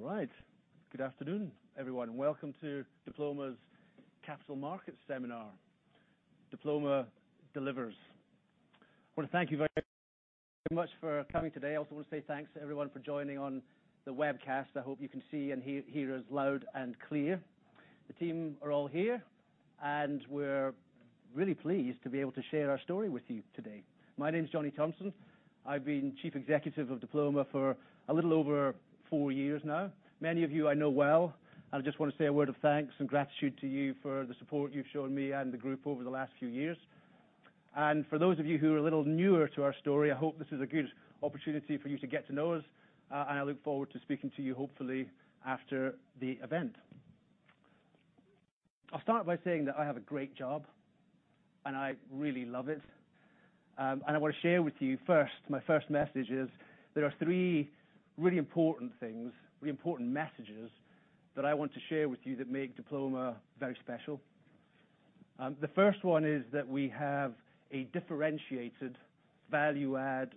All right. Good afternoon, everyone. Welcome to Diploma's Capital Market Seminar, Diploma Delivers. I want to thank you very, very much for coming today. I also want to say thanks to everyone for joining on the webcast. I hope you can see and hear us loud and clear. The team are all here, and we're really pleased to be able to share our story with you today. My name is Johnny Thomson. I've been chief executive of Diploma for a little over four years now. Many of you I know well, and I just want to say a word of thanks and gratitude to you for the support you've shown me and the group over the last few years. For those of you who are a little newer to our story, I hope this is a good opportunity for you to get to know us, and I look forward to speaking to you hopefully after the event. I'll start by saying that I have a great job, and I really love it. I want to share with you first, my first message is, there are three really important things, really important messages, that I want to share with you that make Diploma very special. The first one is that we have a differentiated value-add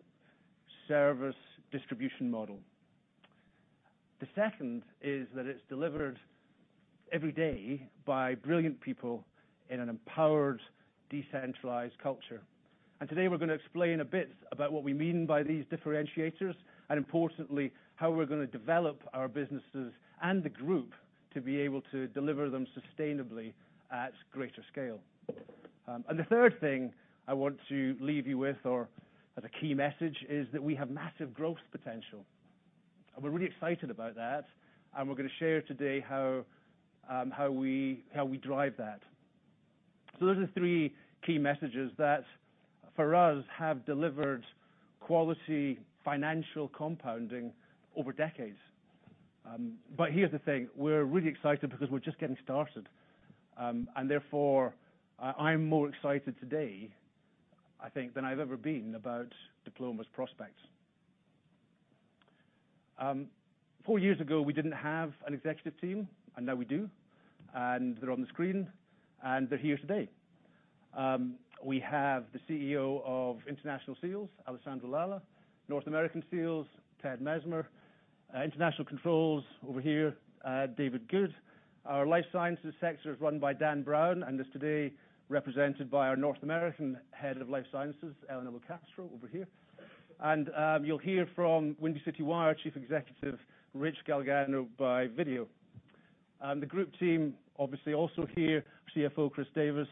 service distribution model. The second is that it's delivered every day by brilliant people in an empowered, decentralized culture. Today, we're gonna explain a bit about what we mean by these differentiators, and importantly, how we're gonna develop our businesses and the group to be able to deliver them sustainably at greater scale. The third thing I want to leave you with, or as a key message, is that we have massive growth potential, and we're really excited about that. We're gonna share today how we drive that. Those are the three key messages that, for us, have delivered quality financial compounding over decades. Here's the thing: we're really excited because we're just getting started. Therefore, I'm more excited today, I think, than I've ever been about Diploma's prospects. Four years ago, we didn't have an executive team, and now we do. They're on the screen, and they're here today. We have the CEO of International Seals, Alessandro Lala, North American Seals, Ted Messmer, International Controls, over here, David Goode. Our Life Sciences sector is run by Dan Brown and is today represented by our North American Head of Life Sciences, Elena McCastro, over here. You'll hear from Windy City Wire Chief Executive, Rich Galgano, by video. The group team, obviously, also here, CFO, Chris Davies,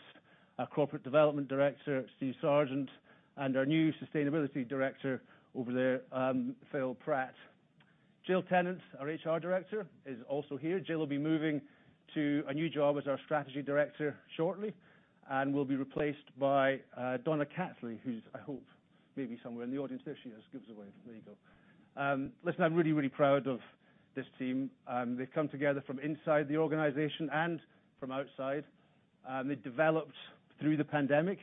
our Corporate Development Director, Steve Sargeant, and our new Sustainability Director over there, Phil Pratt. Jill Tennant, our HR Director, is also here. Jill will be moving to a new job as our Strategy Director shortly and will be replaced by Donna Catley, who's, I hope, maybe somewhere in the audience. There she is, gives away. There you go. Listen, I'm really proud of this team. They've come together from inside the organization and from outside. They developed through the pandemic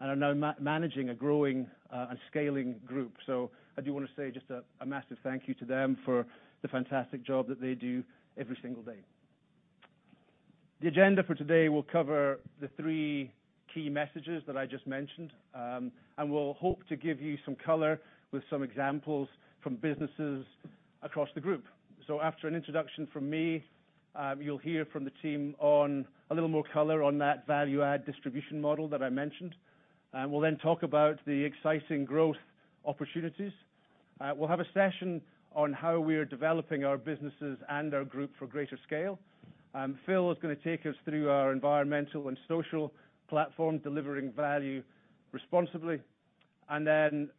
and are now managing a growing and scaling group. I do wanna say just a massive thank you to them for the fantastic job that they do every single day. The agenda for today will cover the three key messages that I just mentioned. We'll hope to give you some color with some examples from businesses across the group. After an introduction from me, you'll hear from the team on a little more color on that value-add distribution model that I mentioned. We'll then talk about the exciting growth opportunities. We'll have a session on how we are developing our businesses and our group for greater scale. Phil is gonna take us through our environmental and social platform, Delivering Value Responsibly.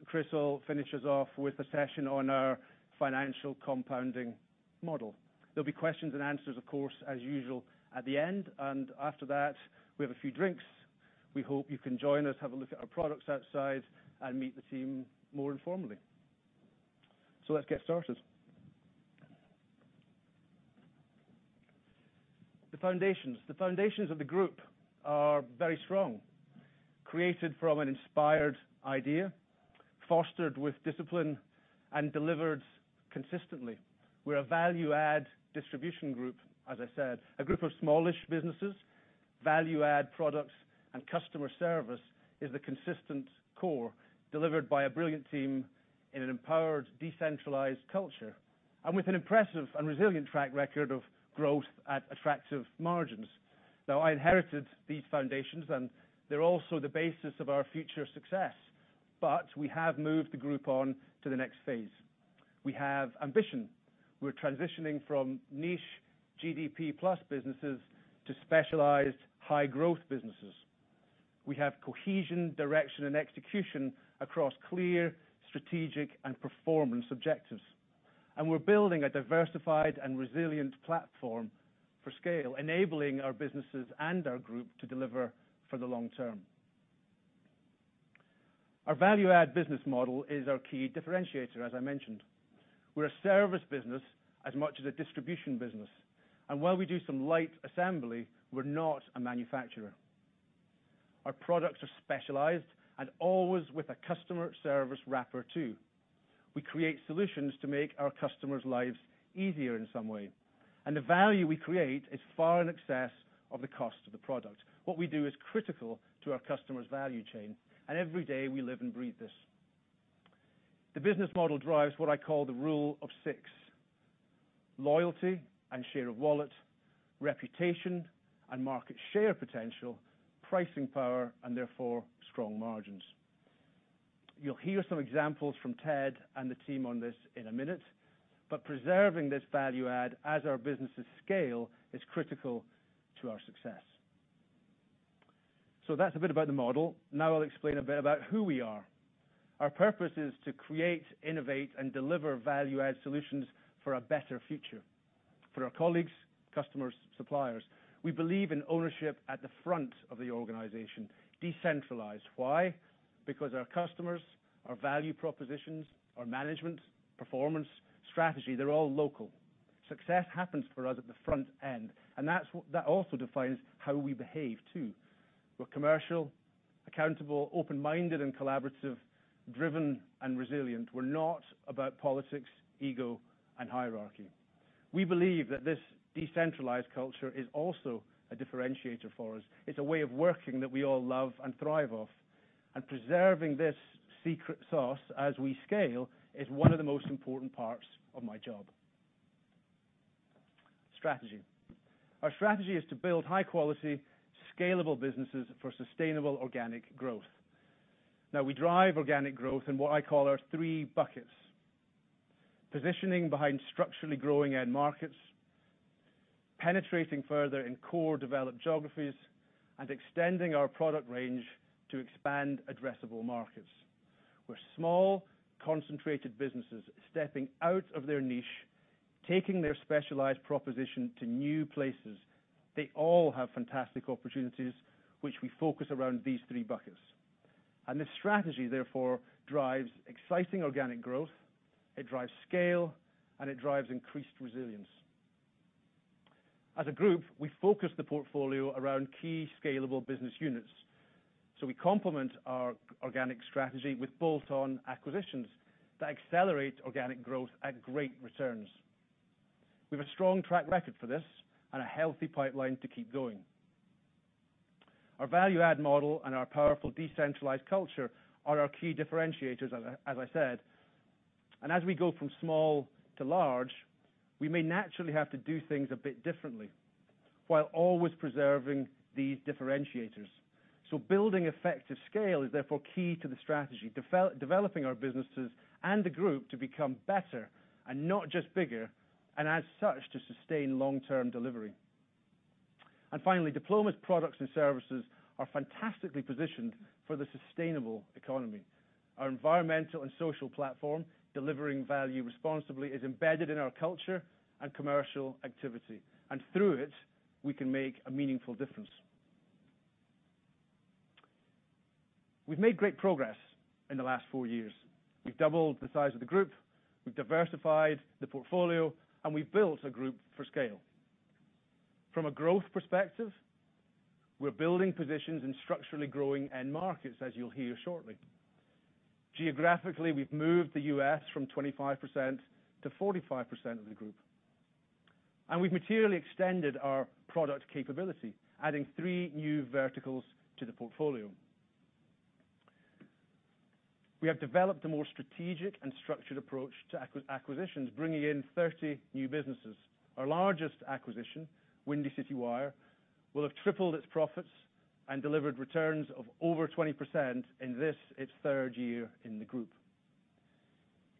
Chris will finish us off with a session on our financial compounding model. There'll be questions and answers, of course, as usual, at the end, and after that, we have a few drinks. We hope you can join us, have a look at our products outside and meet the team more informally. Let's get started. The foundations. The foundations of the group are very strong, created from an inspired idea, fostered with discipline and delivered consistently. We're a value-add distribution group, as I said, a group of smallish businesses, value-add products and customer service is the consistent core, delivered by a brilliant team in an empowered, decentralized culture, and with an impressive and resilient track record of growth at attractive margins. I inherited these foundations, and they're also the basis of our future success, but we have moved the group on to the next phase. We have ambition. We're transitioning from niche GDP plus businesses to specialized high-growth businesses. We have cohesion, direction, and execution across clear strategic and performance objectives. We're building a diversified and resilient platform for scale, enabling our businesses and our group to deliver for the long term. Our value-add business model is our key differentiator, as I mentioned. We're a service business as much as a distribution business, and while we do some light assembly, we're not a manufacturer. Our products are specialized and always with a customer service wrapper, too. We create solutions to make our customers' lives easier in some way. The value we create is far in excess of the cost of the product. What we do is critical to our customers' value chain, and every day, we live and breathe this. The business model drives what I call the rule of six: loyalty and share of wallet, reputation and market share potential, pricing power, and therefore, strong margins. You'll hear some examples from Ted and the team on this in a minute. Preserving this value add as our businesses scale is critical to our success. That's a bit about the model. Now I'll explain a bit about who we are. Our purpose is to create, innovate, and deliver value-add solutions for a better future for our colleagues, customers, suppliers. We believe in ownership at the front of the organization, decentralized. Why? Because our customers, our value propositions, our management, performance, strategy, they're all local. Success happens for us at the front end. That also defines how we behave, too. We're commercial, accountable, open-minded and collaborative, driven and resilient. We're not about politics, ego, and hierarchy. We believe that this decentralized culture is also a differentiator for us. It's a way of working that we all love and thrive off, and preserving this secret sauce as we scale is one of the most important parts of my job. Strategy. Our strategy is to build high quality, scalable businesses for sustainable organic growth. We drive organic growth in what I call our three buckets: positioning behind structurally growing end markets, penetrating further in core developed geographies, and extending our product range to expand addressable markets. We're small, concentrated businesses stepping out of their niche, taking their specialized proposition to new places. They all have fantastic opportunities, which we focus around these three buckets. This strategy, therefore, drives exciting organic growth, it drives scale, and it drives increased resilience. As a group, we focus the portfolio around key scalable business units, so we complement our organic strategy with bolt-on acquisitions that accelerate organic growth at great returns. We have a strong track record for this and a healthy pipeline to keep going. Our value add model and our powerful decentralized culture are our key differentiators, as I said. As we go from small to large, we may naturally have to do things a bit differently, while always preserving these differentiators. So building effective scale is therefore key to the strategy, developing our businesses and the group to become better and not just bigger, and as such, to sustain long-term delivery. Finally, Diploma's products and services are fantastically positioned for the sustainable economy. Our environmental and social platform, Delivering Value Responsibly, is embedded in our culture and commercial activity, through it, we can make a meaningful difference. We've made great progress in the last four years. We've doubled the size of the group, we've diversified the portfolio, we've built a group for scale. From a growth perspective, we're building positions in structurally growing end markets, as you'll hear shortly. Geographically, we've moved the U.S. from 25% to 45% of the group, we've materially extended our product capability, adding three new verticals to the portfolio. We have developed a more strategic and structured approach to acquisitions, bringing in 30 new businesses. Our largest acquisition, Windy City Wire, will have tripled its profits and delivered returns of over 20% in this, its 3rd year in the group.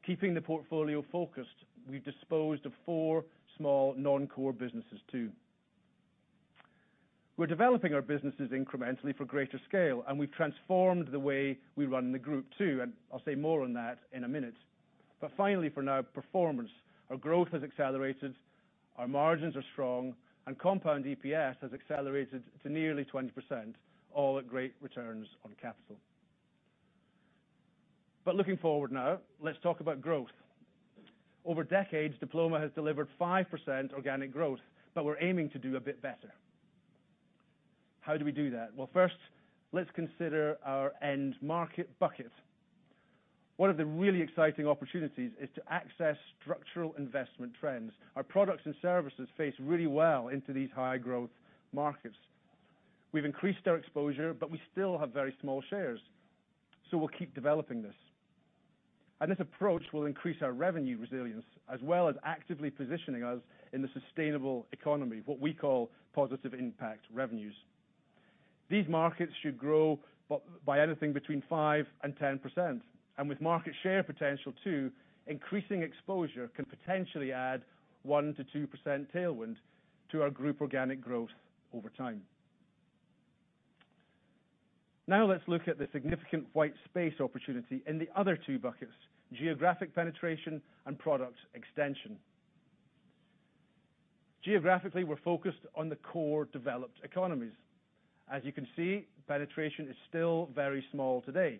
Keeping the portfolio focused, we've disposed of four small, non-core businesses, too. We're developing our businesses incrementally for greater scale, we've transformed the way we run the group, too, I'll say more on that in a minute. Finally, for now, performance. Our growth has accelerated, our margins are strong, and compound EPS has accelerated to nearly 20%, all at great returns on capital. Looking forward now, let's talk about growth. Over decades, Diploma has delivered 5% organic growth, we're aiming to do a bit better. How do we do that? Well, first, let's consider our end market bucket. One of the really exciting opportunities is to access structural investment trends. Our products and services fit really well into these high growth markets. We've increased our exposure, we still have very small shares, we'll keep developing this. This approach will increase our revenue resilience, as well as actively positioning us in the sustainable economy, what we call positive impact revenues. These markets should grow by anything between 5% and 10%, and with market share potential, too, increasing exposure can potentially add 1%-2% tailwind to our group organic growth over time. Now, let's look at the significant white space opportunity in the other two buckets: geographic penetration and product extension. Geographically, we're focused on the core developed economies. As you can see, penetration is still very small today,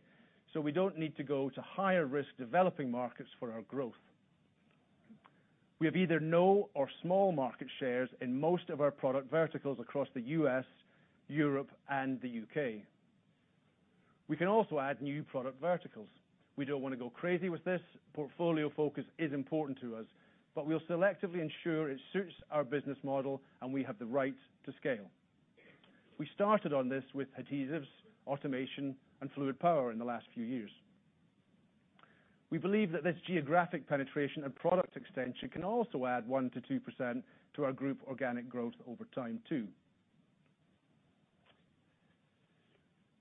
so we don't need to go to higher risk developing markets for our growth. We have either no or small market shares in most of our product verticals across the U.S., Europe, and the U.K. We can also add new product verticals. We don't want to go crazy with this. Portfolio focus is important to us, but we'll selectively ensure it suits our business model, and we have the right to scale. We started on this with adhesives, automation, and fluid power in the last four years. We believe that this geographic penetration and product extension can also add 1%-2% to our group organic growth over time, too.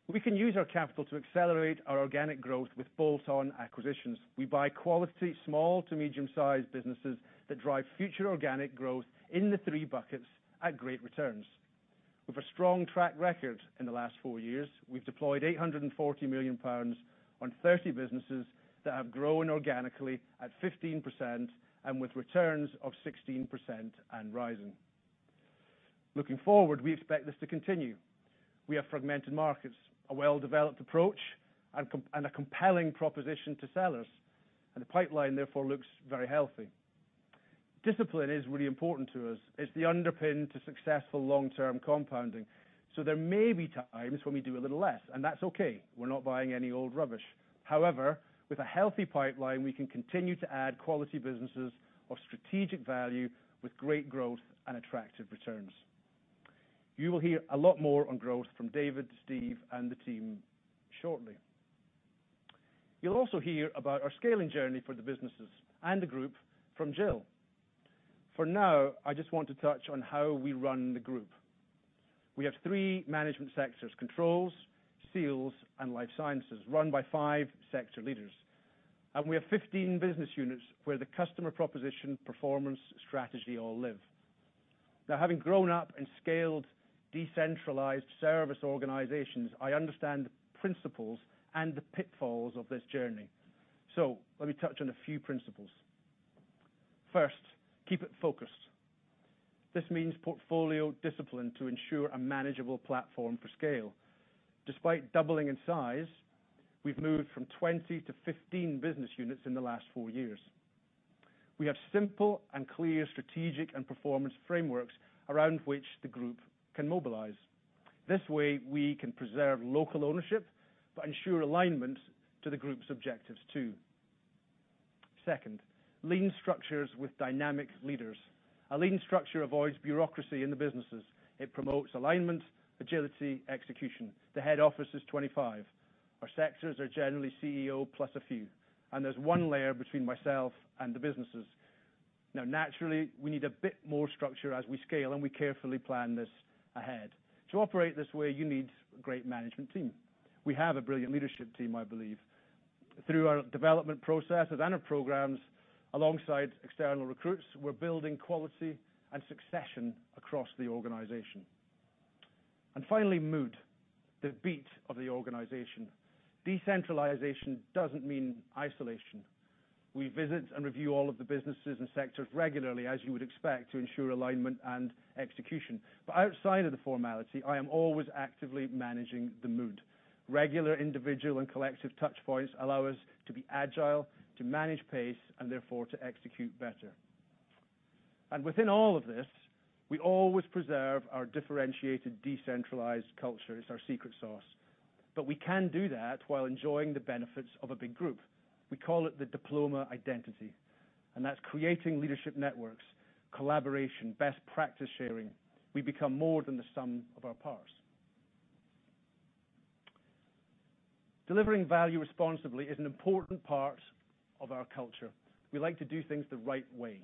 We can use our capital to accelerate our organic growth with bolt-on acquisitions. We buy quality, small to medium-sized businesses that drive future organic growth in the three buckets at great returns. With a strong track record in the last four years, we've deployed 840 million pounds on 30 businesses that have grown organically at 15% and with returns of 16% and rising. Looking forward, we expect this to continue. We have fragmented markets, a well-developed approach, and a compelling proposition to sellers. The pipeline, therefore, looks very healthy. Discipline is really important to us. It's the underpin to successful long-term compounding. There may be times when we do a little less, and that's okay. We're not buying any old rubbish. However, with a healthy pipeline, we can continue to add quality businesses of strategic value with great growth and attractive returns. You will hear a lot more on growth from David, Steve, and the team shortly. You'll also hear about our scaling journey for the businesses and the group from Jill. For now, I just want to touch on how we run the group. We have three management sectors: Controls, Seals, and Life Sciences, run by five sector leaders. We have 15 business units where the customer proposition, performance, strategy all live. Having grown up and scaled decentralized service organizations, I understand the principles and the pitfalls of this journey. Let me touch on a few principles. First, keep it focused. This means portfolio discipline to ensure a manageable platform for scale. Despite doubling in size, we've moved from 20 to 15 business units in the last four years. We have simple and clear strategic and performance frameworks around which the group can mobilize. This way, we can preserve local ownership but ensure alignment to the group's objectives, too. Second, lean structures with dynamic leaders. A lean structure avoids bureaucracy in the businesses. It promotes alignment, agility, execution. The head office is 25. Our sectors are generally CEO plus a few, and there's one layer between myself and the businesses. Naturally, we need a bit more structure as we scale, and we carefully plan this ahead. To operate this way, you need a great management team. We have a brilliant leadership team, I believe. Through our development processes and our programs, alongside external recruits, we're building quality and succession across the organization. Finally, mood, the beat of the organization. Decentralization doesn't mean isolation. We visit and review all of the businesses and sectors regularly, as you would expect, to ensure alignment and execution. Outside of the formality, I am always actively managing the mood. Regular, individual, and collective touchpoints allow us to be agile, to manage pace, and therefore to execute better. Within all of this, we always preserve our differentiated, decentralized culture. It's our secret sauce. We can do that while enjoying the benefits of a big group. We call it the Diploma identity, and that's creating leadership networks, collaboration, best practice sharing. We become more than the sum of our parts. Delivering Value Responsibly is an important part of our culture. We like to do things the right way.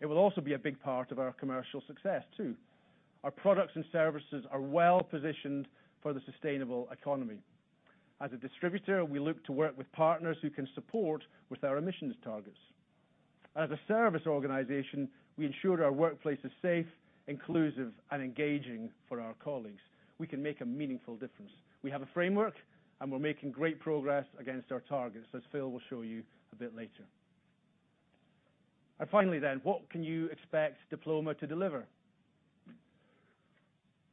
It will also be a big part of our commercial success, too. Our products and services are well positioned for the sustainable economy. As a distributor, we look to work with partners who can support with our emissions targets. As a service organization, we ensure our workplace is safe, inclusive, and engaging for our colleagues. We can make a meaningful difference. We have a framework, and we're making great progress against our targets, as Phil will show you a bit later. Finally, what can you expect Diploma to deliver?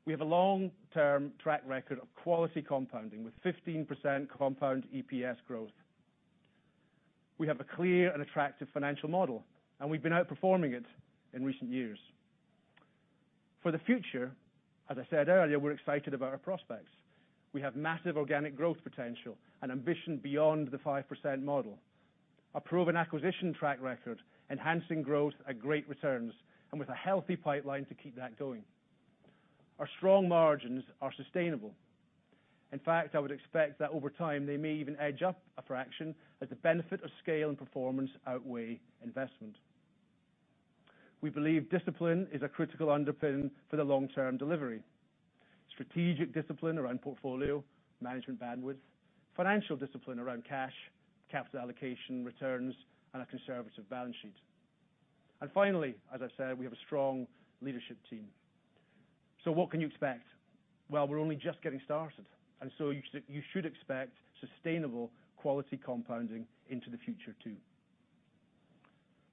We have a long-term track record of quality compounding with 15% compound EPS growth. We have a clear and attractive financial model, and we've been outperforming it in recent years. For the future, as I said earlier, we're excited about our prospects. We have massive organic growth potential and ambition beyond the 5% model. A proven acquisition track record, enhancing growth at great returns, and with a healthy pipeline to keep that going. Our strong margins are sustainable. In fact, I would expect that over time, they may even edge up a fraction as the benefit of scale and performance outweigh investment. We believe discipline is a critical underpin for the long-term delivery. Strategic discipline around portfolio, management bandwidth, financial discipline around cash, capital allocation, returns, and a conservative balance sheet. Finally, as I said, we have a strong leadership team. What can you expect? We're only just getting started, and so you should expect sustainable quality compounding into the future, too.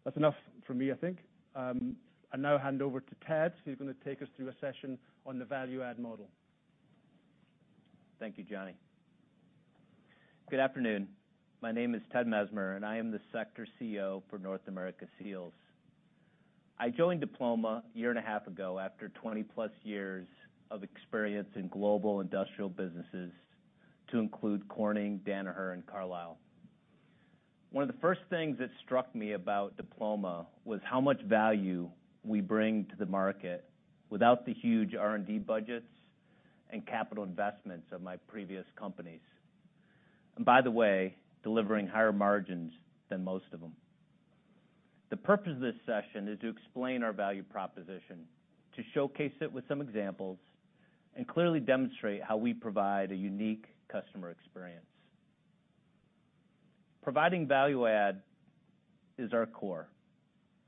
That's enough from me, I think. I now hand over to Ted, who's going to take us through a session on the value add model. Thank you, Johnny. Good afternoon. My name is Ted Messmer. I am the sector CEO for North America Seals. I joined Diploma a year and a half ago, after 20+ years of experience in global industrial businesses, to include Corning, Danaher, and Carlisle. One of the first things that struck me about Diploma was how much value we bring to the market without the huge R&D budgets and capital investments of my previous companies. By the way, delivering higher margins than most of them. The purpose of this session is to explain our value proposition, to showcase it with some examples, and clearly demonstrate how we provide a unique customer experience. Providing value add is our core.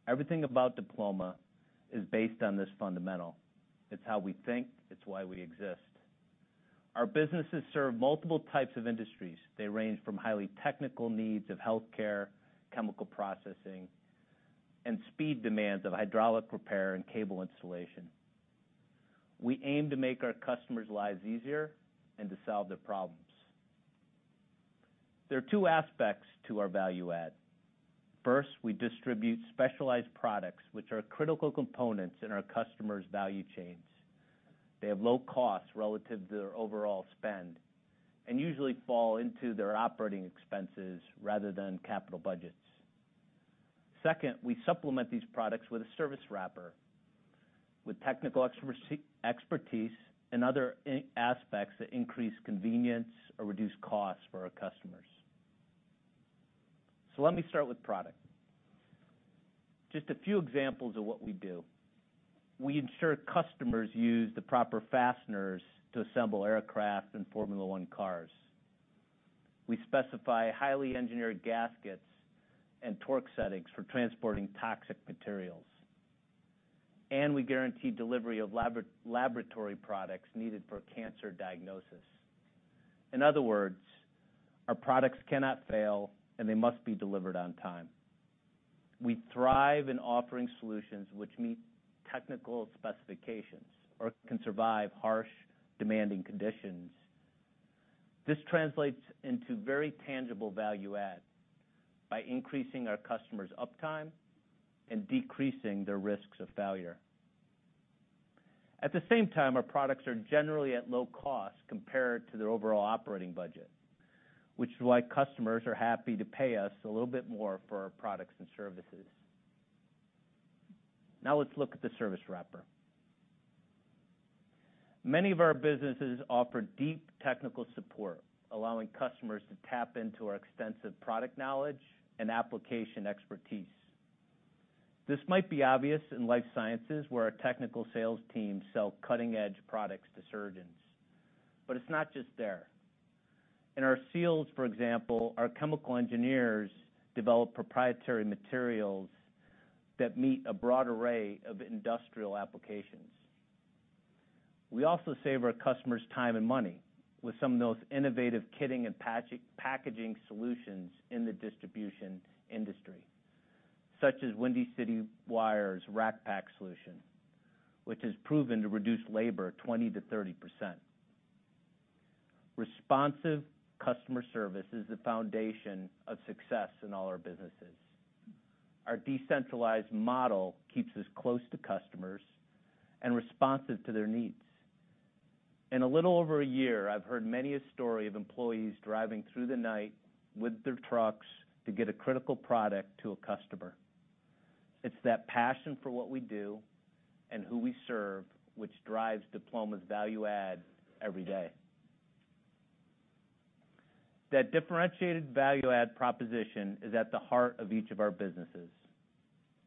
Everything about Diploma is based on this fundamental. It's how we think, it's why we exist. Our businesses serve multiple types of industries. They range from highly technical needs of healthcare, chemical processing, and speed demands of hydraulic repair and cable installation. We aim to make our customers' lives easier and to solve their problems. There are two aspects to our value add. First, we distribute specialized products, which are critical components in our customers' value chains. They have low costs relative to their overall spend, and usually fall into their operating expenses rather than capital budgets. Second, we supplement these products with a service wrapper, with technical expertise, and other aspects that increase convenience or reduce costs for our customers. Let me start with product. Just a few examples of what we do. We ensure customers use the proper fasteners to assemble aircraft and Formula One cars. We specify highly engineered gaskets and torque settings for transporting toxic materials. We guarantee delivery of laboratory products needed for cancer diagnosis. In other words, our products cannot fail, and they must be delivered on time. We thrive in offering solutions which meet technical specifications or can survive harsh, demanding conditions. This translates into very tangible value add by increasing our customers' uptime and decreasing their risks of failure. At the same time, our products are generally at low cost compared to their overall operating budget, which is why customers are happy to pay us a little bit more for our products and services. Let's look at the service wrapper. Many of our businesses offer deep technical support, allowing customers to tap into our extensive product knowledge and application expertise. This might be obvious in Life Sciences, where our technical sales team sell cutting-edge products to surgeons, but it's not just there. In our seals, for example, our chemical engineers develop proprietary materials that meet a broad array of industrial applications. We also save our customers time and money with some of the most innovative kitting and packaging solutions in the distribution industry, such as Windy City Wire's RackPack solution, which has proven to reduce labor 20%-30%. Responsive customer service is the foundation of success in all our businesses. Our decentralized model keeps us close to customers and responsive to their needs. In a little over a year, I've heard many a story of employees driving through the night with their trucks to get a critical product to a customer. It's that passion for what we do and who we serve, which drives Diploma's value add every day. That differentiated value add proposition is at the heart of each of our businesses.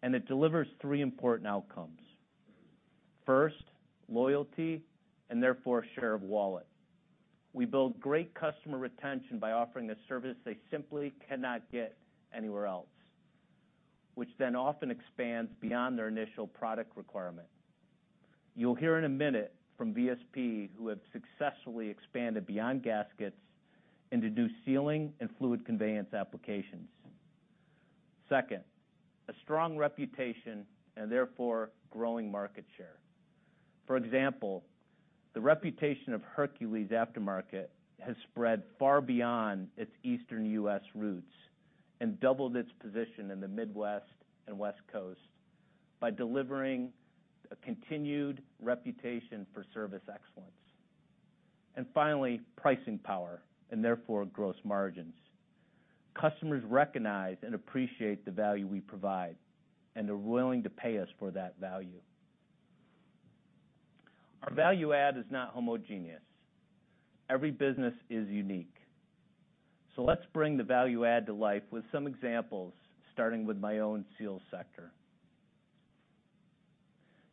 It delivers three important outcomes. First, loyalty and therefore, share of wallet. We build great customer retention by offering a service they simply cannot get anywhere else, which then often expands beyond their initial product requirement. You'll hear in a minute from VSP, who have successfully expanded beyond gaskets into new sealing and fluid conveyance applications. Second, a strong reputation and therefore, growing market share. For example, the reputation of Hercules Aftermarket has spread far beyond its Eastern U.S. roots and doubled its position in the Midwest and West Coast by delivering a continued reputation for service excellence. Finally, pricing power and therefore, gross margins. Customers recognize and appreciate the value we provide and are willing to pay us for that value. Our value add is not homogeneous. Every business is unique. Let's bring the value add to life with some examples, starting with my own seals sector.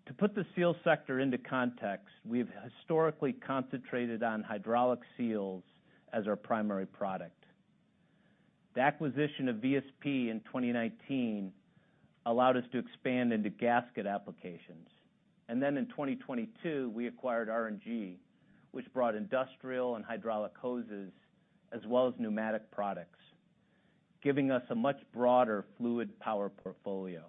To put the seals sector into context, we've historically concentrated on hydraulic seals as our primary product. The acquisition of VSP in 2019 allowed us to expand into gasket applications. In 2022, we acquired R&G, which brought industrial and hydraulic hoses, as well as pneumatic products, giving us a much broader fluid power portfolio.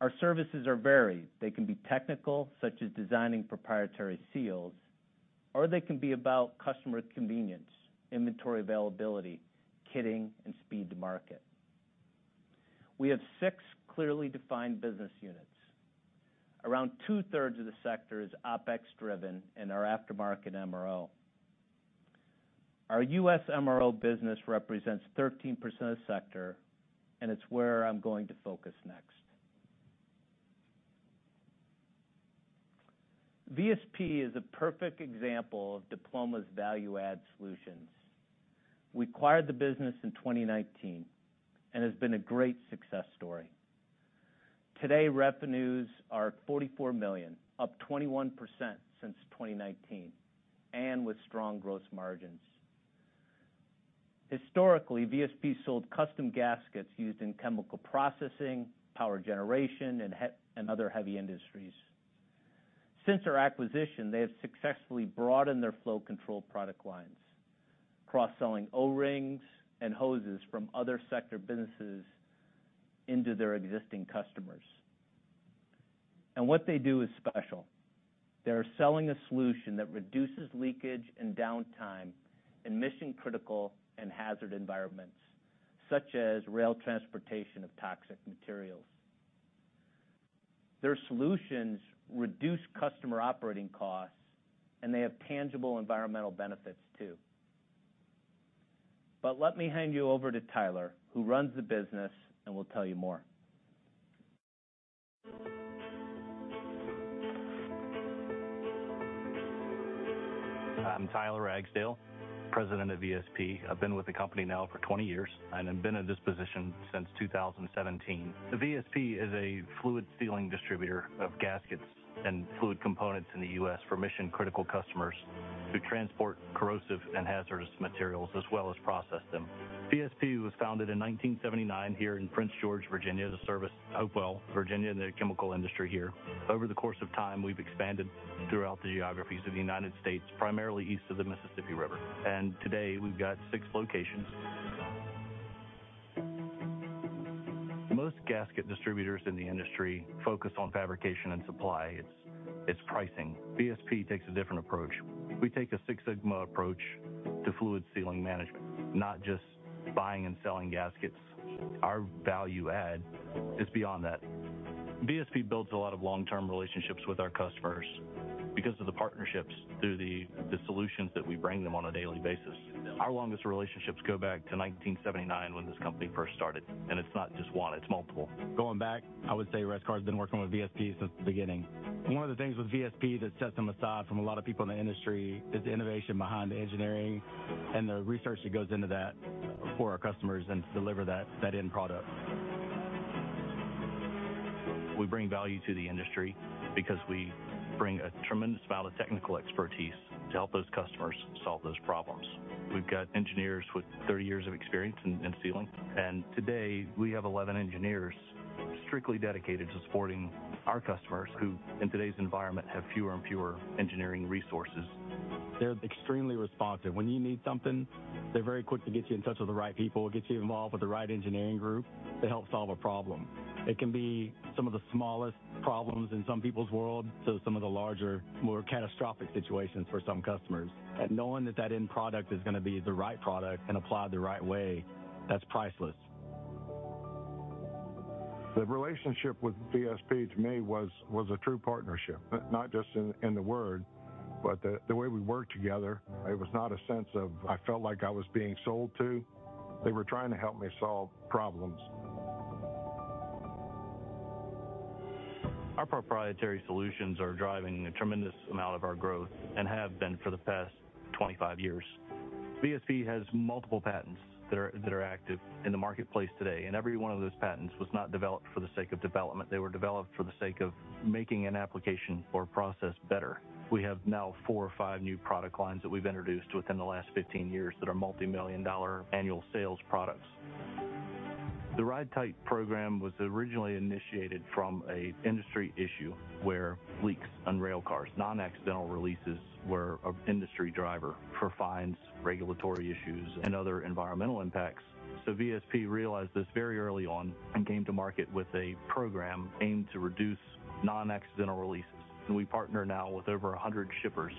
Our services are varied. They can be technical, such as designing proprietary seals, or they can be about customer convenience, inventory availability, kitting, and speed to market. We have six clearly defined business units. Around two-thirds of the sector is OpEx driven and are aftermarket MRO. Our U.S. MRO business represents 13% of the sector, and it's where I'm going to focus next. VSP is a perfect example of Diploma's value-add solutions. We acquired the business in 2019, and it's been a great success story. Today, revenues are $44 million, up 21% since 2019, and with strong gross margins. Historically, VSP sold custom gaskets used in chemical processing, power generation, and other heavy industries. Since our acquisition, they have successfully broadened their flow control product lines, cross-selling O-rings and hoses from other sector businesses into their existing customers. What they do is special. They are selling a solution that reduces leakage and downtime in mission-critical and hazard environments, such as rail transportation of toxic materials. Their solutions reduce customer operating costs, and they have tangible environmental benefits, too. Let me hand you over to Tyler, who runs the business and will tell you more. I'm Tyler Ragsdale, President of VSP. I've been with the company now for 20 years, and I've been in this position since 2017. VSP is a fluid sealing distributor of gaskets and fluid components in the U.S. for mission-critical customers who transport corrosive and hazardous materials, as well as process them. VSP was founded in 1979 here in Prince George, Virginia, to service Hopewell, Virginia, and the chemical industry here. Over the course of time, we've expanded throughout the geographies of the United States, primarily east of the Mississippi River, and today we've got six locations. Most gasket distributors in the industry focus on fabrication and supply. It's pricing. VSP takes a different approach. We take a Six Sigma approach to fluid sealing management, not just buying and selling gaskets. Our value add is beyond that. VSP builds a lot of long-term relationships with our customers because of the partnerships through the solutions that we bring them on a daily basis. Our longest relationships go back to 1979, when this company first started, and it's not just one, it's multiple. Going back, I would say Rescar has been working with VSP since the beginning. One of the things with VSP that sets them aside from a lot of people in the industry is the innovation behind the engineering and the research that goes into that for our customers and to deliver that end product. We bring value to the industry because we bring a tremendous amount of technical expertise to help those customers solve those problems. We've got engineers with 30 years of experience in sealing. Today, we have 11 engineers strictly dedicated to supporting our customers, who, in today's environment, have fewer and fewer engineering resources. They're extremely responsive. When you need something, they're very quick to get you in touch with the right people, or get you involved with the right engineering group to help solve a problem. It can be some of the smallest problems in some people's world to some of the larger, more catastrophic situations for some customers. Knowing that that end product is going to be the right product and applied the right way, that's priceless. The relationship with VSP, to me, was a true partnership, but not just in the word, but the way we worked together. It was not a sense of I felt like I was being sold to. They were trying to help me solve problems. Our proprietary solutions are driving a tremendous amount of our growth and have been for the past 25 years. VSP has multiple patents that are active in the marketplace today. Every one of those patents was not developed for the sake of development. They were developed for the sake of making an application or process better. We have now four or five new product lines that we've introduced within the last 15 years that are multimillion-dollar annual sales products. The Ride-Tite program was originally initiated from a industry issue where leaks on rail cars, non-accidental releases, were a industry driver for fines, regulatory issues, and other environmental impacts. VSP realized this very early on and came to market with a program aimed to reduce non-accidental releases. We partner now with over 100 shippers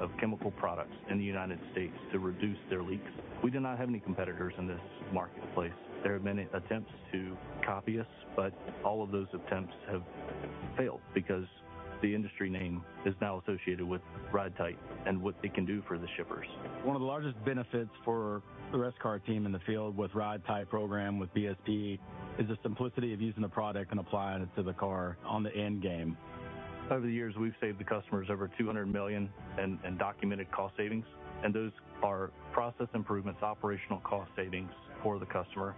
of chemical products in the United States to reduce their leaks. We do not have any competitors in this marketplace. All of those attempts have failed because the industry name is now associated with Ride-Tite and what they can do for the shippers. One of the largest benefits for the Rescar team in the field with Ride-Tite program, with VSP, is the simplicity of using the product and applying it to the car on the end game. Over the years, we've saved the customers over 200 million in documented cost savings. Those are process improvements, operational cost savings for the customer.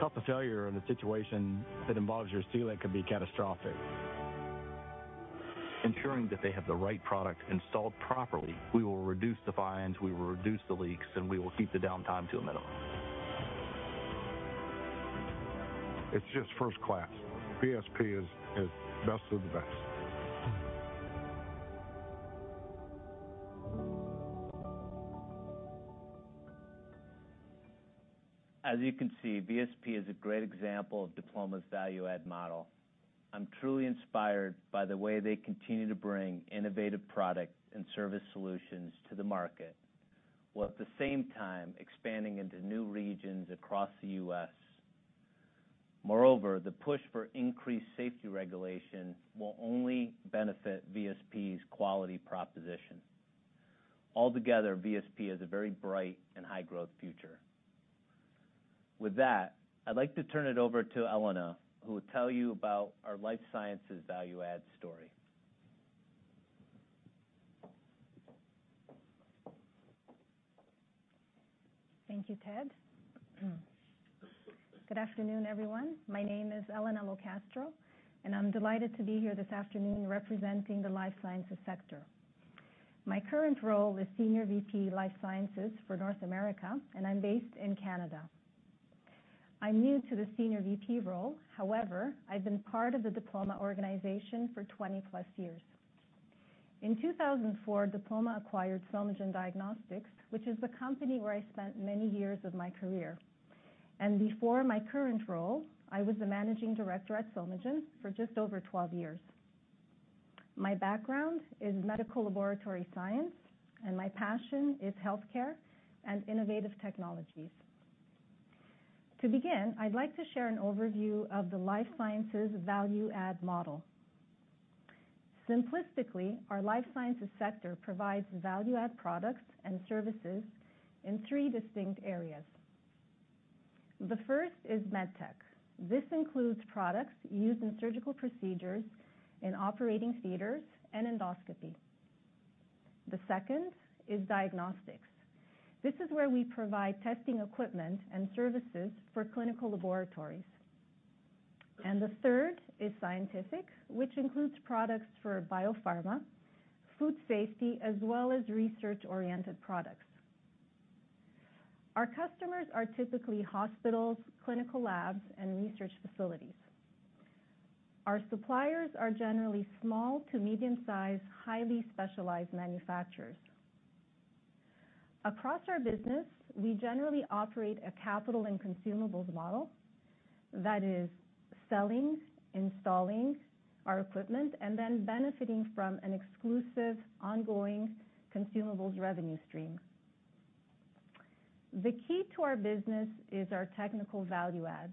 Cost of failure in a situation that involves your sealant could be catastrophic. Ensuring that they have the right product installed properly, we will reduce the fines, we will reduce the leaks, and we will keep the downtime to a minimum. It's just first class. VSP is best of the best. As you can see, VSP is a great example of Diploma's value-add model. I'm truly inspired by the way they continue to bring innovative product and service solutions to the market, while at the same time expanding into new regions across the U.S. Moreover, the push for increased safety regulation will only benefit VSP's quality proposition. Altogether, VSP has a very bright and high-growth future. With that, I'd like to turn it over to Elena, who will tell you about our Life Sciences value-add story. Thank you, Ted. Good afternoon, everyone. My name is Elena LoCastro, I'm delighted to be here this afternoon representing the Life Sciences sector. My current role is Senior VP, Life Sciences for North America, I'm based in Canada. I'm new to the Senior VP role. However, I've been part of the Diploma organization for 20+ years. In 2004, Diploma acquired Filmagen Diagnostics, which is the company where I spent many years of my career. Before my current role, I was the Managing Director at Filmagen for just over 12 years. My background is medical laboratory science, my passion is healthcare and innovative technologies. To begin, I'd like to share an overview of the Life Sciences value-add model. Simplistically, our Life Sciences sector provides value-add products and services in 3 distinct areas. The first is MedTech. This includes products used in surgical procedures, in operating theaters, and endoscopy. The second is diagnostics. This is where we provide testing equipment and services for clinical laboratories. The third is scientific, which includes products for biopharma, food safety, as well as research-oriented products. Our customers are typically hospitals, clinical labs, and research facilities. Our suppliers are generally small to medium-sized, highly specialized manufacturers. Across our business, we generally operate a capital and consumables model. That is, selling, installing our equipment, and then benefiting from an exclusive, ongoing consumables revenue stream. The key to our business is our technical value-add.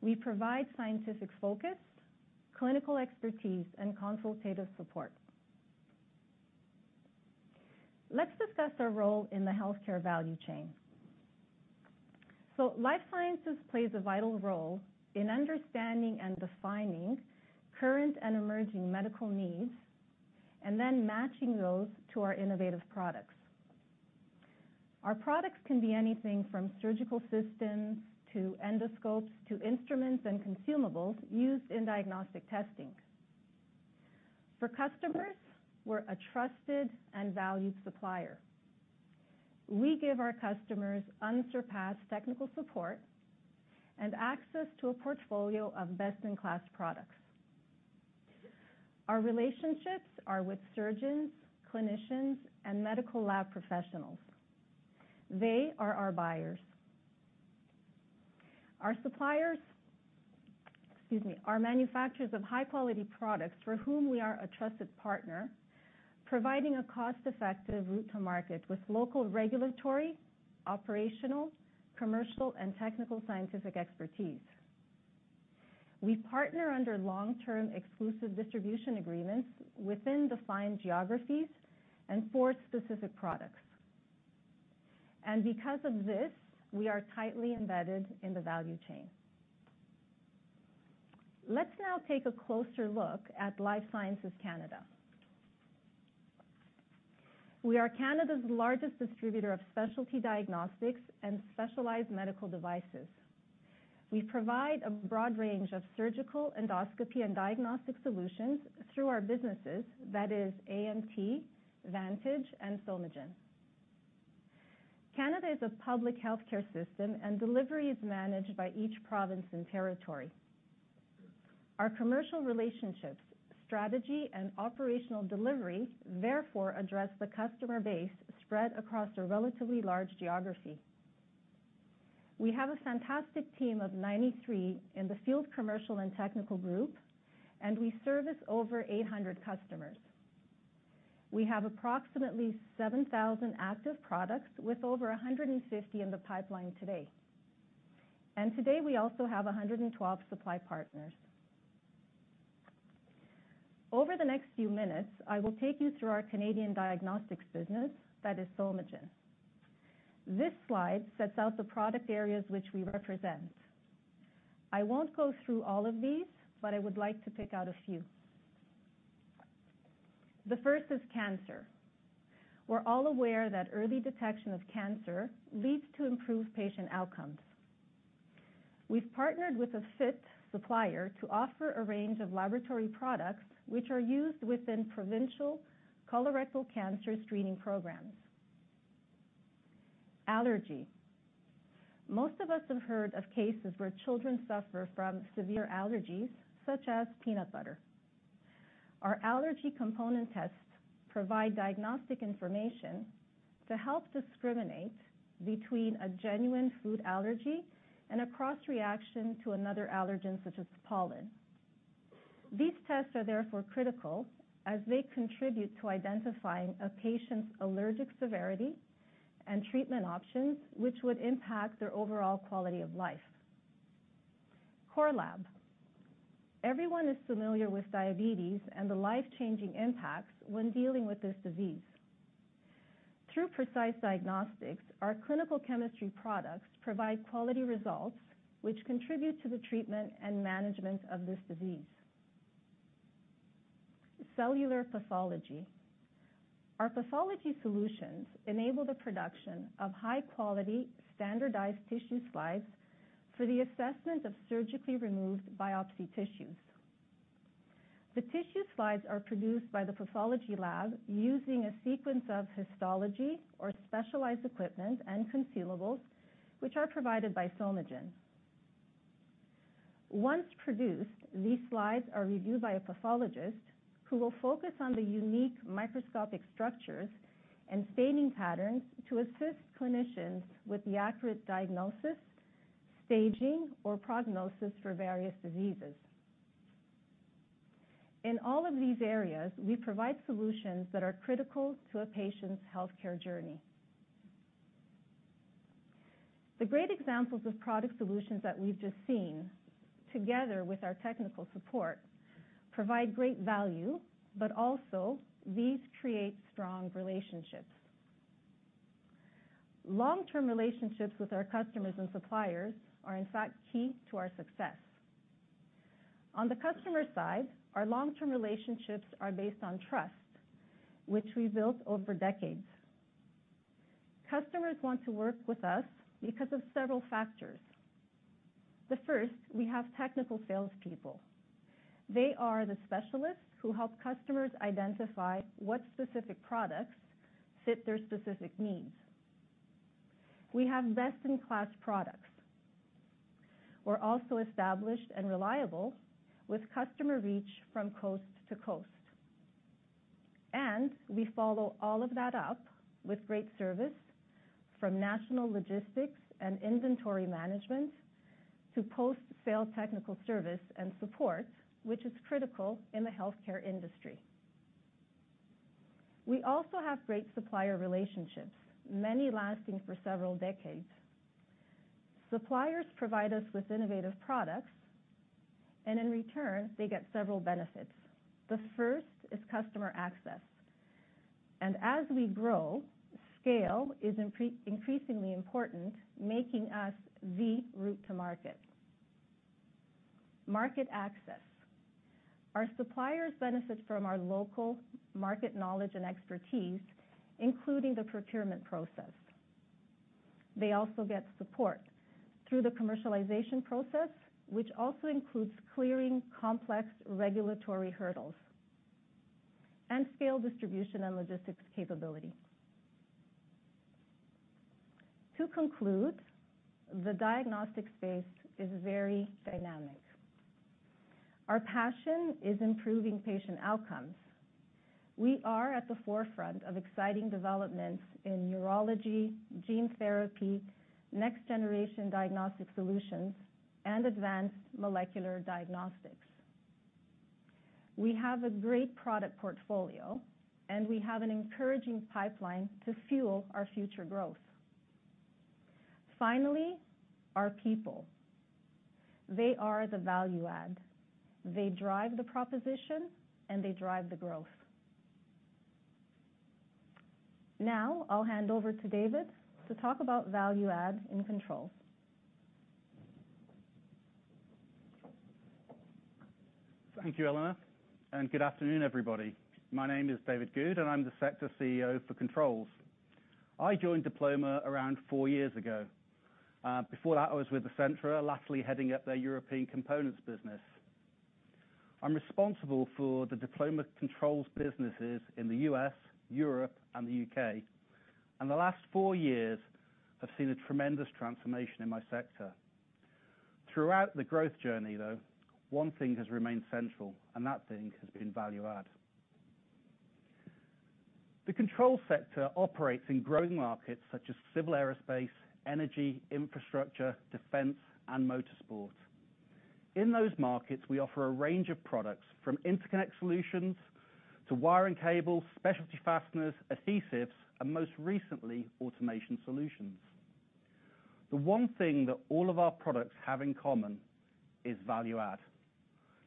We provide scientific focus, clinical expertise, and consultative support. Let's discuss our role in the healthcare value chain. Life Sciences plays a vital role in understanding and defining current and emerging medical needs, and then matching those to our innovative products. Our products can be anything from surgical systems, to endoscopes, to instruments and consumables used in diagnostic testing. For customers, we're a trusted and valued supplier. We give our customers unsurpassed technical support and access to a portfolio of best-in-class products. Our relationships are with surgeons, clinicians, and medical lab professionals. They are our buyers. Our suppliers, excuse me, are manufacturers of high-quality products for whom we are a trusted partner, providing a cost-effective route to market with local regulatory, operational, commercial, and technical scientific expertise. We partner under long-term exclusive distribution agreements within defined geographies and for specific products. Because of this, we are tightly embedded in the value chain. Let's now take a closer look at Life Sciences Canada. We are Canada's largest distributor of specialty diagnostics and specialized medical devices. We provide a broad range of surgical, endoscopy, and diagnostic solutions through our businesses, that is AMT, Vantage, and Filmagen. Canada is a public healthcare system, and delivery is managed by each province and territory. Our commercial relationships, strategy, and operational delivery, therefore, address the customer base spread across a relatively large geography. We have a fantastic team of 93 in the field, commercial and technical group, and we service over 800 customers. We have approximately 7,000 active products, with over 150 in the pipeline today. Today, we also have 112 supply partners. Over the next few minutes, I will take you through our Canadian diagnostics business, that is, Filmagen. This slide sets out the product areas which we represent. I won't go through all of these, but I would like to pick out a few. The first is cancer. We're all aware that early detection of cancer leads to improved patient outcomes. We've partnered with a fit supplier to offer a range of laboratory products, which are used within provincial colorectal cancer screening programs. Allergy. Most of us have heard of cases where children suffer from severe allergies, such as peanut butter. Our allergy component tests provide diagnostic information to help discriminate between a genuine food allergy and a cross-reaction to another allergen, such as pollen. These tests are therefore critical, as they contribute to identifying a patient's allergic severity and treatment options, which would impact their overall quality of life. Core lab. Everyone is familiar with diabetes and the life-changing impacts when dealing with this disease. Through precise diagnostics, our clinical chemistry products provide quality results, which contribute to the treatment and management of this disease. Cellular pathology. Our pathology solutions enable the production of high-quality, standardized tissue slides for the assessment of surgically removed biopsy tissues. The tissue slides are produced by the pathology lab using a sequence of histology or specialized equipment and consumables, which are provided by Somagen. Once produced, these slides are reviewed by a pathologist, who will focus on the unique microscopic structures and staining patterns to assist clinicians with the accurate diagnosis, staging, or prognosis for various diseases. In all of these areas, we provide solutions that are critical to a patient's healthcare journey. The great examples of product solutions that we've just seen, together with our technical support, provide great value, but also these create strong relationships. Long-term relationships with our customers and suppliers are, in fact, key to our success. On the customer side, our long-term relationships are based on trust, which we built over decades. Customers want to work with us because of several factors. The first, we have technical salespeople. They are the specialists who help customers identify what specific products fit their specific needs. We have best-in-class products. We're also established and reliable, with customer reach from coast to coast. We follow all of that up with great service from national logistics and inventory management to post-sale technical service and support, which is critical in the healthcare industry. We also have great supplier relationships, many lasting for several decades. Suppliers provide us with innovative products, and in return, they get several benefits. The first is customer access, and as we grow, scale is increasingly important, making us the route to market. Market access. Our suppliers benefit from our local market knowledge and expertise, including the procurement process. They also get support through the commercialization process, which also includes clearing complex regulatory hurdles and scale distribution and logistics capability. To conclude, the diagnostics space is very dynamic. Our passion is improving patient outcomes. We are at the forefront of exciting developments in neurology, gene therapy, next-generation diagnostic solutions, and advanced molecular diagnostics. We have a great product portfolio, and we have an encouraging pipeline to fuel our future growth. Finally, our people, they are the value add. They drive the proposition, and they drive the growth. Now, I'll hand over to David to talk about value add in Controls. Thank you, Elena. Good afternoon, everybody. My name is David Goode, I'm the sector CEO for Controls. I joined Diploma around four years ago. Before that, I was with Ascentra, lastly, heading up their European components business. I'm responsible for the Diploma Controls businesses in the U.S., Europe, and the U.K.. The last four years have seen a tremendous transformation in my sector. Throughout the growth journey, though, one thing has remained central, that thing has been value add. The controls sector operates in growing markets such as civil aerospace, energy, infrastructure, defense, and motorsport. In those markets, we offer a range of products, from interconnect solutions to wiring cables, specialty fasteners, adhesives, and most recently, automation solutions. The one thing that all of our products have in common is value add.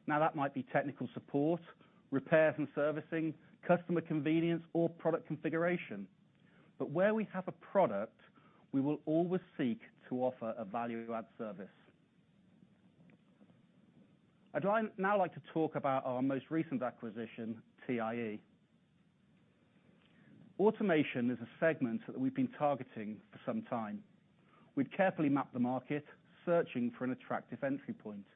That might be technical support, repairs and servicing, customer convenience, or product configuration. Where we have a product, we will always seek to offer a value-add service. I'd now like to talk about our most recent acquisition, TIE. Automation is a segment that we've been targeting for some time. We've carefully mapped the market, searching for an attractive entry point,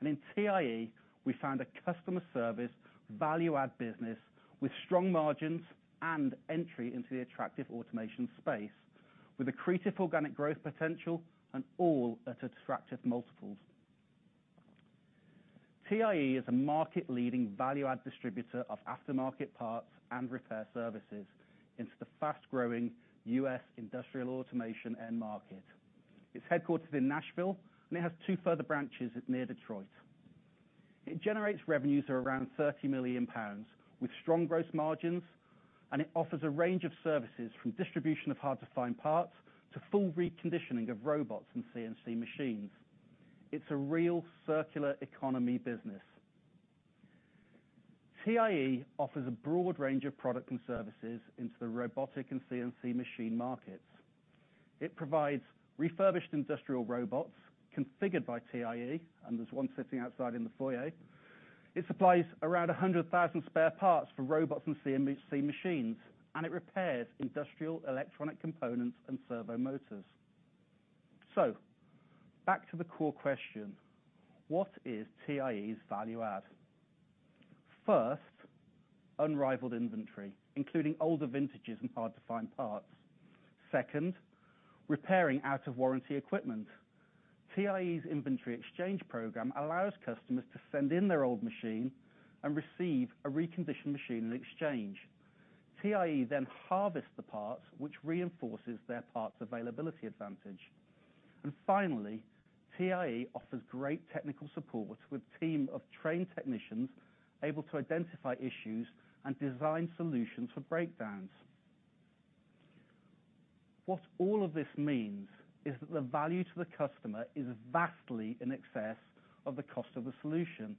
and in TIE, we found a customer service value-add business with strong margins and entry into the attractive automation space with accretive organic growth potential, and all at attractive multiples. TIE is a market-leading value-add distributor of aftermarket parts and repair services into the fast-growing U.S. industrial automation end market. It's headquartered in Nashville, and it has two further branches near Detroit. It generates revenues of around 30 million pounds, with strong growth margins. It offers a range of services, from distribution of hard-to-find parts to full reconditioning of robots and CNC machines. It's a real circular economy business. TIE offers a broad range of product and services into the robotic and CNC machine markets. It provides refurbished industrial robots configured by TIE. There's one sitting outside in the foyer. It supplies around 100,000 spare parts for robots and CNC machines. It repairs industrial electronic components and servo motors. Back to the core question: What is TIE's value add? First, unrivaled inventory, including older vintages and hard-to-find parts. Second, repairing out-of-warranty equipment. TIE's inventory exchange program allows customers to send in their old machine and receive a reconditioned machine in exchange. TIE harvests the parts, which reinforces their parts availability advantage. Finally, TIE offers great technical support, with a team of trained technicians able to identify issues and design solutions for breakdowns. What all of this means is that the value to the customer is vastly in excess of the cost of the solution.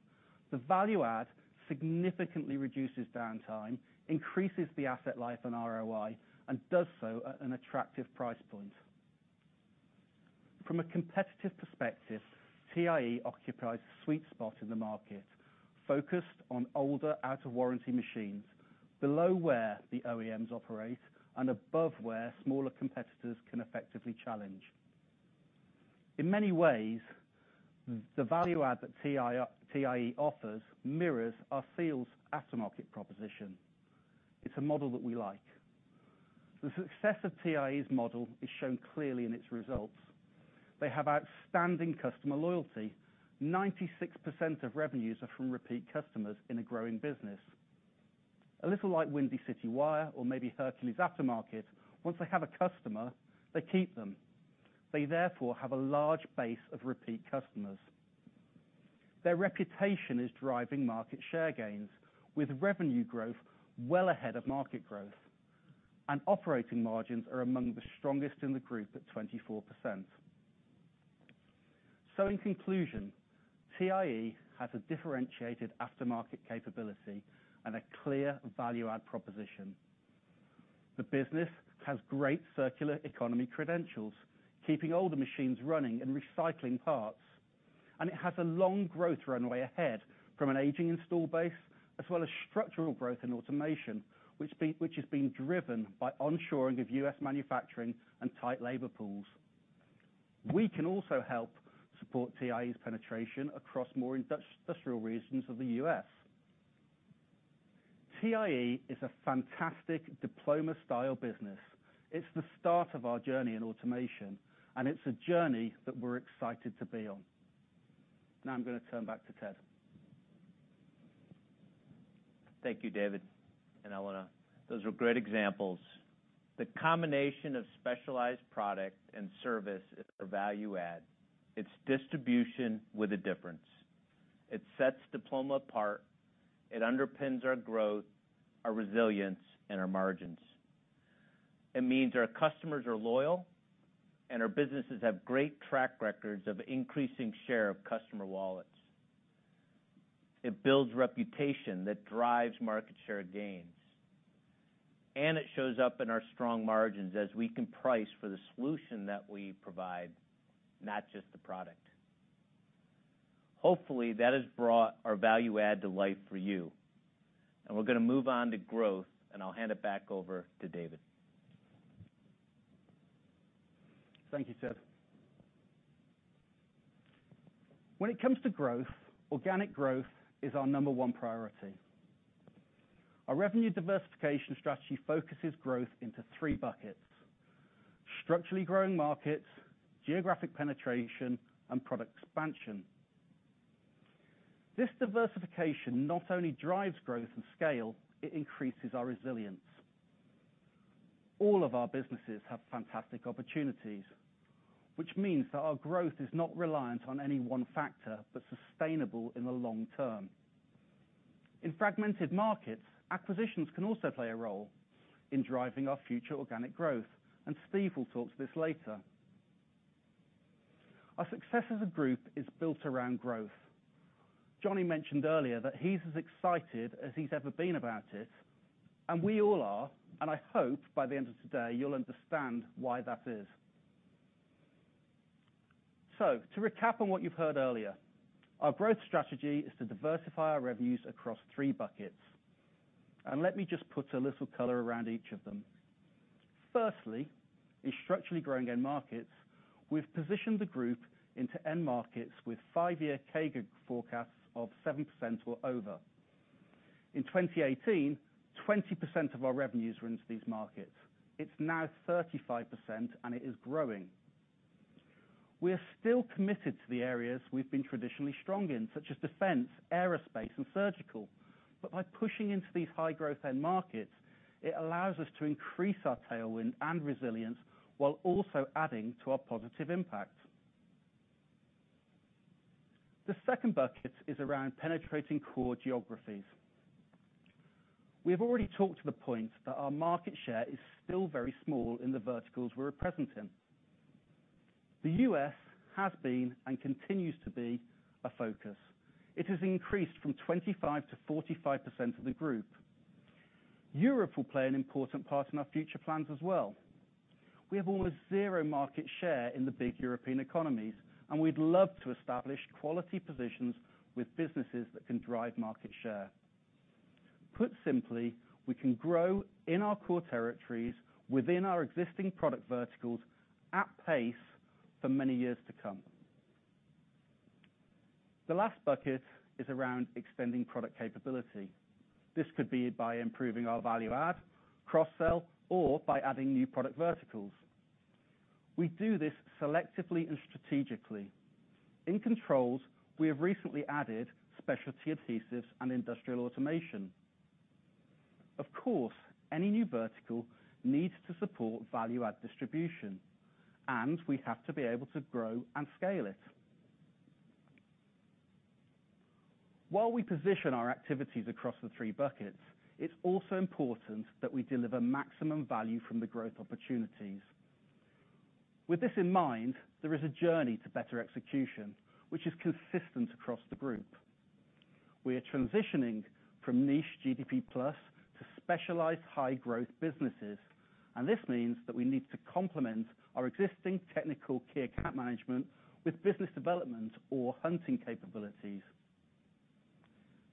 The value add significantly reduces downtime, increases the asset life and ROI, and does so at an attractive price point. From a competitive perspective, TIE occupies a sweet spot in the market, focused on older, out-of-warranty machines, below where the OEMs operate and above where smaller competitors can effectively challenge. In many ways, the value add that TIE offers mirrors our Seals aftermarket proposition. It's a model that we like. The success of TIE's model is shown clearly in its results. They have outstanding customer loyalty. 96% of revenues are from repeat customers in a growing business. A little like Windy City Wire or maybe Hercules Aftermarket, once they have a customer, they keep them. They therefore have a large base of repeat customers. Their reputation is driving market share gains, with revenue growth well ahead of market growth. Operating margins are among the strongest in the group, at 24%. In conclusion, TIE has a differentiated aftermarket capability and a clear value-add proposition. The business has great circular economy credentials, keeping older machines running and recycling parts, and it has a long growth runway ahead from an aging install base, as well as structural growth in automation, which is being driven by onshoring of U.S. manufacturing and tight labor pools. We can also help support TIE's penetration across more industrial regions of the U.S.. TIE is a fantastic Diploma-style business. It's the start of our journey in automation, and it's a journey that we're excited to be on. Now I'm going to turn back to Ted. Thank you, David and Elena. Those are great examples. The combination of specialized product and service is our value add. It's distribution with a difference. It sets Diploma apart. It underpins our growth, our resilience, and our margins. It means our customers are loyal, and our businesses have great track records of increasing share of customer wallets. It builds reputation that drives market share gains, and it shows up in our strong margins as we can price for the solution that we provide, not just the product. Hopefully, that has brought our value add to life for you, and we're going to move on to growth, and I'll hand it back over to David. Thank you, Ted. When it comes to growth, organic growth is our number one priority. Our revenue diversification strategy focuses growth into three buckets: structurally growing markets, geographic penetration, and product expansion. This diversification not only drives growth and scale, it increases our resilience. All of our businesses have fantastic opportunities, which means that our growth is not reliant on any one factor, but sustainable in the long term. In fragmented markets, acquisitions can also play a role in driving our future organic growth, and Steve will talk to this later. Our success as a group is built around growth. Johnny mentioned earlier that he's as excited as he's ever been about it, and we all are, and I hope by the end of today, you'll understand why that is. To recap on what you've heard earlier, our growth strategy is to diversify our revenues across three buckets, and let me just put a little color around each of them. Firstly, in structurally growing end markets, we've positioned the group into end markets with five-year CAGR forecasts of 7% or over. In 2018, 20% of our revenues were into these markets. It's now 35%, and it is growing. We are still committed to the areas we've been traditionally strong in, such as defense, aerospace, and surgical, but by pushing into these high growth end markets, it allows us to increase our tailwind and resilience, while also adding to our positive impact. The second bucket is around penetrating core geographies. We have already talked to the point that our market share is still very small in the verticals we're present in. The U.S. has been, and continues to be, a focus. It has increased from 25% to 45% of the group. Europe will play an important part in our future plans as well. We have almost zero market share in the big European economies. We'd love to establish quality positions with businesses that can drive market share. Put simply, we can grow in our core territories, within our existing product verticals, at pace for many years to come. The last bucket is around extending product capability. This could be by improving our value-add, cross-sell, or by adding new product verticals. We do this selectively and strategically. In controls, we have recently added specialty adhesives and industrial automation. Of course, any new vertical needs to support value-add distribution, and we have to be able to grow and scale it. While we position our activities across the three buckets, it's also important that we deliver maximum value from the growth opportunities. With this in mind, there is a journey to better execution, which is consistent across the Group. We are transitioning from niche GDP plus to specialized high growth businesses. This means that we need to complement our existing technical key account management with business development or hunting capabilities.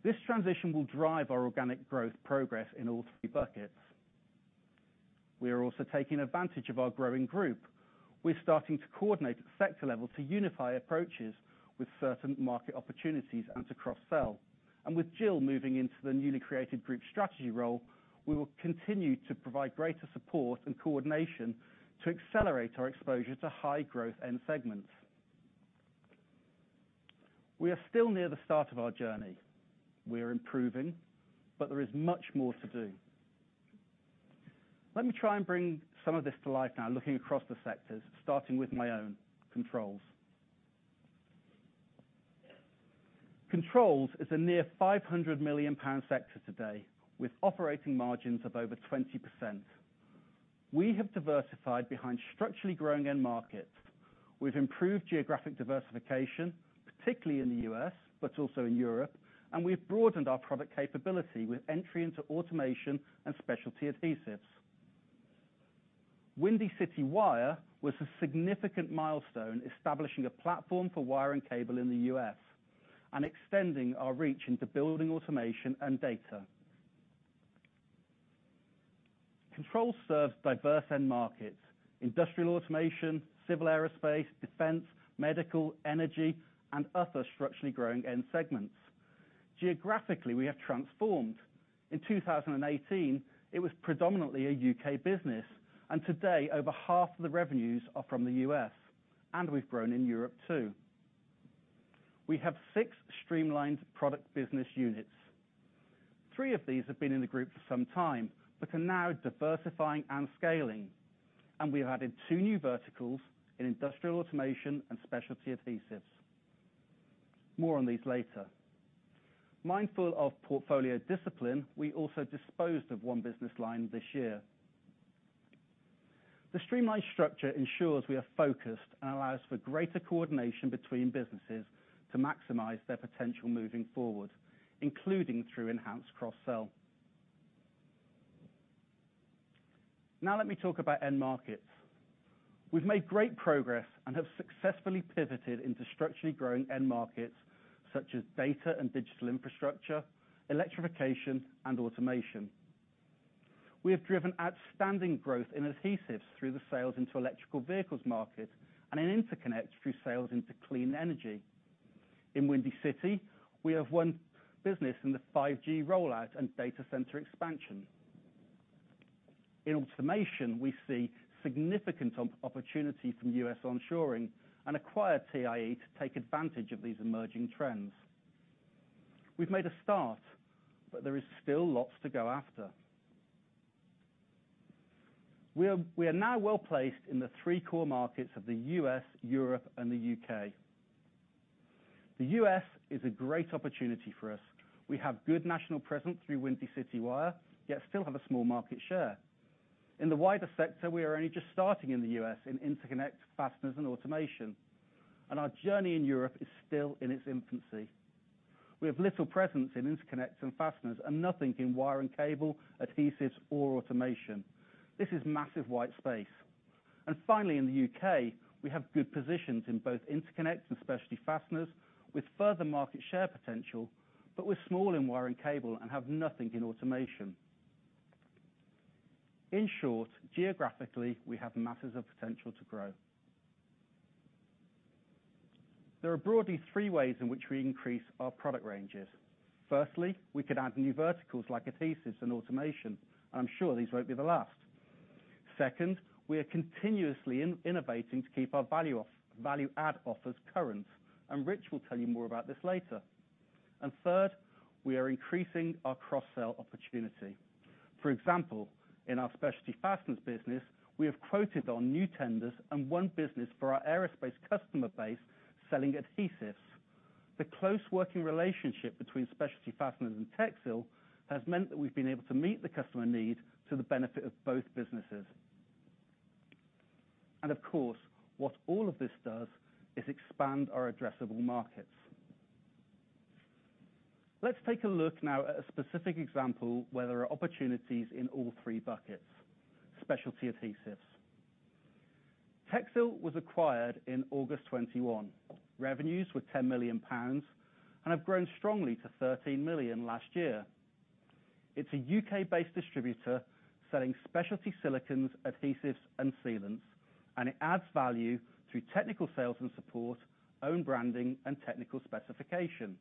This transition will drive our organic growth progress in all three buckets. We are also taking advantage of our growing Group. We're starting to coordinate at sector level to unify approaches with certain market opportunities and to cross-sell. With Jill moving into the newly created Group Strategy role, we will continue to provide greater support and coordination to accelerate our exposure to high growth end segments. We are still near the start of our journey. We are improving, but there is much more to do. Let me try and bring some of this to life now, looking across the sectors, starting with my own, Controls. Controls is a near 500 million pound sector today, with operating margins of over 20%. We have diversified behind structurally growing end markets. We've improved geographic diversification, particularly in the U.S., but also in Europe, and we've broadened our product capability with entry into automation and specialty adhesives. Windy City Wire was a significant milestone, establishing a platform for wire and cable in the U.S., and extending our reach into building automation and data. Controls serves diverse end markets, industrial automation, civil aerospace, defense, medical, energy, and other structurally growing end segments. Geographically, we have transformed. In 2018, it was predominantly a U.K. business. Today, over half of the revenues are from the U.S., and we've grown in Europe, too. We have six streamlined product business units. Three of these have been in the group for some time, but are now diversifying and scaling, and we have added two new verticals in industrial automation and specialty adhesives. More on these later. Mindful of portfolio discipline, we also disposed of one business line this year. The streamlined structure ensures we are focused and allows for greater coordination between businesses to maximize their potential moving forward, including through enhanced cross-sell. Let me talk about end markets. We've made great progress and have successfully pivoted into structurally growing end markets, such as data and digital infrastructure, electrification, and automation. We have driven outstanding growth in adhesives through the sales into electric vehicles market, and in interconnect through sales into clean energy. In Windy City, we have won business in the 5G rollout and data center expansion. In automation, we see significant op-opportunity from U.S. onshoring and acquired TIE to take advantage of these emerging trends. We've made a start, but there is still lots to go after. We are now well placed in the three core markets of the U.S., Europe, and the U.K. The U.S. is a great opportunity for us. We have good national presence through Windy City Wire, yet still have a small market share. In the wider sector, we are only just starting in the U.S. in interconnect, fasteners, and automation, and our journey in Europe is still in its infancy. We have little presence in interconnects and fasteners and nothing in wire and cable, adhesives, or automation. This is massive white space. Finally, in the U.K., we have good positions in both interconnects and specialty fasteners, with further market share potential, but we're small in wire and cable and have nothing in automation. In short, geographically, we have masses of potential to grow....There are broadly three ways in which we increase our product ranges. Firstly, we could add new verticals like adhesives and automation. I'm sure these won't be the last. Second, we are continuously innovating to keep our value add offers current, and Rich will tell you more about this later. Third, we are increasing our cross-sell opportunity. For example, in our specialty fasteners business, we have quoted on new tenders and won business for our aerospace customer base selling adhesives. The close working relationship between specialty fasteners and TECHSiL has meant that we've been able to meet the customer need to the benefit of both businesses. Of course, what all of this does is expand our addressable markets. Let's take a look now at a specific example where there are opportunities in all three buckets, specialty adhesives. TECHSiL was acquired in August 2021. Revenues were 10 million pounds and have grown strongly to 13 million last year. It's a U.K.-based distributor selling specialty silicons, adhesives, and sealants. It adds value through technical sales and support, own branding, and technical specification.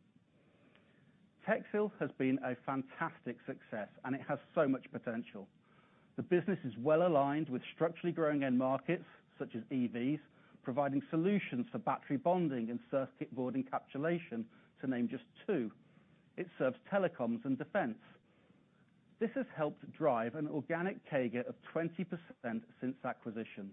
TECHSiL has been a fantastic success. It has so much potential. The business is well aligned with structurally growing end markets, such as EVs, providing solutions for battery bonding and circuit board encapsulation, to name just two. It serves telecoms and defense. This has helped drive an organic CAGR of 20% since acquisition.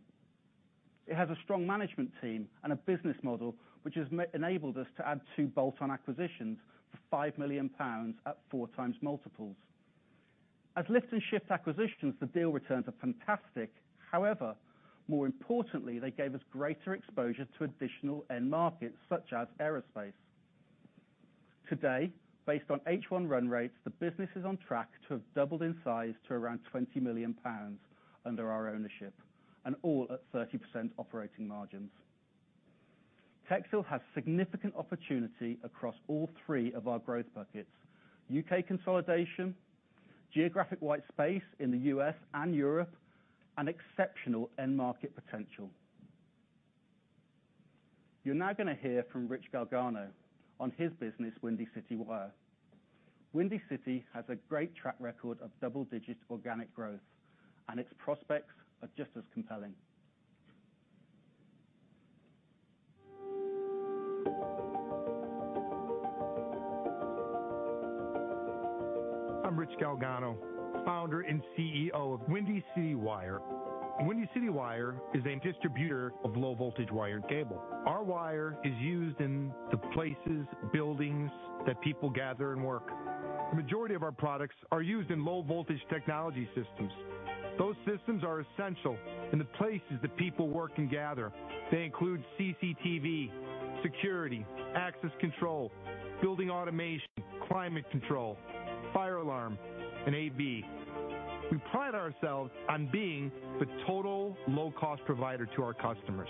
It has a strong management team and a business model, which has enabled us to add two bolt-on acquisitions for 5 million pounds at 4x multiples. As lift and shift acquisitions, the deal returns are fantastic. More importantly, they gave us greater exposure to additional end markets, such as aerospace. Today, based on H1 run rates, the business is on track to have doubled in size to around 20 million pounds under our ownership, and all at 30% operating margins. TECHSiL has significant opportunity across all 3 of our growth buckets: U.K. consolidation, geographic white space in the U.S. and Europe, and exceptional end market potential. You're now gonna hear from Rich Galgano on his business, Windy City Wire. Windy City has a great track record of double-digit organic growth, and its prospects are just as compelling. I'm Rich Galgano, founder and CEO of Windy City Wire. Windy City Wire is a distributor of low-voltage wire and cable. Our wire is used in the places, buildings that people gather and work. The majority of our products are used in low-voltage technology systems. Those systems are essential in the places that people work and gather. They include CCTV, security, access control, building automation, climate control, fire alarm, and AV. We pride ourselves on being the total low-cost provider to our customers.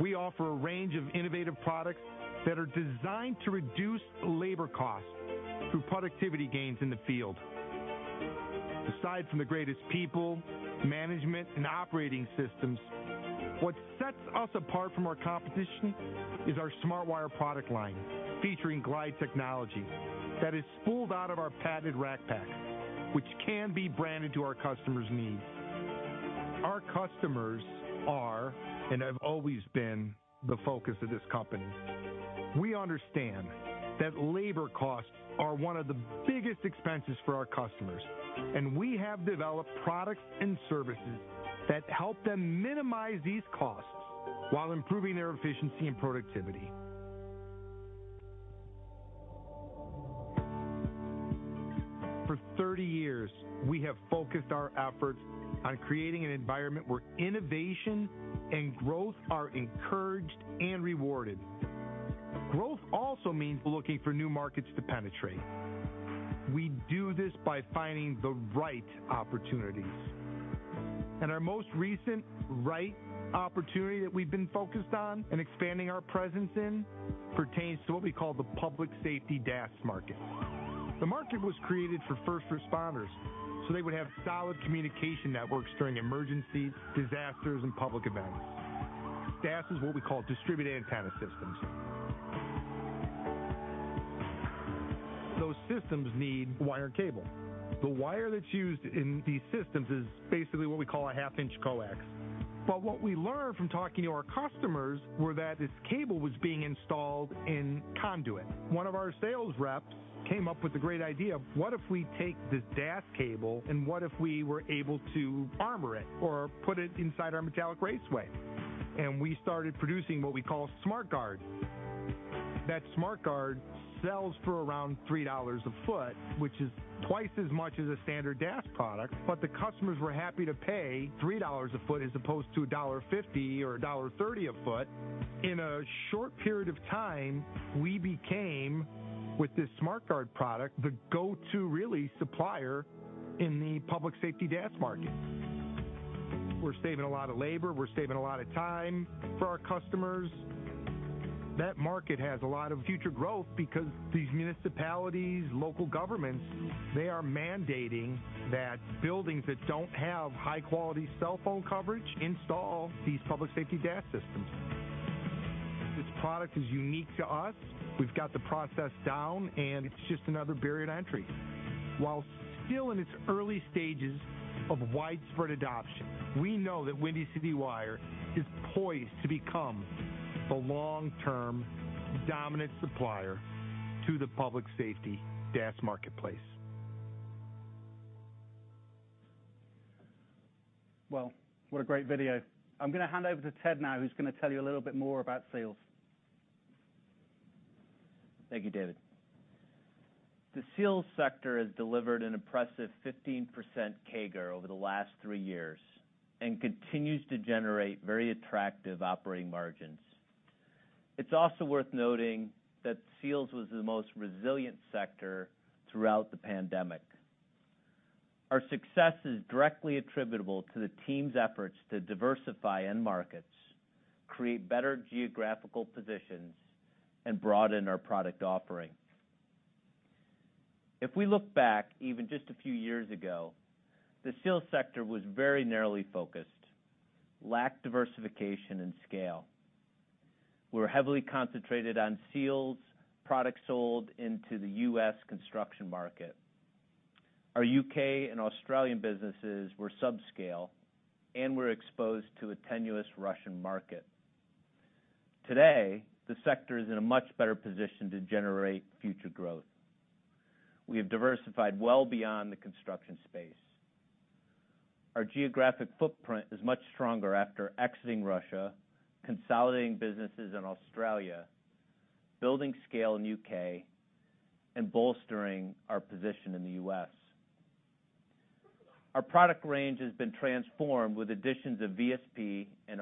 We offer a range of innovative products that are designed to reduce labor costs through productivity gains in the field. Aside from the greatest people, management, and operating systems, what sets us apart from our competition is our SmartWire product line, featuring Glide technology that is spooled out of our patented RackPack, which can be branded to our customers' needs. Our customers are, and have always been, the focus of this company. We understand that labor costs are one of the biggest expenses for our customers, and we have developed products and services that help them minimize these costs while improving their efficiency and productivity. For 30 years, we have focused our efforts on creating an environment where innovation and growth are encouraged and rewarded. Growth also means looking for new markets to penetrate. We do this by finding the right opportunities, and our most recent right opportunity that we've been focused on and expanding our presence in pertains to what we call the public safety DAS market. The market was created for first responders, so they would have solid communication networks during emergencies, disasters, and public events. DAS is what we call distributed antenna systems. Those systems need wire and cable. The wire that's used in these systems is basically what we call a half-inch coax. What we learned from talking to our customers were that this cable was being installed in conduit. One of our sales reps came up with a great idea: What if we take this DAS cable, and what if we were able to armor it or put it inside our metallic raceway? We started producing what we call SmartGuard. That SmartGuard sells for around $3 a foot, which is twice as much as a standard DAS product, but the customers were happy to pay $3 a foot as opposed to $1.50 or $1.30 a foot. In a short period of time, we became, with this SmartGuard product, the go-to, really, supplier in the public safety DAS market. We're saving a lot of labor. We're saving a lot of time for our customers. That market has a lot of future growth because these municipalities, local governments, they are mandating that buildings that don't have high-quality cell phone coverage install these public safety DAS systems. This product is unique to us. We've got the process down, and it's just another barrier to entry. While still in its early stages of widespread adoption, we know that Windy City Wire is poised to become the long-term dominant supplier to the public safety DAS marketplace. What a great video! I'm gonna hand over to Ted now, who's gonna tell you a little bit more about Seals. Thank you, David. The Seals sector has delivered an impressive 15% CAGR over the last three years and continues to generate very attractive operating margins. It's also worth noting that Seals was the most resilient sector throughout the pandemic. Our success is directly attributable to the team's efforts to diversify end markets, create better geographical positions, and broaden our product offering. If we look back even just a few years ago, the Seals sector was very narrowly focused, lacked diversification and scale. We were heavily concentrated on Seals products sold into the U.S. construction market. Our U.K. and Australian businesses were subscale, and we're exposed to a tenuous Russian market. Today, the sector is in a much better position to generate future growth. We have diversified well beyond the construction space. Our geographic footprint is much stronger after exiting Russia, consolidating businesses in Australia, building scale in the U.K., and bolstering our position in the U.S. Our product range has been transformed with additions of VSP and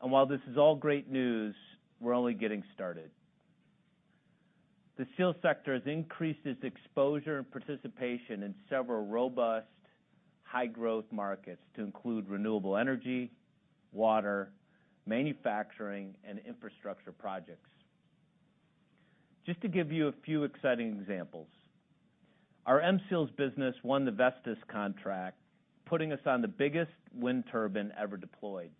R&G. While this is all great news, we're only getting started. The Seals sector has increased its exposure and participation in several robust, high-growth markets to include renewable energy, water, manufacturing, and infrastructure projects. Just to give you a few exciting examples, our M Seals business won the Vestas contract, putting us on the biggest wind turbine ever deployed.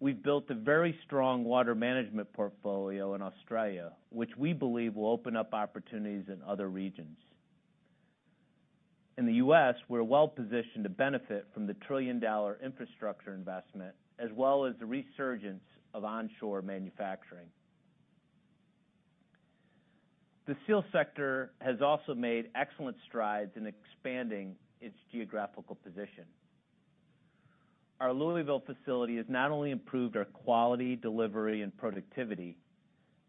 We've built a very strong water management portfolio in Australia, which we believe will open up opportunities in other regions. In the U.S., we're well positioned to benefit from the trillion-dollar infrastructure investment, as well as the resurgence of onshore manufacturing. The Seals sector has also made excellent strides in expanding its geographical position. Our Louisville facility has not only improved our quality, delivery, and productivity,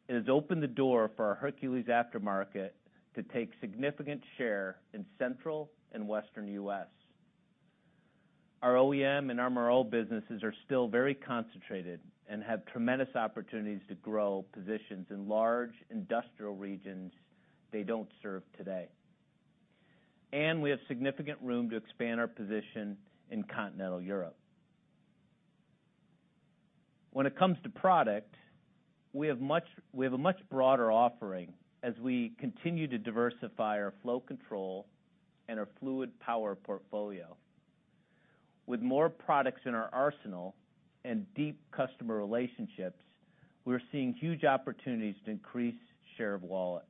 it has opened the door for our Hercules Aftermarket to take significant share in Central and Western U.S.. Our OEM and MRO businesses are still very concentrated and have tremendous opportunities to grow positions in large industrial regions they don't serve today. We have significant room to expand our position in continental Europe. When it comes to product, we have a much broader offering as we continue to diversify our flow control and our fluid power portfolio. With more products in our arsenal and deep customer relationships, we're seeing huge opportunities to increase share of wallet.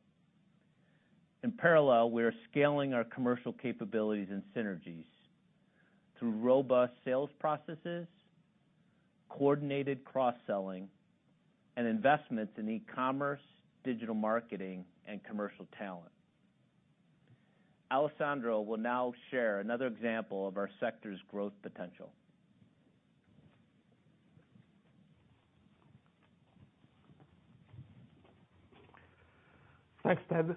In parallel, we are scaling our commercial capabilities and synergies through robust sales processes, coordinated cross-selling, and investments in e-commerce, digital marketing, and commercial talent. Alessandro will now share another example of our sector's growth potential. Thanks, Ted.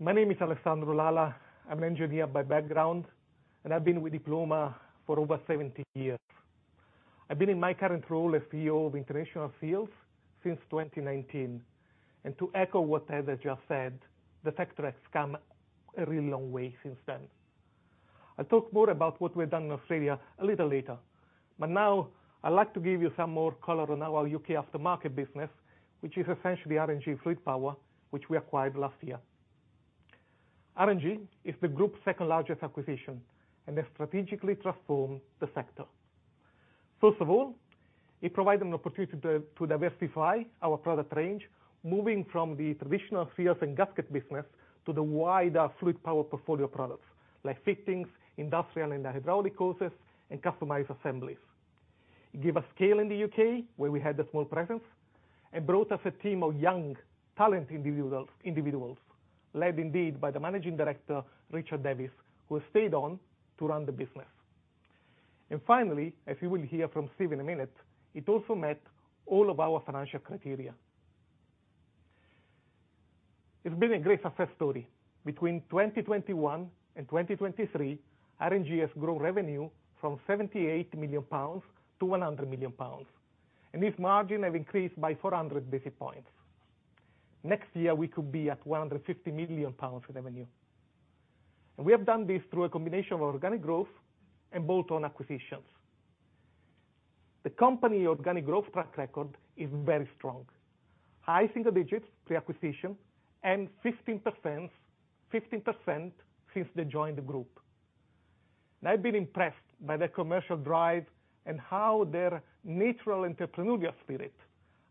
My name is Alessandro Lala. I'm an engineer by background. I've been with Diploma for over 17 years. I've been in my current role as CEO of International Seals since 2019. To echo what Ted has just said, the sector has come a really long way since then. I'll talk more about what we've done in Australia a little later. Now I'd like to give you some more color on our U.K. aftermarket business, which is essentially R&G Fluid Power, which we acquired last year. R&G is the group's second-largest acquisition and has strategically transformed the sector. First of all, it provided an opportunity to diversify our product range, moving from the traditional seals and gasket business to the wider fluid power portfolio products like fittings, industrial and hydraulic hoses, and customized assemblies. It gave us scale in the U.K., where we had a small presence, and brought us a team of young, talented individuals, led indeed by the managing director, Richard Davis, who has stayed on to run the business. Finally, as you will hear from Steve in a minute, it also met all of our financial criteria. It's been a great success story. Between 2021 and 2023, R&G has grown revenue from 78 million pounds to 100 million pounds, and its margin have increased by 400 basis points. Next year, we could be at 150 million pounds in revenue. We have done this through a combination of organic growth and bolt-on acquisitions. The company organic growth track record is very strong. High single digits, pre-acquisition, and 15% since they joined the group. I've been impressed by their commercial drive and how their natural entrepreneurial spirit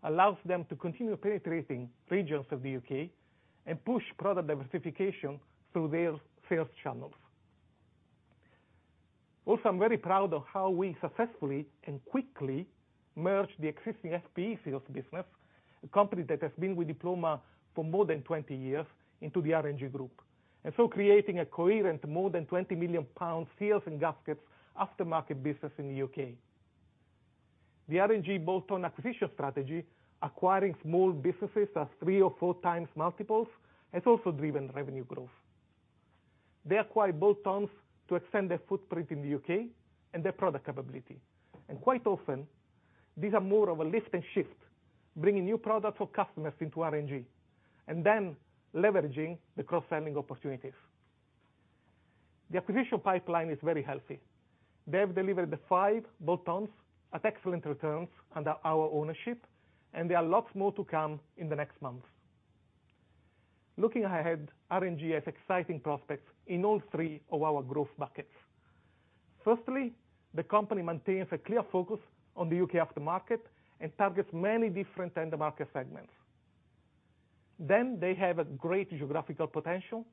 allows them to continue penetrating regions of the U.K. and push product diversification through their sales channels. I'm very proud of how we successfully and quickly merged the existing FPE Seals business, a company that has been with Diploma for more than 20 years, into the R&G group, and so creating a coherent, more than 20 million pound seals and gaskets aftermarket business in the U.K.. The R&G bolt-on acquisition strategy, acquiring small businesses at 3 or 4 times multiples, has also driven revenue growth. They acquire bolt-ons to extend their footprint in the U.K. and their product capability, and quite often, these are more of a lift and shift, bringing new products or customers into R&G, and then leveraging the cross-selling opportunities. The acquisition pipeline is very healthy. They have delivered the 5 bolt-ons at excellent returns under our ownership, and there are lots more to come in the next months. Looking ahead, RNG has exciting prospects in all 3 of our growth buckets. Firstly, the company maintains a clear focus on the U.K. aftermarket and targets many different end market segments. They have a great geographical potential.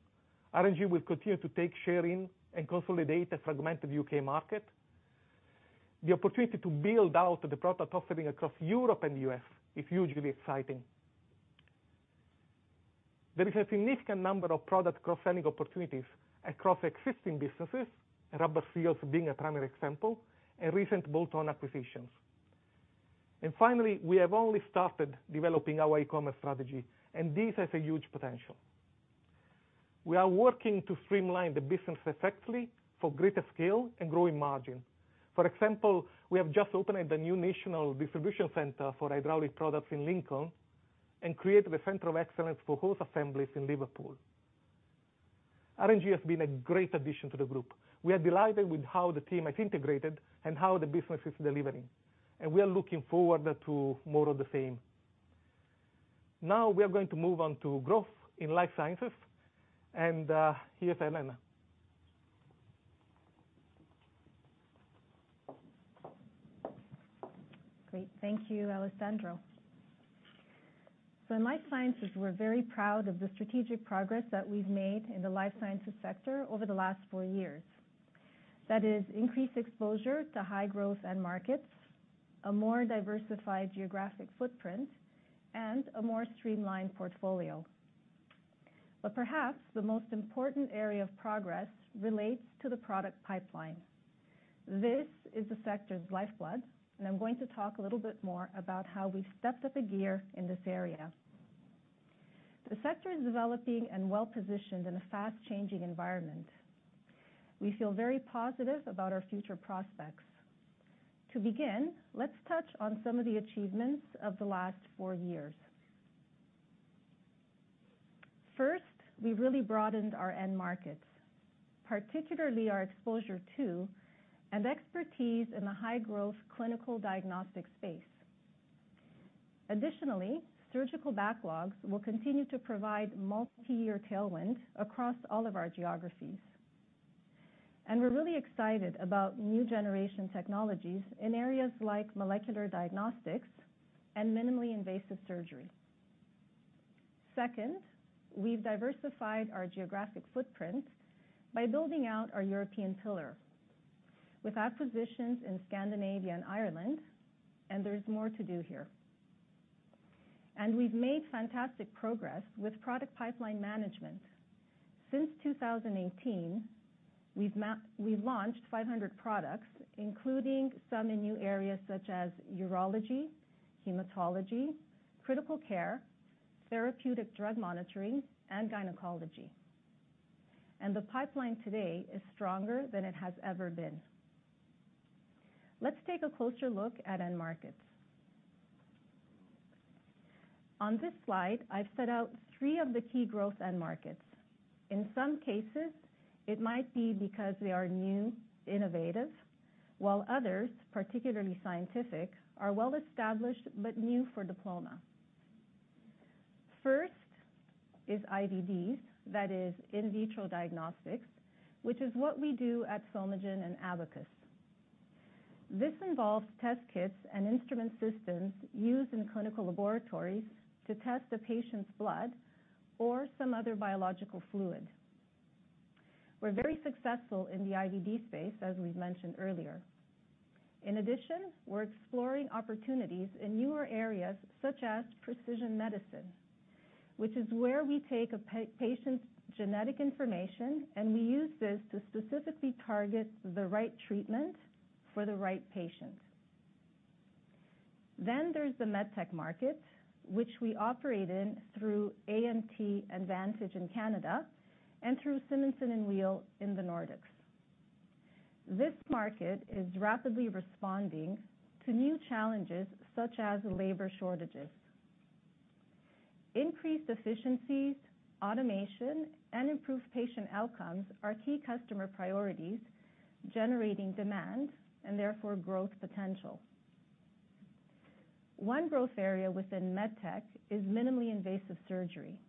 RNG will continue to take share in and consolidate a fragmented U.K. market. The opportunity to build out the product offering across Europe and the U.S. is hugely exciting. There is a significant number of product cross-selling opportunities across existing businesses, Rubber Seals being a primary example, and recent bolt-on acquisitions. Finally, we have only started developing our e-commerce strategy, and this has a huge potential. We are working to streamline the business effectively for greater scale and growing margin. For example, we have just opened the new national distribution center for hydraulic products in Lincoln and created a center of excellence for hose assemblies in Liverpool. R&G has been a great addition to the group. We are delighted with how the team has integrated and how the business is delivering, and we are looking forward to more of the same. Now we are going to move on to growth in Life Sciences, and here's Elena. Great. Thank you, Alessandro. In Life Sciences, we're very proud of the strategic progress that we've made in the Life Sciences sector over the last four years. That is increased exposure to high growth end markets, a more diversified geographic footprint, and a more streamlined portfolio. Perhaps the most important area of progress relates to the product pipeline. This is the sector's lifeblood, and I'm going to talk a little bit more about how we've stepped up the gear in this area. The sector is developing and well-positioned in a fast-changing environment. We feel very positive about our future prospects. To begin, let's touch on some of the achievements of the last four years. First, we really broadened our end markets, particularly our exposure to and expertise in the high-growth clinical diagnostics space. Additionally, surgical backlogs will continue to provide multi-year tailwind across all of our geographies. We're really excited about new generation technologies in areas like molecular diagnostics and minimally invasive surgery. Second, we've diversified our geographic footprint by building out our European pillar with acquisitions in Scandinavia and Ireland. There's more to do here. We've made fantastic progress with product pipeline management. Since 2018, we've launched 500 products, including some in new areas such as urology, hematology, critical care, therapeutic drug monitoring, and gynecology. The pipeline today is stronger than it has ever been. Let's take a closer look at end markets. On this slide, I've set out three of the key growth end markets. In some cases, it might be because they are new, innovative, while others, particularly scientific, are well-established but new for Diploma. First is IVD, that is in-vitro diagnostics, which is what we do at Somagen and Abacus. This involves test kits and instrument systems used in clinical laboratories to test a patient's blood or some other biological fluid. We're very successful in the IVD space, as we've mentioned earlier. We're exploring opportunities in newer areas such as precision medicine, which is where we take a patient's genetic information, and we use this to specifically target the right treatment for the right patient. There's the MedTech market, which we operate in through AMT and Vantage in Canada and through Simonsen & Weel in the Nordics. This market is rapidly responding to new challenges, such as labor shortages. Increased efficiencies, automation, and improved patient outcomes are key customer priorities, generating demand and therefore growth potential. One growth area within MedTech is minimally invasive surgery.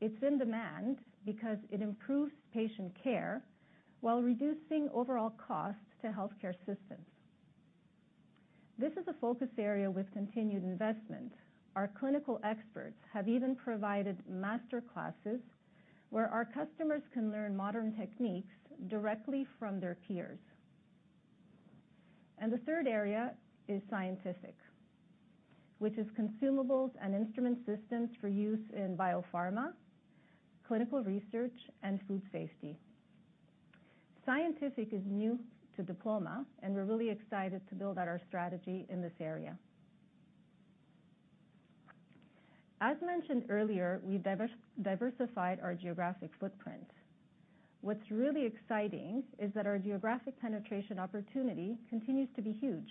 It's in demand because it improves patient care while reducing overall costs to healthcare systems. This is a focus area with continued investment. Our clinical experts have even provided master classes, where our customers can learn modern techniques directly from their peers. The third area is scientific, which is consumables and instrument systems for use in biopharma, clinical research, and food safety. Scientific is new to Diploma, we're really excited to build out our strategy in this area. As mentioned earlier, we've diversified our geographic footprint. What's really exciting is that our geographic penetration opportunity continues to be huge.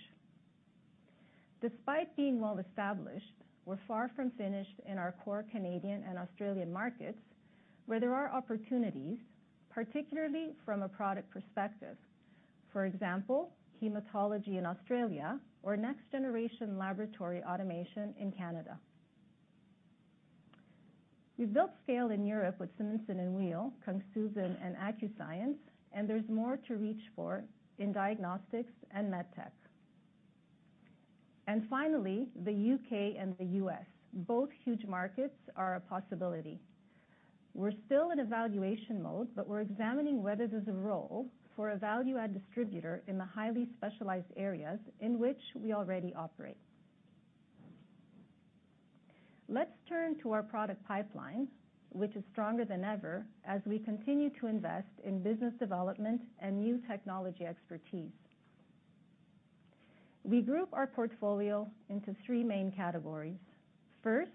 Despite being well established, we're far from finished in our core Canadian and Australian markets, where there are opportunities, particularly from a product perspective. For example, hematology in Australia or next-generation laboratory automation in Canada. We've built scale in Europe with Simonsen & Weel, Kungshusens and Accuscience, there's more to reach for in diagnostics and MedTech. Finally, the U.K. and the U.S., both huge markets, are a possibility. We're still in evaluation mode, but we're examining whether there's a role for a value-add distributor in the highly specialized areas in which we already operate. Let's turn to our product pipeline, which is stronger than ever as we continue to invest in business development and new technology expertise. We group our portfolio into three main categories. First,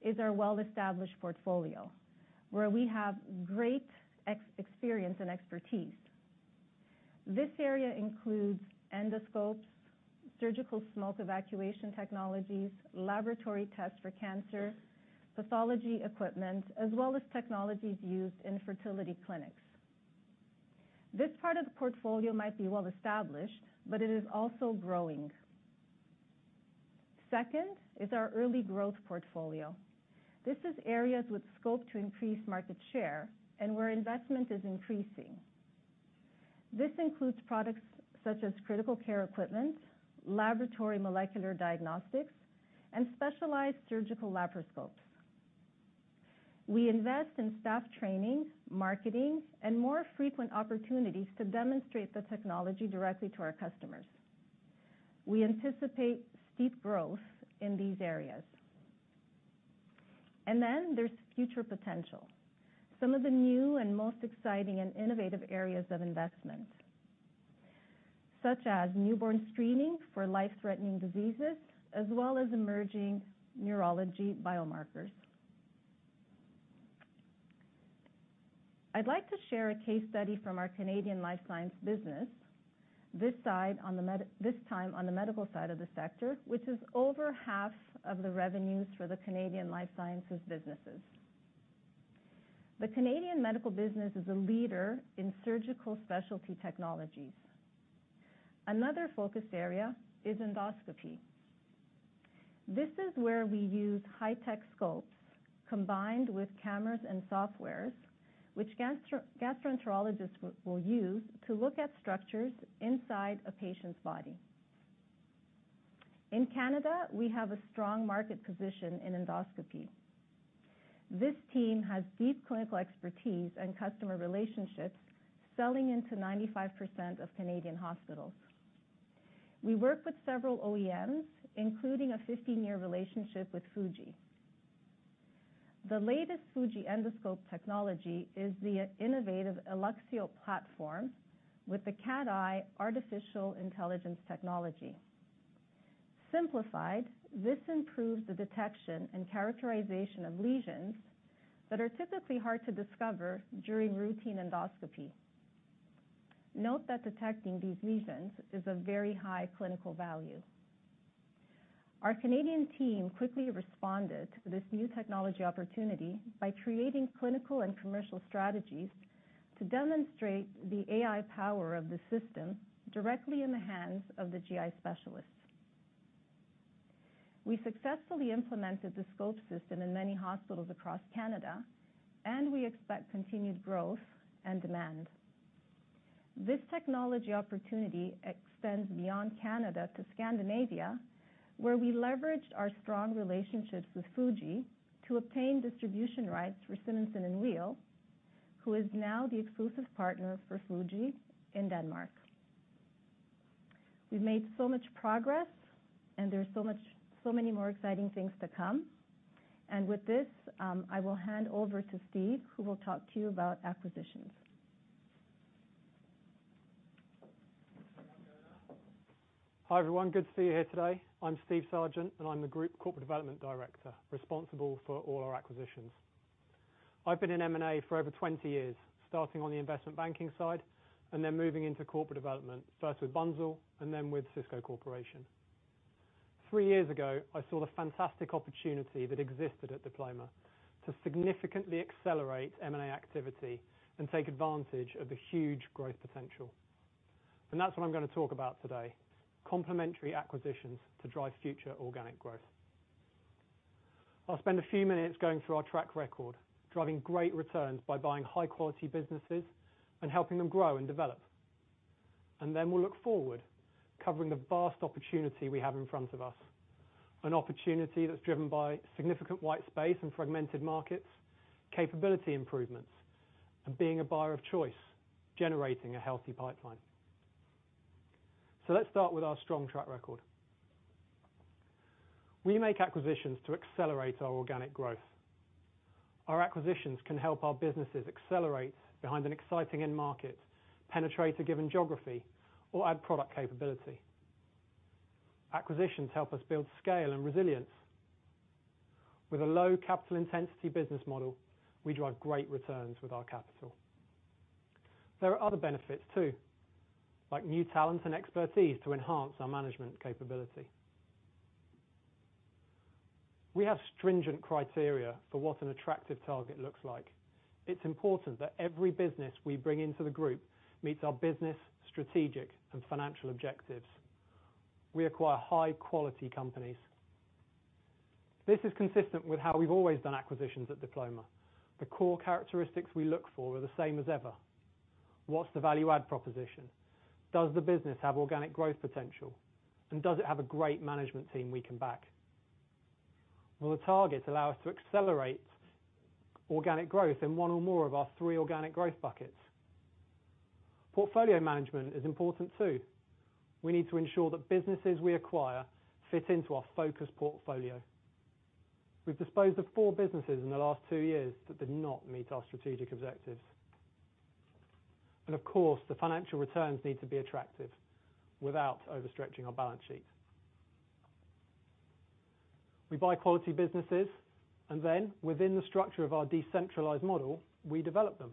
is our well-established portfolio, where we have great experience and expertise. This area includes endoscopes, surgical smoke evacuation technologies, laboratory tests for cancer, pathology equipment, as well as technologies used in fertility clinics. This part of the portfolio might be well established, but it is also growing. Second, is our early growth portfolio. This is areas with scope to increase market share and where investment is increasing. This includes products such as critical care equipment, laboratory molecular diagnostics, and specialized surgical laparoscopes. We invest in staff training, marketing, and more frequent opportunities to demonstrate the technology directly to our customers. We anticipate steep growth in these areas. Then there's future potential, some of the new and most exciting and innovative areas of investment, such as newborn screening for life-threatening diseases, as well as emerging neurology biomarkers. I'd like to share a case study from our Canadian Life Sciences business, this time on the medical side of the sector, which is over half of the revenues for the Canadian Life Sciences businesses. The Canadian medical business is a leader in surgical specialty technologies. Another focused area is endoscopy. This is where we use high-tech scopes, combined with cameras and softwares, which gastroenterologists will use to look at structures inside a patient's body. In Canada, we have a strong market position in endoscopy. This team has deep clinical expertise and customer relationships, selling into 95% of Canadian hospitals. We work with several OEMs, including a 15-year relationship with Fuji. The latest Fuji endoscope technology is the innovative ELUXEO platform, with the CAD EYE artificial intelligence technology. Simplified, this improves the detection and characterization of lesions that are typically hard to discover during routine endoscopy. Note that detecting these lesions is of very high clinical value. Our Canadian team quickly responded to this new technology opportunity by creating clinical and commercial strategies to demonstrate the AI power of the system directly in the hands of the GI specialists. We successfully implemented the scope system in many hospitals across Canada. We expect continued growth and demand. This technology opportunity extends beyond Canada to Scandinavia, where we leveraged our strong relationships with Fuji to obtain distribution rights for Simonsen & Weel, who is now the exclusive partner for Fuji in Denmark. We've made so much progress, and there's so many more exciting things to come. With this, I will hand over to Steve, who will talk to you about acquisitions. Hi, everyone. Good to see you here today. I'm Steve Sargeant, and I'm the Group Corporate Development Director, responsible for all our acquisitions. I've been in M&A for over 20 years, starting on the investment banking side, and then moving into corporate development, first with Bunzl, and then with Sysco Corporation. Three years ago, I saw the fantastic opportunity that existed at Diploma to significantly accelerate M&A activity and take advantage of the huge growth potential. That's what I'm going to talk about today, complementary acquisitions to drive future organic growth. I'll spend a few minutes going through our track record, driving great returns by buying high-quality businesses and helping them grow and develop. We'll look forward, covering the vast opportunity we have in front of us, an opportunity that's driven by significant white space and fragmented markets, capability improvements, and being a buyer of choice, generating a healthy pipeline. Let's start with our strong track record. We make acquisitions to accelerate our organic growth. Our acquisitions can help our businesses accelerate behind an exciting end market, penetrate a given geography, or add product capability. Acquisitions help us build scale and resilience. With a low capital intensity business model, we drive great returns with our capital. There are other benefits, too, like new talent and expertise to enhance our management capability. We have stringent criteria for what an attractive target looks like. It's important that every business we bring into the group meets our business, strategic, and financial objectives. We acquire high-quality companies. This is consistent with how we've always done acquisitions at Diploma. The core characteristics we look for are the same as ever. What's the value-add proposition? Does the business have organic growth potential? Does it have a great management team we can back? Will the target allow us to accelerate organic growth in one or more of our three organic growth buckets? Portfolio management is important, too. We need to ensure that businesses we acquire fit into our focus portfolio. We've disposed of four businesses in the last two years that did not meet our strategic objectives. Of course, the financial returns need to be attractive without overstretching our balance sheet. We buy quality businesses, and then within the structure of our decentralized model, we develop them.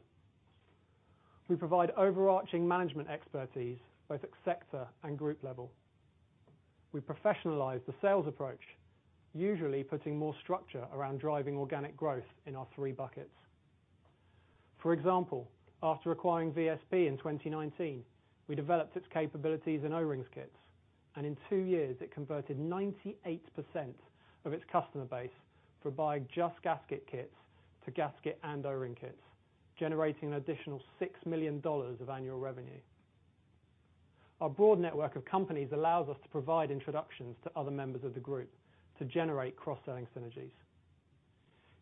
We provide overarching management expertise, both at sector and group level. We professionalize the sales approach, usually putting more structure around driving organic growth in our three buckets. For example, after acquiring VSP in 2019, we developed its capabilities in O-ring kits, and in two years, it converted 98% of its customer base for buying just gasket kits to gasket and O-ring kits, generating an additional $6 million of annual revenue.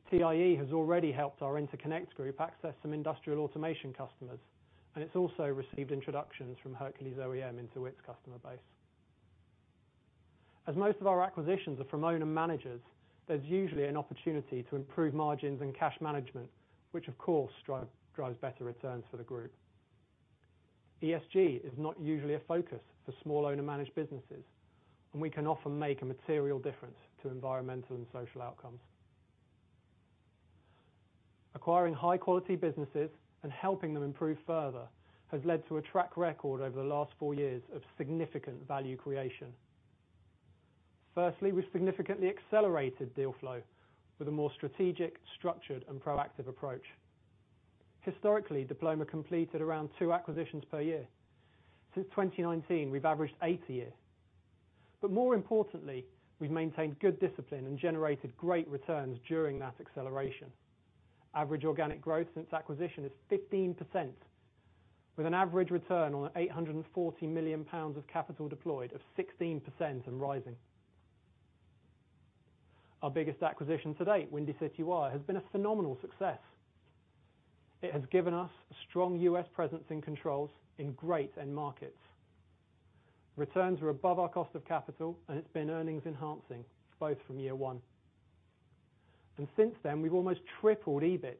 TIE has already helped our interconnect group access some industrial automation customers. It's also received introductions from Hercules OEM into its customer base. As most of our acquisitions are from owner managers, there's usually an opportunity to improve margins and cash management, which, of course, drives better returns for the group. ESG is not usually a focus for small owner-managed businesses, and we can often make a material difference to environmental and social outcomes. Acquiring high-quality businesses and helping them improve further has led to a track record over the last four years of significant value creation. Firstly, we've significantly accelerated deal flow with a more strategic, structured, and proactive approach. Historically, Diploma completed around two acquisitions per year. Since 2019, we've averaged eight a year. More importantly, we've maintained good discipline and generated great returns during that acceleration. Average organic growth since acquisition is 15%, with an average return on 840 million pounds of capital deployed of 16% and rising. Our biggest acquisition to date, Windy City Wire, has been a phenomenal success. It has given us a strong U.S. presence in controls in great end markets. Returns are above our cost of capital, it's been earnings enhancing, both from year 1. Since then, we've almost tripled EBIT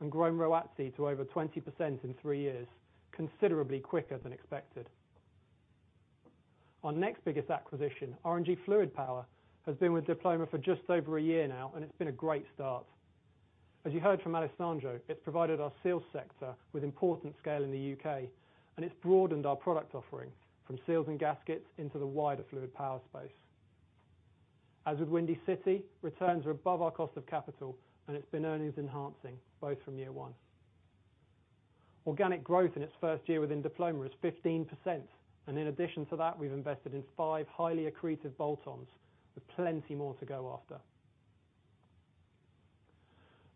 and grown ROAC to over 20% in three years, considerably quicker than expected. Our next biggest acquisition, R&G Fluid Power, has been with Diploma for just over a year now, and it's been a great start. As you heard from Alessandro, it's provided our sales sector with important scale in the U.K., and it's broadened our product offering from seals and gaskets into the wider fluid power space. As with Windy City, returns are above our cost of capital, and it's been earnings enhancing, both from year 1. Organic growth in its first year within Diploma is 15%, and in addition to that, we've invested in five highly accretive bolt-ons, with plenty more to go after.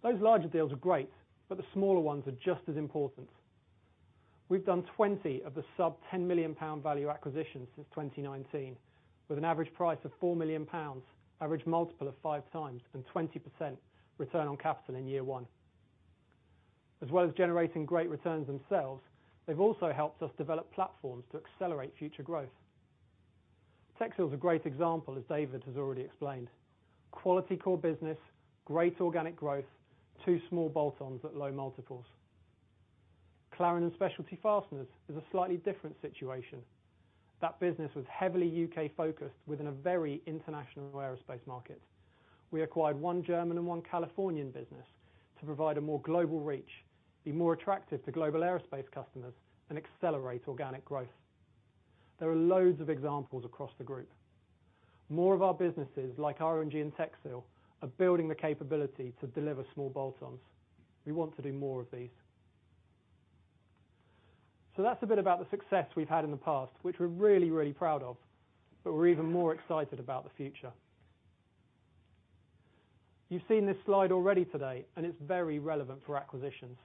Those larger deals are great, the smaller ones are just as important. We've done 20 of the sub-GBP 10 million value acquisitions since 2019, with an average price of 4 million pounds, average multiple of 5x, and 20% return on capital in year one. As well as generating great returns themselves, they've also helped us develop platforms to accelerate future growth. TECHSiL is a great example, as David has already explained. Quality core business, great organic growth, two small bolt-ons at low multiples. Clarendon Specialty Fasteners is a slightly different situation. That business was heavily U.K. focused within a very international aerospace market. We acquired one German and one Californian business to provide a more global reach, be more attractive to global aerospace customers, and accelerate organic growth. There are loads of examples across the group. More of our businesses, like R&G and TECHSiL, are building the capability to deliver small bolt-ons. We want to do more of these. That's a bit about the success we've had in the past, which we're really, really proud of, but we're even more excited about the future. You've seen this slide already today, and it's very relevant for acquisitions.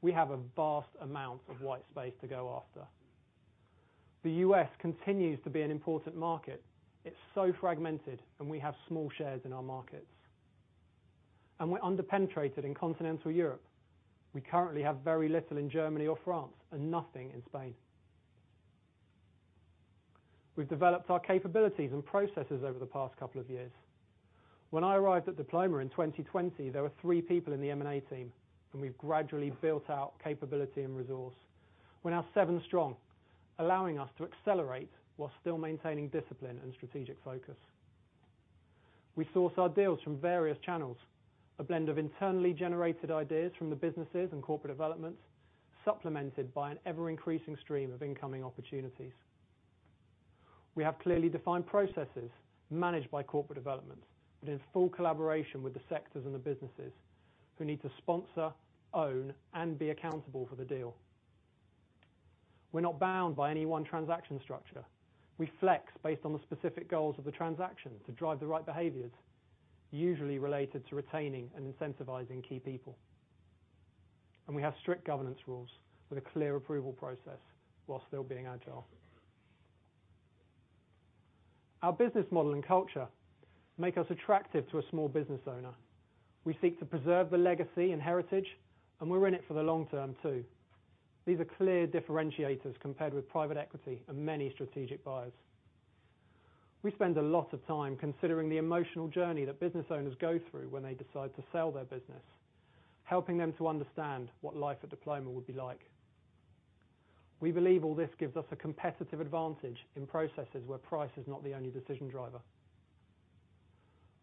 We have a vast amount of white space to go after. The U.S. continues to be an important market. It's so fragmented, and we have small shares in our markets, and we're under-penetrated in continental Europe. We currently have very little in Germany or France, and nothing in Spain. We've developed our capabilities and processes over the past couple of years. When I arrived at Diploma in 2020, there were three people in the M&A team, and we've gradually built out capability and resource. We're now seven strong, allowing us to accelerate while still maintaining discipline and strategic focus. We source our deals from various channels, a blend of internally generated ideas from the businesses and corporate developments, supplemented by an ever-increasing stream of incoming opportunities. We have clearly defined processes managed by corporate development, but in full collaboration with the sectors and the businesses who need to sponsor, own, and be accountable for the deal. We're not bound by any one transaction structure. We flex based on the specific goals of the transaction to drive the right behaviors, usually related to retaining and incentivizing key people. We have strict governance rules with a clear approval process while still being agile. Our business model and culture make us attractive to a small business owner. We seek to preserve the legacy and heritage, and we're in it for the long term, too. These are clear differentiators compared with private equity and many strategic buyers. We spend a lot of time considering the emotional journey that business owners go through when they decide to sell their business, helping them to understand what life at Diploma would be like. We believe all this gives us a competitive advantage in processes where price is not the only decision driver.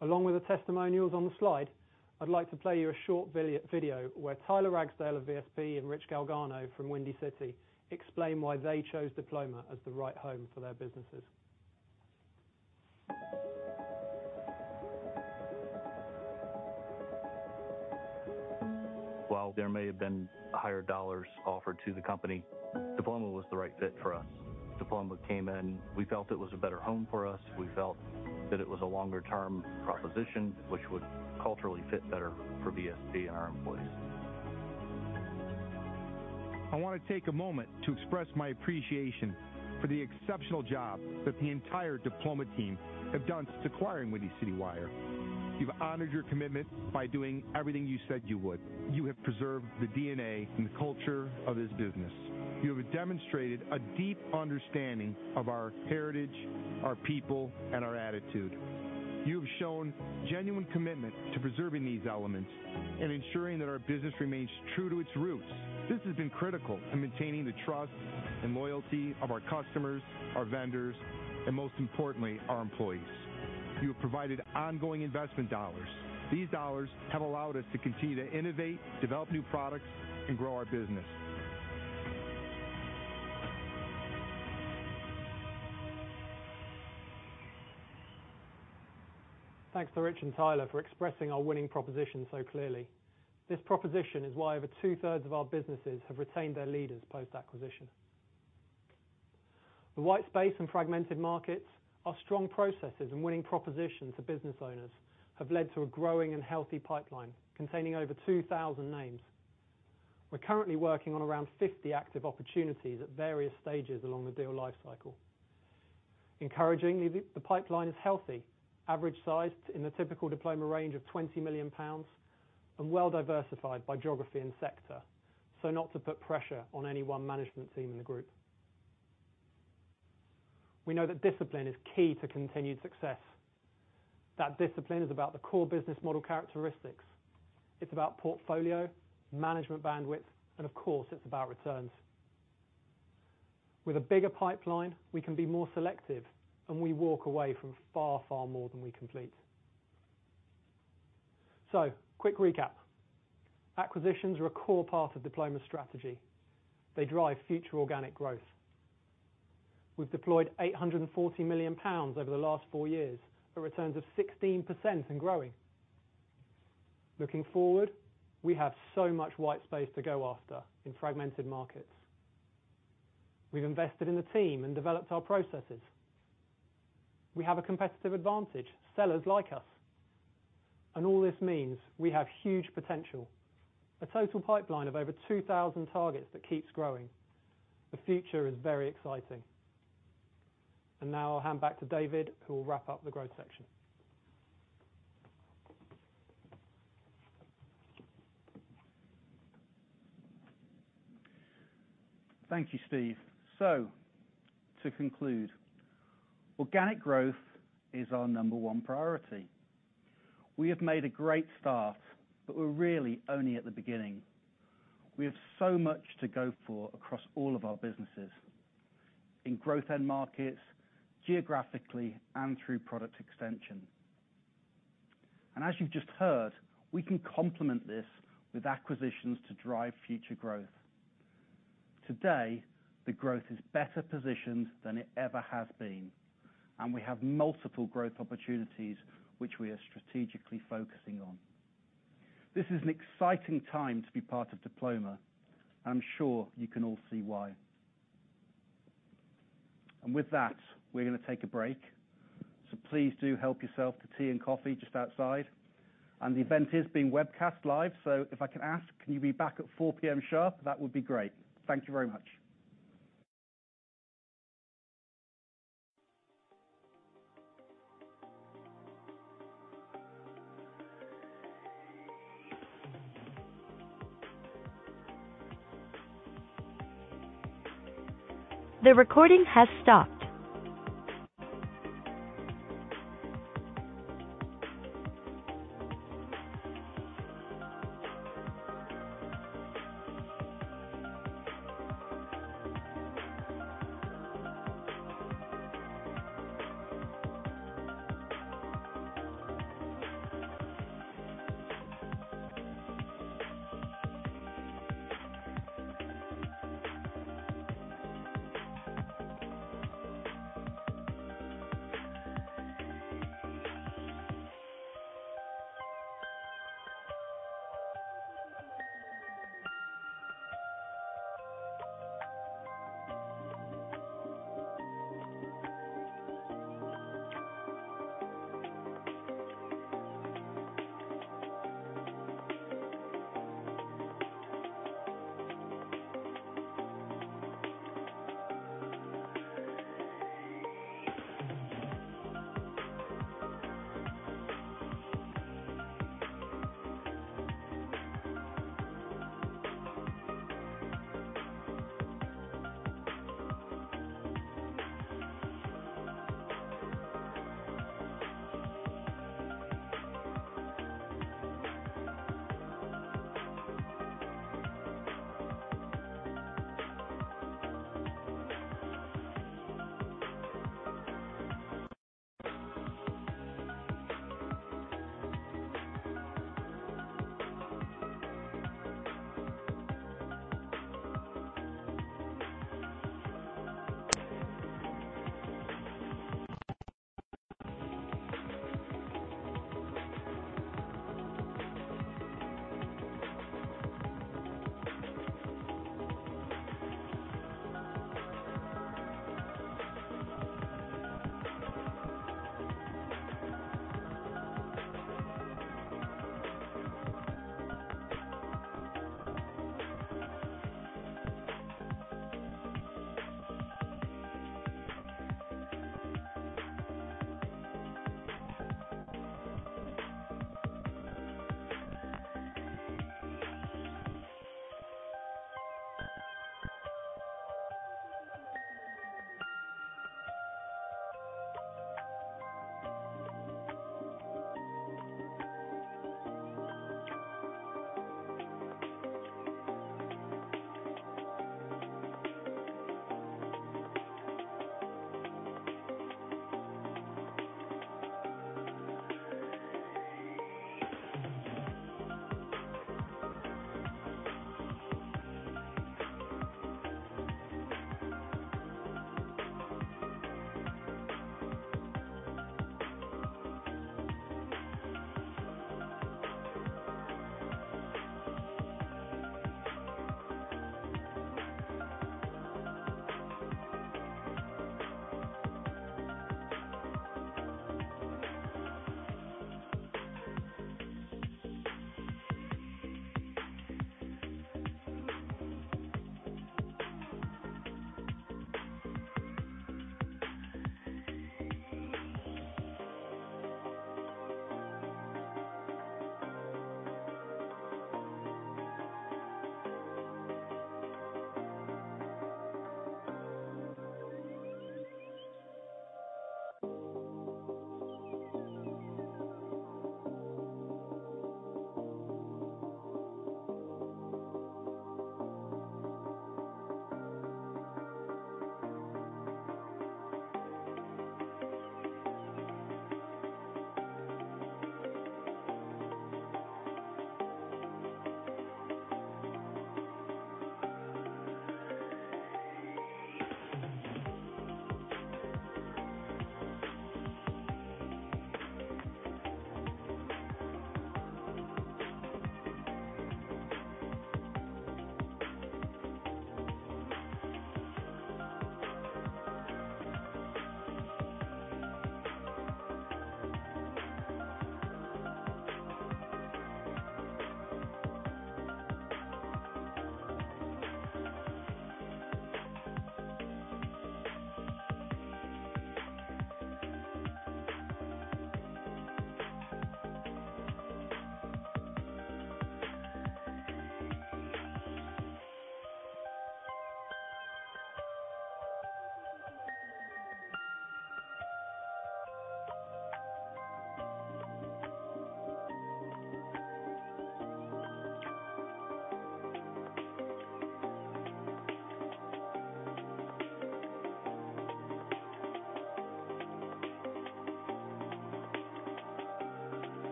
Along with the testimonials on the slide, I'd like to play you a short video, where Tyler Ragsdale of VSP and Rich Galgano from Windy City explain why they chose Diploma as the right home for their businesses. While there may have been higher dollars offered to the company, Diploma was the right fit for us. Diploma came in. We felt it was a better home for us. We felt that it was a longer term proposition, which would culturally fit better for VSP and our employees. I want to take a moment to express my appreciation for the exceptional job that the entire Diploma team have done acquiring Windy City Wire. You've honored your commitment by doing everything you said you would. You have preserved the DNA and the culture of this business. You have demonstrated a deep understanding of our heritage, our people, and our attitude. You have shown genuine commitment to preserving these elements and ensuring that our business remains true to its roots. This has been critical in maintaining the trust and loyalty of our customers, our vendors, and most importantly, our employees. You have provided ongoing investment dollars. These dollars have allowed us to continue to innovate, develop new products, and grow our business. Thanks to Rich and Tyler for expressing our winning proposition so clearly. This proposition is why over two-thirds of our businesses have retained their leaders post-acquisition. The white space and fragmented markets, our strong processes and winning propositions to business owners, have led to a growing and healthy pipeline containing over 2,000 names. We're currently working on around 50 active opportunities at various stages along the deal life cycle. Encouragingly, the pipeline is healthy, average sized in the typical Diploma range of 20 million pounds and well diversified by geography and sector, so not to put pressure on any one management team in the group. We know that discipline is key to continued success. That discipline is about the core business model characteristics. It's about portfolio, management bandwidth, and of course, it's about returns. With a bigger pipeline, we can be more selective, and we walk away from far, far more than we complete. Quick recap. Acquisitions are a core part of Diploma's strategy. They drive future organic growth. We've deployed 840 million pounds over the last four years, at returns of 16% and growing. Looking forward, we have so much white space to go after in fragmented markets. We've invested in the team and developed our processes. We have a competitive advantage. Sellers like us. All this means we have huge potential, a total pipeline of over 2,000 targets that keeps growing. The future is very exciting. Now I'll hand back to David, who will wrap up the growth section. Thank you, Steve. To conclude, organic growth is our number 1 priority. We have made a great start, but we're really only at the beginning. We have so much to go for across all of our businesses, in growth end markets, geographically, and through product extension. As you've just heard, we can complement this with acquisitions to drive future growth. Today, the growth is better positioned than it ever has been, and we have multiple growth opportunities which we are strategically focusing on. This is an exciting time to be part of Diploma. I'm sure you can all see why. With that, we're going to take a break. Please do help yourself to tea and coffee just outside. The event is being webcast live, so if I can ask, can you be back at 4:00 P.M. sharp? That would be great. Thank you very much. The recording has stopped.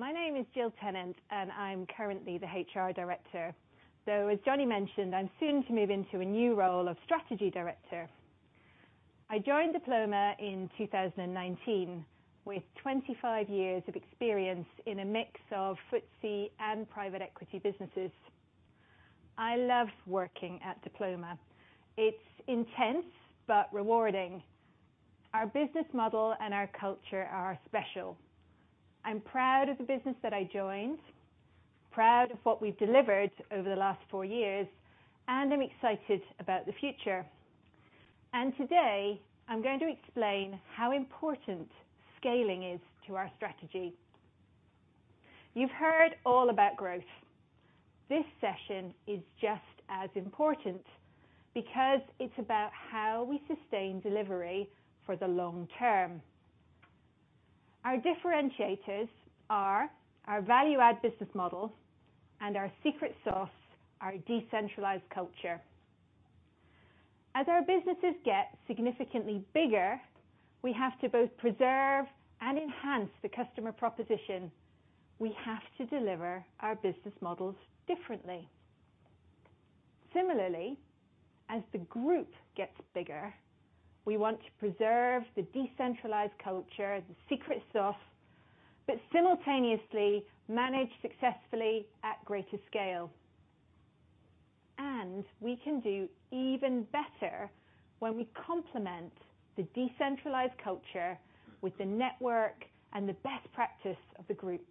My name is Jill Tennant, and I'm currently the HR director. Though, as Johnny mentioned, I'm soon to move into a new role of strategy director. I joined Diploma in 2019, with 25 years of experience in a mix of FTSE and private equity businesses. I love working at Diploma. It's intense, but rewarding. Our business model and our culture are special. I'm proud of the business that I joined, proud of what we've delivered over the last four years, and I'm excited about the future. Today, I'm going to explain how important scaling is to our strategy. You've heard all about growth. This session is just as important because it's about how we sustain delivery for the long term. Our differentiators are our value-add business model and our secret sauce, our decentralized culture. As our businesses get significantly bigger, we have to both preserve and enhance the customer proposition. We have to deliver our business models differently. Similarly, as the group gets bigger, we want to preserve the decentralized culture, the secret sauce, but simultaneously manage successfully at greater scale. We can do even better when we complement the decentralized culture with the network and the best practice of the group.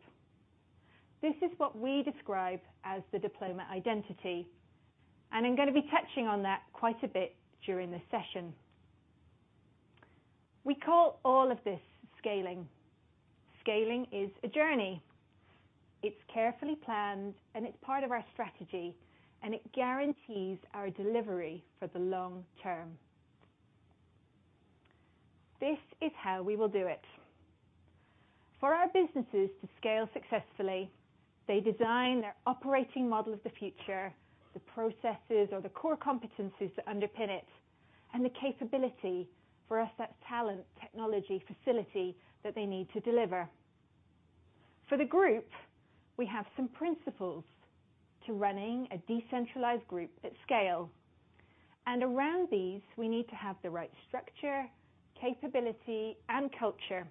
This is what we describe as the Diploma identity, and I'm gonna be touching on that quite a bit during this session. We call all of this scaling. Scaling is a journey. It's carefully planned, and it's part of our strategy, and it guarantees our delivery for the long term. This is how we will do it. For our businesses to scale successfully, they design their operating model of the future, the processes or the core competencies that underpin it, and the capability for us, that talent, technology, facility that they need to deliver. For the Group, we have some principles to running a decentralized group at scale. Around these, we need to have the right structure, capability, and culture,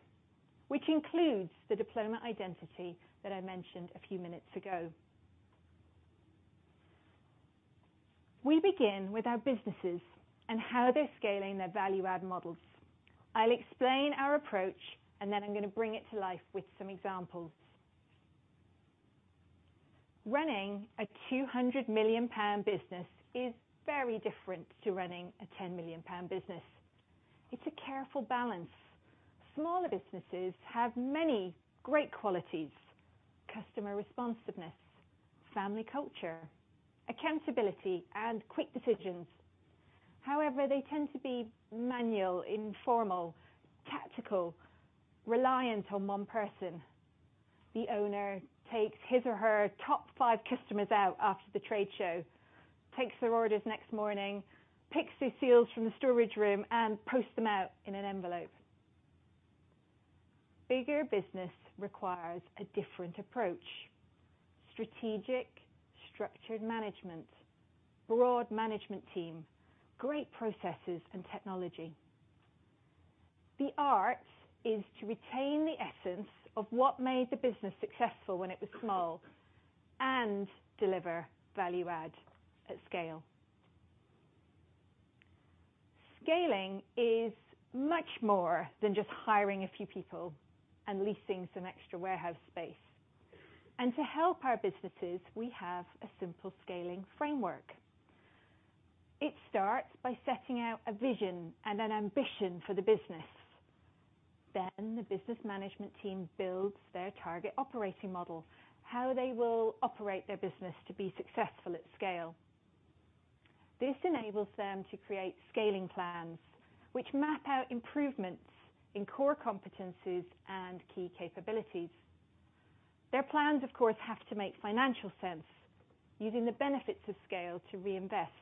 which includes the Diploma identity that I mentioned a few minutes ago. We begin with our businesses and how they're scaling their value-add models. I'll explain our approach. Then I'm gonna bring it to life with some examples. Running a 200 million pound business is very different to running a 10 million pound business. It's a careful balance. Smaller businesses have many great qualities: customer responsiveness, family culture, accountability, and quick decisions. However, they tend to be manual, informal, tactical, reliant on one person. The owner takes his or her top five customers out after the trade show, takes their orders next morning, picks the seals from the storage room, and posts them out in an envelope. Bigger business requires a different approach: strategic, structured management, broad management team, great processes and technology. The art is to retain the essence of what made the business successful when it was small and deliver value add at scale. Scaling is much more than just hiring a few people and leasing some extra warehouse space. To help our businesses, we have a simple scaling framework. It starts by setting out a vision and an ambition for the business. Then the business management team builds their target operating model, how they will operate their business to be successful at scale. This enables them to create scaling plans, which map out improvements in core competencies and key capabilities. Their plans, of course, have to make financial sense, using the benefits of scale to reinvest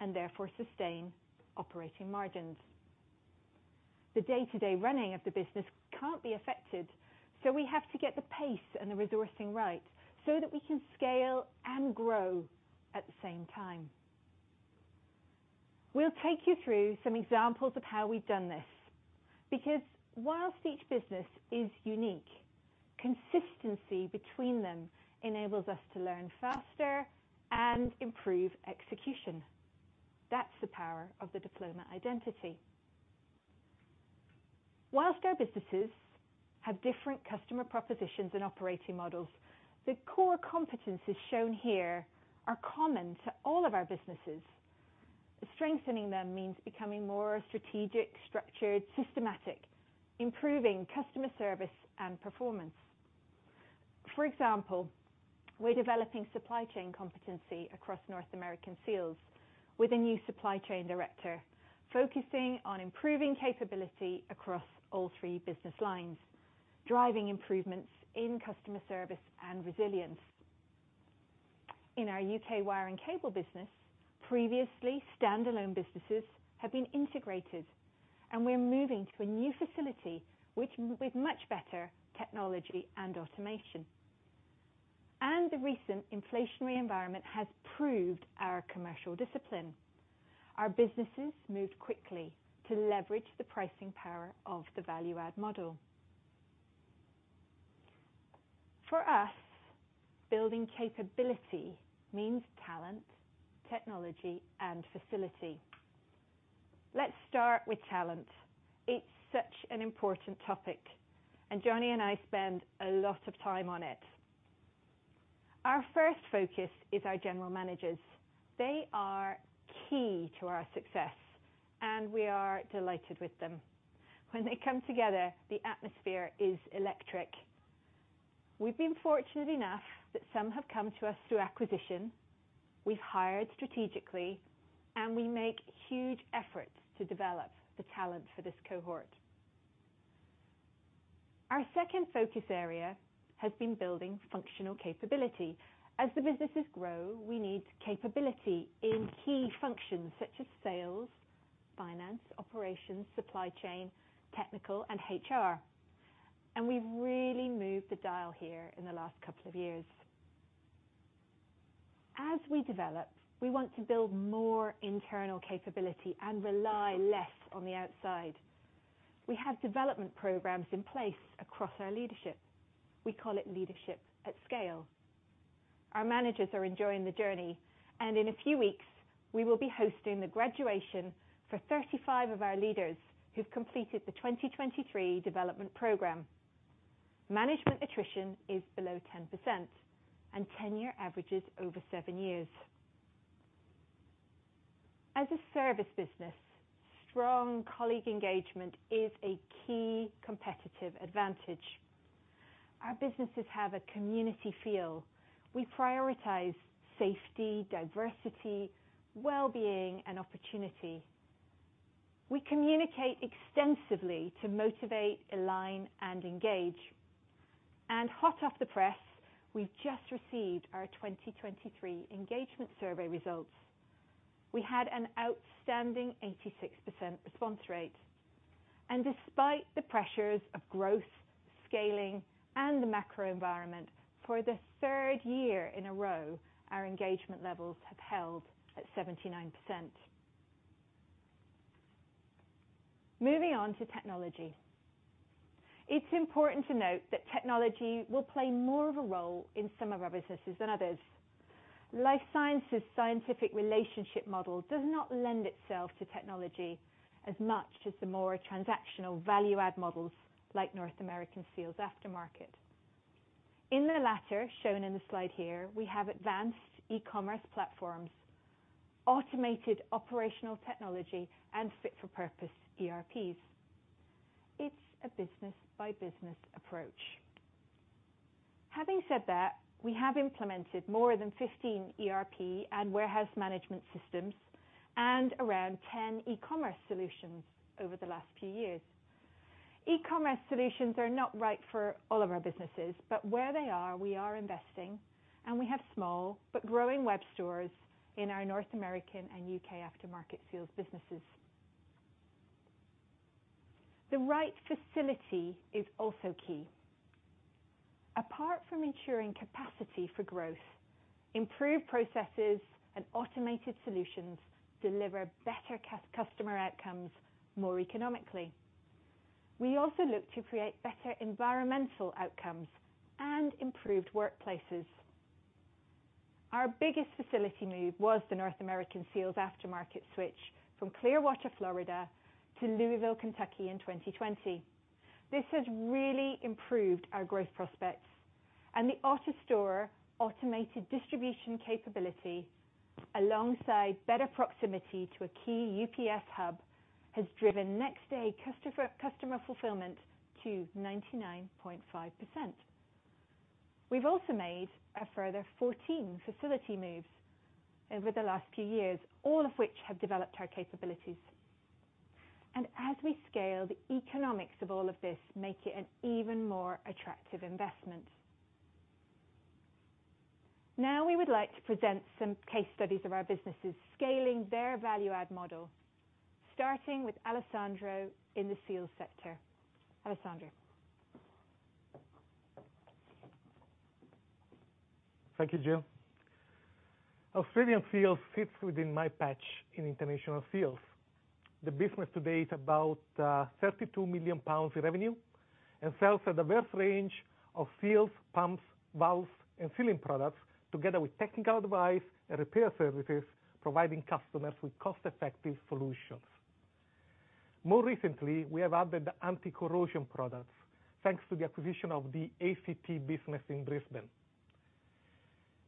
and therefore sustain operating margins. The day-to-day running of the business can't be affected, so we have to get the pace and the resourcing right so that we can scale and grow at the same time. We'll take you through some examples of how we've done this, because while each business is unique, consistency between them enables us to learn faster and improve execution. That's the power of the Diploma identity. While our businesses have different customer propositions and operating models, the core competencies shown here are common to all of our businesses. Strengthening them means becoming more strategic, structured, systematic, improving customer service and performance. For example, we're developing supply chain competency across North American Seals with a new supply chain director, focusing on improving capability across all three business lines, driving improvements in customer service and resilience. In our U.K. wire and cable business, previously standalone businesses have been integrated, and we're moving to a new facility, which, with much better technology and automation. The recent inflationary environment has proved our commercial discipline. Our businesses moved quickly to leverage the pricing power of the value-add model. For us, building capability means talent, technology, and facility. Let's start with talent. It's such an important topic, and Johnny and I spend a lot of time on it. Our first focus is our general managers. They are key to our success, and we are delighted with them. When they come together, the atmosphere is electric. We've been fortunate enough that some have come to us through acquisition, we've hired strategically, and we make huge efforts to develop the talent for this cohort. Our second focus area has been building functional capability. As the businesses grow, we need capability in key functions such as sales, finance, operations, supply chain, technical, and HR, and we've really moved the dial here in the last couple of years. As we develop, we want to build more internal capability and rely less on the outside. We have development programs in place across our leadership. We call it Leadership at Scale. Our managers are enjoying the journey, and in a few weeks, we will be hosting the graduation for 35 of our leaders who've completed the 2023 development program. Management attrition is below 10%, and tenure average is over seven years. As a service business, strong colleague engagement is a key competitive advantage. Our businesses have a community feel. We prioritize safety, diversity, well-being, and opportunity. We communicate extensively to motivate, align, and engage. Hot off the press, we just received our 2023 engagement survey results. We had an outstanding 86% response rate. Despite the pressures of growth, scaling, and the macro environment, for the third year in a row, our engagement levels have held at 79%. Moving on to technology. It's important to note that technology will play more of a role in some of our businesses than others. Life Sciences scientific relationship model does not lend itself to technology as much as the more transactional value-add models, like North American Seals Aftermarket. In the latter, shown in the slide here, we have advanced e-commerce platforms, automated operational technology, and fit-for-purpose ERPs. It's a business-by-business approach. Having said that, we have implemented more than 15 ERP and warehouse management systems, and around 10 e-commerce solutions over the last few years. E-commerce solutions are not right for all of our businesses, but where they are, we are investing, and we have small, but growing web stores in our North American and U.K. aftermarket seals businesses. The right facility is also key. Apart from ensuring capacity for growth, improved processes and automated solutions deliver better customer outcomes more economically. We also look to create better environmental outcomes and improved workplaces. Our biggest facility move was the North American Seals Aftermarket switch from Clearwater, Florida, to Louisville, Kentucky, in 2020. This has really improved our growth prospects, and the Artestor automated distribution capability, alongside better proximity to a key UPS hub, has driven next-day customer fulfillment to 99.5%. We've also made a further 14 facility moves over the last few years, all of which have developed our capabilities. As we scale, the economics of all of this make it an even more attractive investment. Now, we would like to present some case studies of our businesses, scaling their value-add model, starting with Alessandro in the seals sector. Alessandro? Thank you, Jill. Australian Seals fits within my patch in International Seals. The business today is about 32 million pounds in revenue and sells a diverse range of seals, pumps, valves, and sealing products, together with technical advice and repair services, providing customers with cost-effective solutions. More recently, we have added the anti-corrosion products, thanks to the acquisition of the ACT business in Brisbane.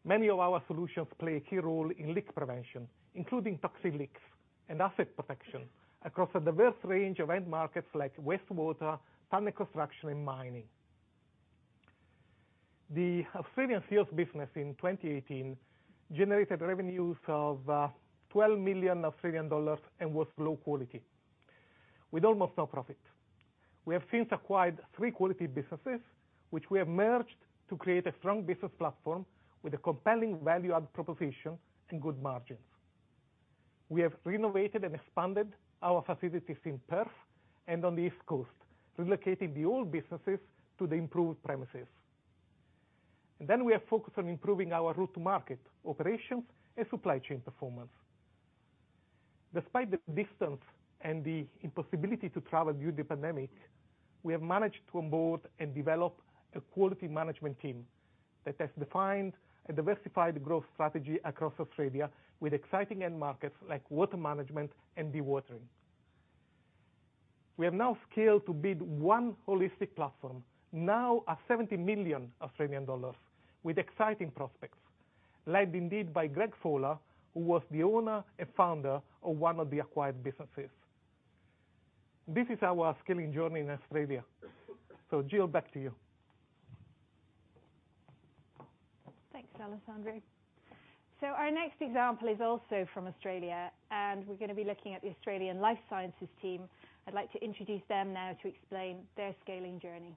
Many of our solutions play a key role in leak prevention, including toxic leaks and asset protection across a diverse range of end markets, like wastewater, tunnel construction, and mining. The Australian Seals business in 2018 generated revenues of 12 million Australian dollars and was low quality.... with almost no profit. We have since acquired three quality businesses, which we have merged to create a strong business platform with a compelling value-add proposition and good margins. We have renovated and expanded our facilities in Perth and on the East Coast, relocating the old businesses to the improved premises. We are focused on improving our route to market, operations, and supply chain performance. Despite the distance and the impossibility to travel due to the pandemic, we have managed to onboard and develop a quality management team that has defined a diversified growth strategy across Australia with exciting end markets like water management and dewatering. We are now scaled to be one holistic platform, now at 70 million Australian dollars, with exciting prospects, led indeed by Greg Fowler, who was the owner and founder of one of the acquired businesses. This is our scaling journey in Australia. Jill, back to you. Thanks, Alessandro. Our next example is also from Australia. We're gonna be looking at the Australian Life Sciences team. I'd like to introduce them now to explain their scaling journey.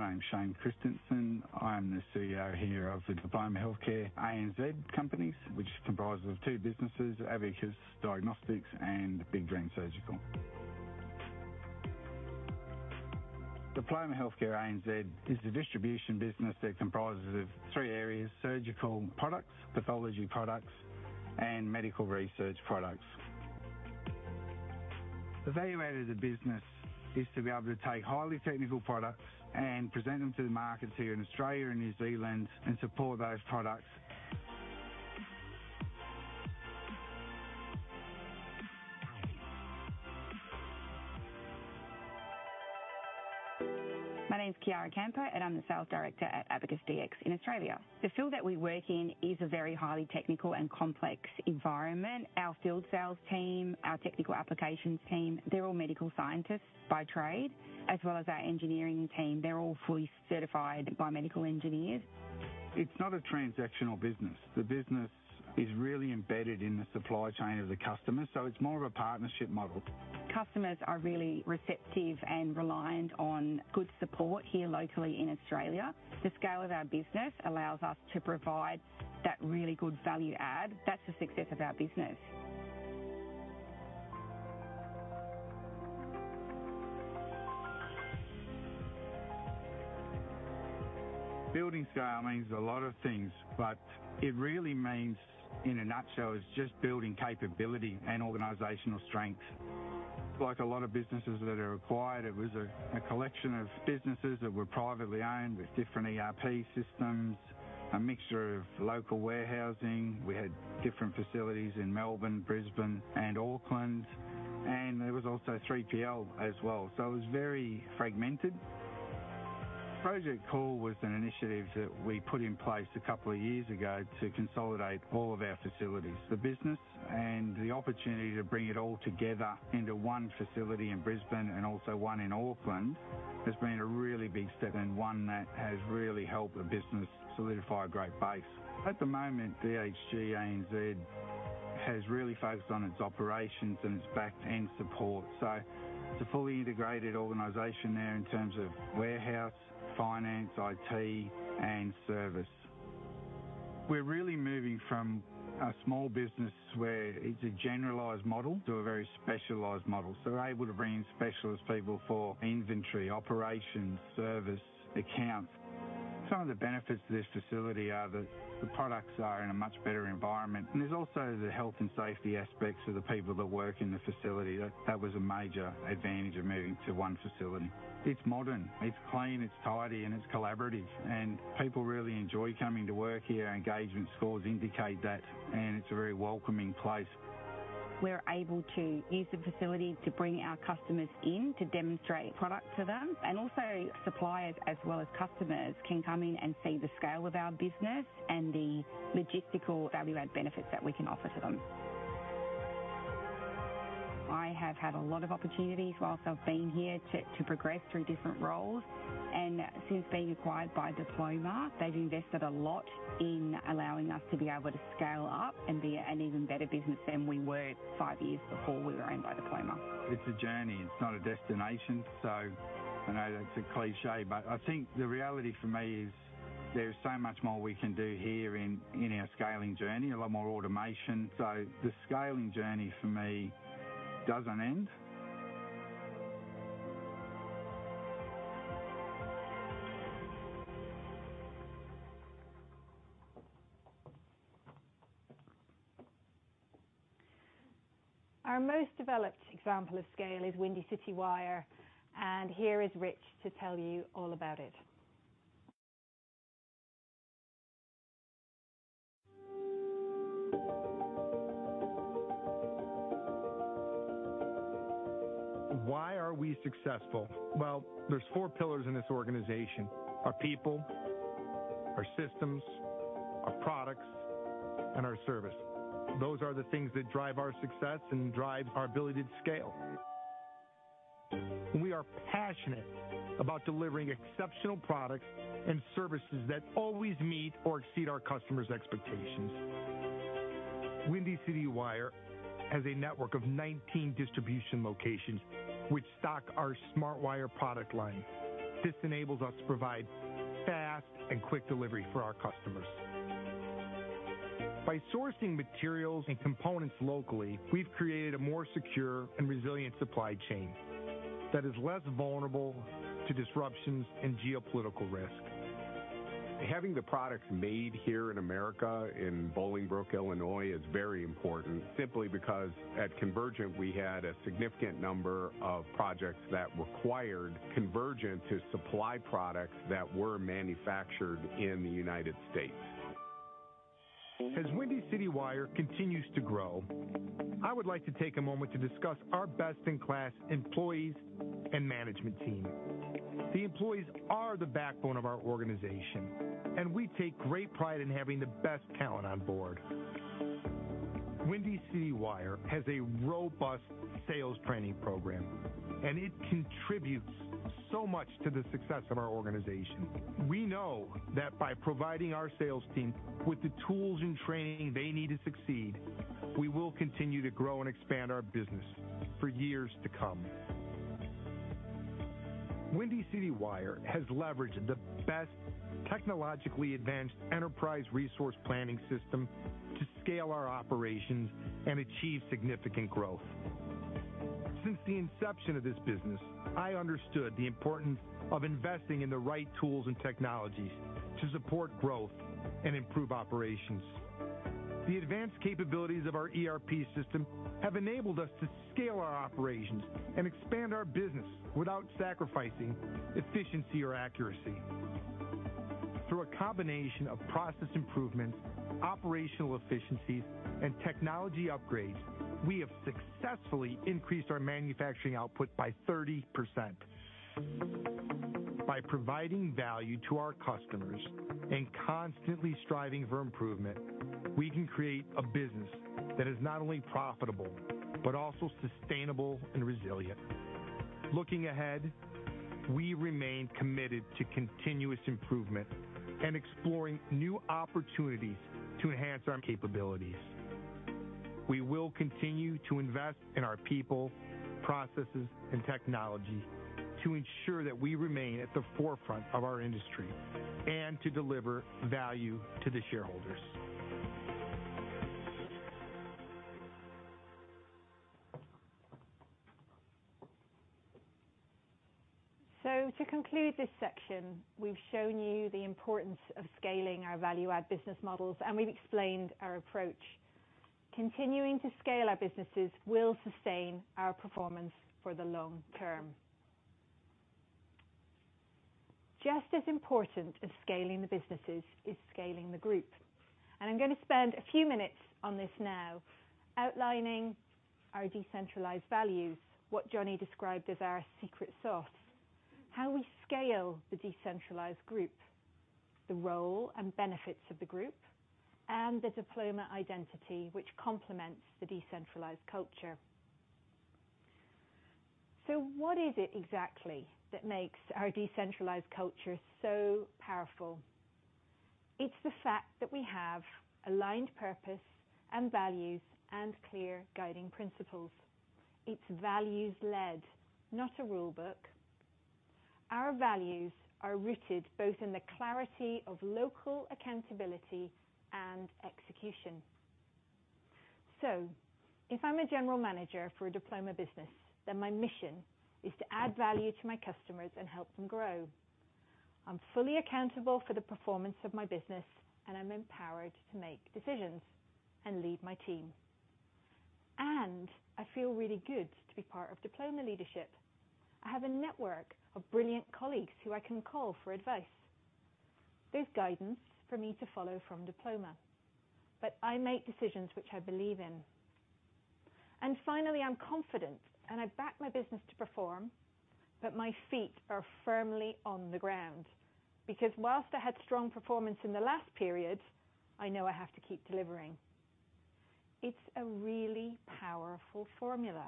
My name is Shane Christensen. I'm the CEO here of the Diploma Healthcare ANZ companies, which comprises of two businesses, Abacus Diagnostics and Big Green Surgical. Diploma Healthcare ANZ is a distribution business that comprises of three areas: surgical products, pathology products, and medical research products. The value out of the business is to be able to take highly technical products and present them to the markets here in Australia and New Zealand and support those products. My name is Kiara Kempa. I'm the sales director at Abacus dx in Australia. The field that we work in is a very highly technical and complex environment. Our field sales team, our technical applications team, they're all medical scientists by trade, as well as our engineering team. They're all fully certified by medical engineers. It's not a transactional business. The business is really embedded in the supply chain of the customer. It's more of a partnership model. Customers are really receptive and reliant on good support here locally in Australia. The scale of our business allows us to provide that really good value add. That's the success of our business. Building scale means a lot of things, but it really means, in a nutshell, is just building capability and organizational strength. Like a lot of businesses that are acquired, it was a collection of businesses that were privately owned with different ERP systems, a mixture of local warehousing. We had different facilities in Melbourne, Brisbane, and Auckland, and there was also 3PL as well, so it was very fragmented. Project Coil was an initiative that we put in place a couple of years ago to consolidate all of our facilities. The business and the opportunity to bring it all together into one facility in Brisbane and also one in Auckland has been a really big step and one that has really helped the business solidify a great base. At the moment, DHG ANZ has really focused on its operations and its back end support, so it's a fully integrated organization there in terms of warehouse, finance, IT, and service. We're really moving from a small business where it's a generalized model to a very specialized model, so we're able to bring in specialist people for inventory, operations, service, accounts. Some of the benefits to this facility are that the products are in a much better environment, and there's also the health and safety aspects of the people that work in the facility. That was a major advantage of moving to one facility. It's modern, it's clean, it's tidy, and it's collaborative, and people really enjoy coming to work here. Our engagement scores indicate that, and it's a very welcoming place. We're able to use the facility to bring our customers in, to demonstrate products to them, and also suppliers as well as customers can come in and see the scale of our business and the logistical value-add benefits that we can offer to them. I have had a lot of opportunities while I've been here to progress through different roles. Since being acquired by Diploma, they've invested a lot in allowing us to be able to scale up and be an even better business than we were five years before we were owned by Diploma. It's a journey. It's not a destination. I know that's a cliche, but I think the reality for me is there's so much more we can do here in our scaling journey. A lot more automation. The scaling journey for me doesn't end. Our most developed example of scale is Windy City Wire, and here is Rich to tell you all about it. Why are we successful? Well, there's four pillars in this organization: our people, our systems, our products, and our service. Those are the things that drive our success and drive our ability to scale. We are passionate about delivering exceptional products and services that always meet or exceed our customers' expectations. Windy City Wire has a network of 19 distribution locations which stock our SmartWire product line. This enables us to provide fast and quick delivery for our customers. By sourcing materials and components locally, we've created a more secure and resilient supply chain that is less vulnerable to disruptions and geopolitical risk. Having the products made here in America, in Bolingbrook, Illinois, is very important simply because at Convergint, we had a significant number of projects that required Convergint to supply products that were manufactured in the United States. As Windy City Wire continues to grow, I would like to take a moment to discuss our best-in-class employees and management team. The employees are the backbone of our organization, and we take great pride in having the best talent on board. Windy City Wire has a robust sales training program, and it contributes so much to the success of our organization. We know that by providing our sales team with the tools and training they need to succeed, we will continue to grow and expand our business for years to come. Windy City Wire has leveraged the best technologically advanced enterprise resource planning system to scale our operations and achieve significant growth. Since the inception of this business, I understood the importance of investing in the right tools and technologies to support growth and improve operations. The advanced capabilities of our ERP system have enabled us to scale our operations and expand our business without sacrificing efficiency or accuracy. Through a combination of process improvements, operational efficiencies, and technology upgrades, we have successfully increased our manufacturing output by 30%. By providing value to our customers and constantly striving for improvement, we can create a business that is not only profitable but also sustainable and resilient. Looking ahead, we remain committed to continuous improvement and exploring new opportunities to enhance our capabilities. We will continue to invest in our people, processes, and technology to ensure that we remain at the forefront of our industry and to deliver value to the shareholders. To conclude this section, we've shown you the importance of scaling our value-add business models, and we've explained our approach. Continuing to scale our businesses will sustain our performance for the long term. Just as important as scaling the businesses is scaling the group, and I'm going to spend a few minutes on this now, outlining our decentralized values, what Johnny described as our secret sauce, how we scale the decentralized group, the role and benefits of the group, and the Diploma Identity, which complements the decentralized culture. What is it exactly that makes our decentralized culture so powerful? It's the fact that we have aligned purpose and values and clear guiding principles. It's values led, not a rule book. Our values are rooted both in the clarity of local accountability and execution. If I'm a general manager for a Diploma business, then my mission is to add value to my customers and help them grow. I'm fully accountable for the performance of my business, and I'm empowered to make decisions and lead my team. I feel really good to be part of Diploma leadership. I have a network of brilliant colleagues who I can call for advice. There's guidance for me to follow from Diploma, but I make decisions which I believe in. Finally, I'm confident, and I back my business to perform, but my feet are firmly on the ground because whilst I had strong performance in the last period, I know I have to keep delivering. It's a really powerful formula.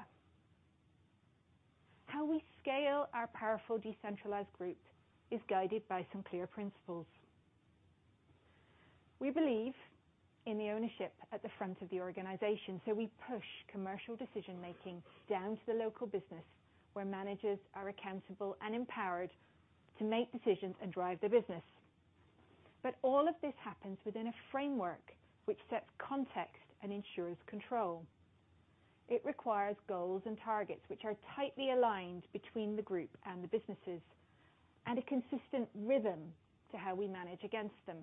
How we scale our powerful, decentralized group is guided by some clear principles. We believe in the ownership at the front of the organization. We push commercial decision-making down to the local business, where managers are accountable and empowered to make decisions and drive the business. All of this happens within a framework which sets context and ensures control. It requires goals and targets which are tightly aligned between the group and the businesses, and a consistent rhythm to how we manage against them.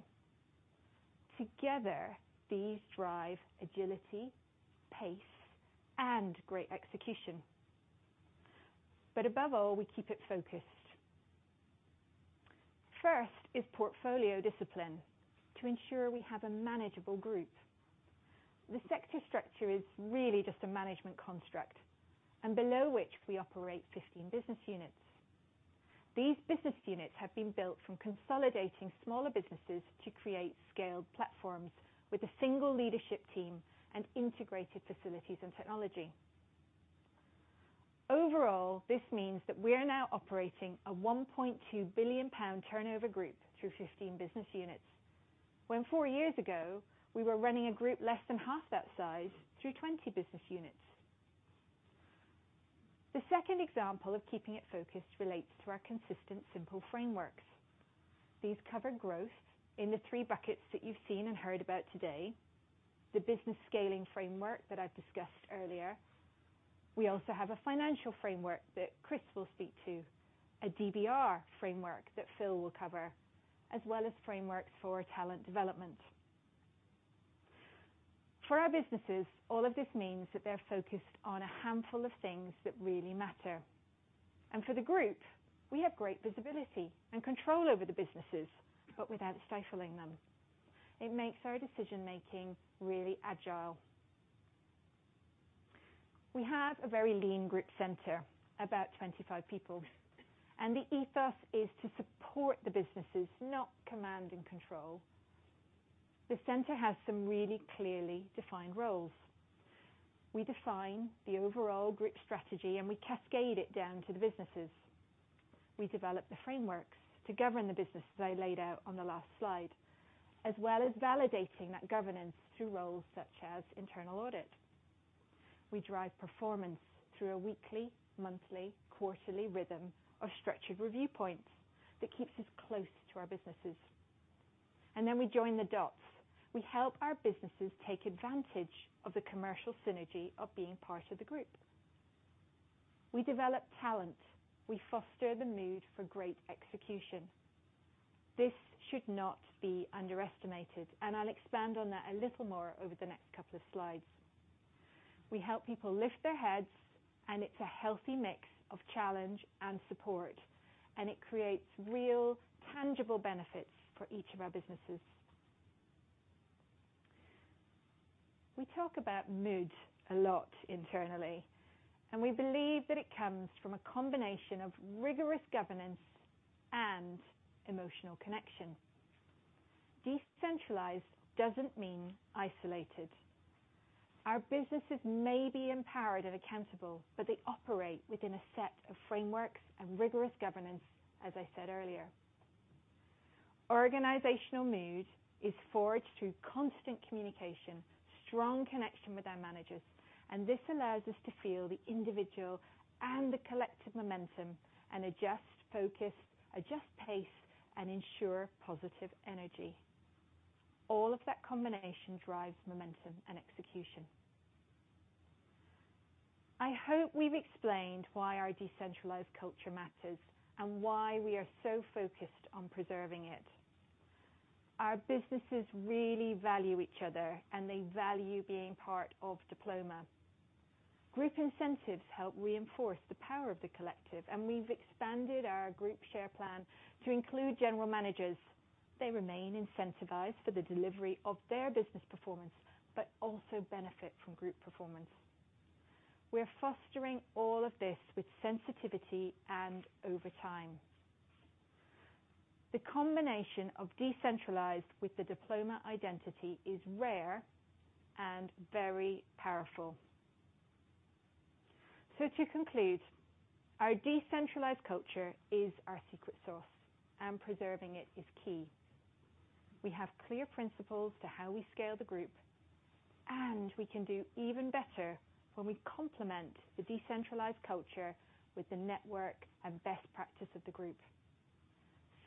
Together, these drive agility, pace, and great execution. Above all, we keep it focused. First is portfolio discipline to ensure we have a manageable group. The sector structure is really just a management construct, and below which we operate 15 business units. These business units have been built from consolidating smaller businesses to create scaled platforms with a single leadership team and integrated facilities and technology. Overall, this means that we are now operating a 1.2 billion pound turnover group through 15 business units. Four years ago, we were running a group less than half that size through 20 business units. The second example of keeping it focused relates to our consistent simple frameworks. These cover growth in the three buckets that you've seen and heard about today, the business scaling framework that I discussed earlier. We also have a financial framework that Chris will speak to, a DVR framework that Phil will cover, as well as frameworks for talent development. For our businesses, all of this means that they're focused on a handful of things that really matter, and for the group, we have great visibility and control over the businesses, but without stifling them. It makes our decision-making really agile. We have a very lean group center, about 25 people, and the ethos is to support the businesses, not command and control. The center has some really clearly defined roles. We define the overall group strategy, and we cascade it down to the businesses. We develop the frameworks to govern the business, as I laid out on the last slide, as well as validating that governance through roles such as internal audit. We drive performance through a weekly, monthly, quarterly rhythm of structured review points that keeps us close to our businesses. We join the dots. We help our businesses take advantage of the commercial synergy of being part of the group. We develop talent. We foster the mood for great execution. This should not be underestimated, and I'll expand on that a little more over the next couple of slides. We help people lift their heads, and it's a healthy mix of challenge and support, and it creates real, tangible benefits for each of our businesses. We talk about mood a lot internally, and we believe that it comes from a combination of rigorous governance and emotional connection. Decentralized doesn't mean isolated. Our businesses may be empowered and accountable, but they operate within a set of frameworks and rigorous governance, as I said earlier. Organizational mood is forged through constant communication, strong connection with our managers, and this allows us to feel the individual and the collective momentum and adjust focus, adjust pace, and ensure positive energy. All of that combination drives momentum and execution. I hope we've explained why our decentralized culture matters and why we are so focused on preserving it. Our businesses really value each other, and they value being part of Diploma. Group incentives help reinforce the power of the collective, and we've expanded our group share plan to include general managers. They remain incentivized for the delivery of their business performance, but also benefit from group performance. We're fostering all of this with sensitivity and over time. The combination of decentralized with the Diploma identity is rare and very powerful. To conclude, our decentralized culture is our secret sauce, and preserving it is key. We have clear principles to how we scale the group, and we can do even better when we complement the decentralized culture with the network and best practice of the group.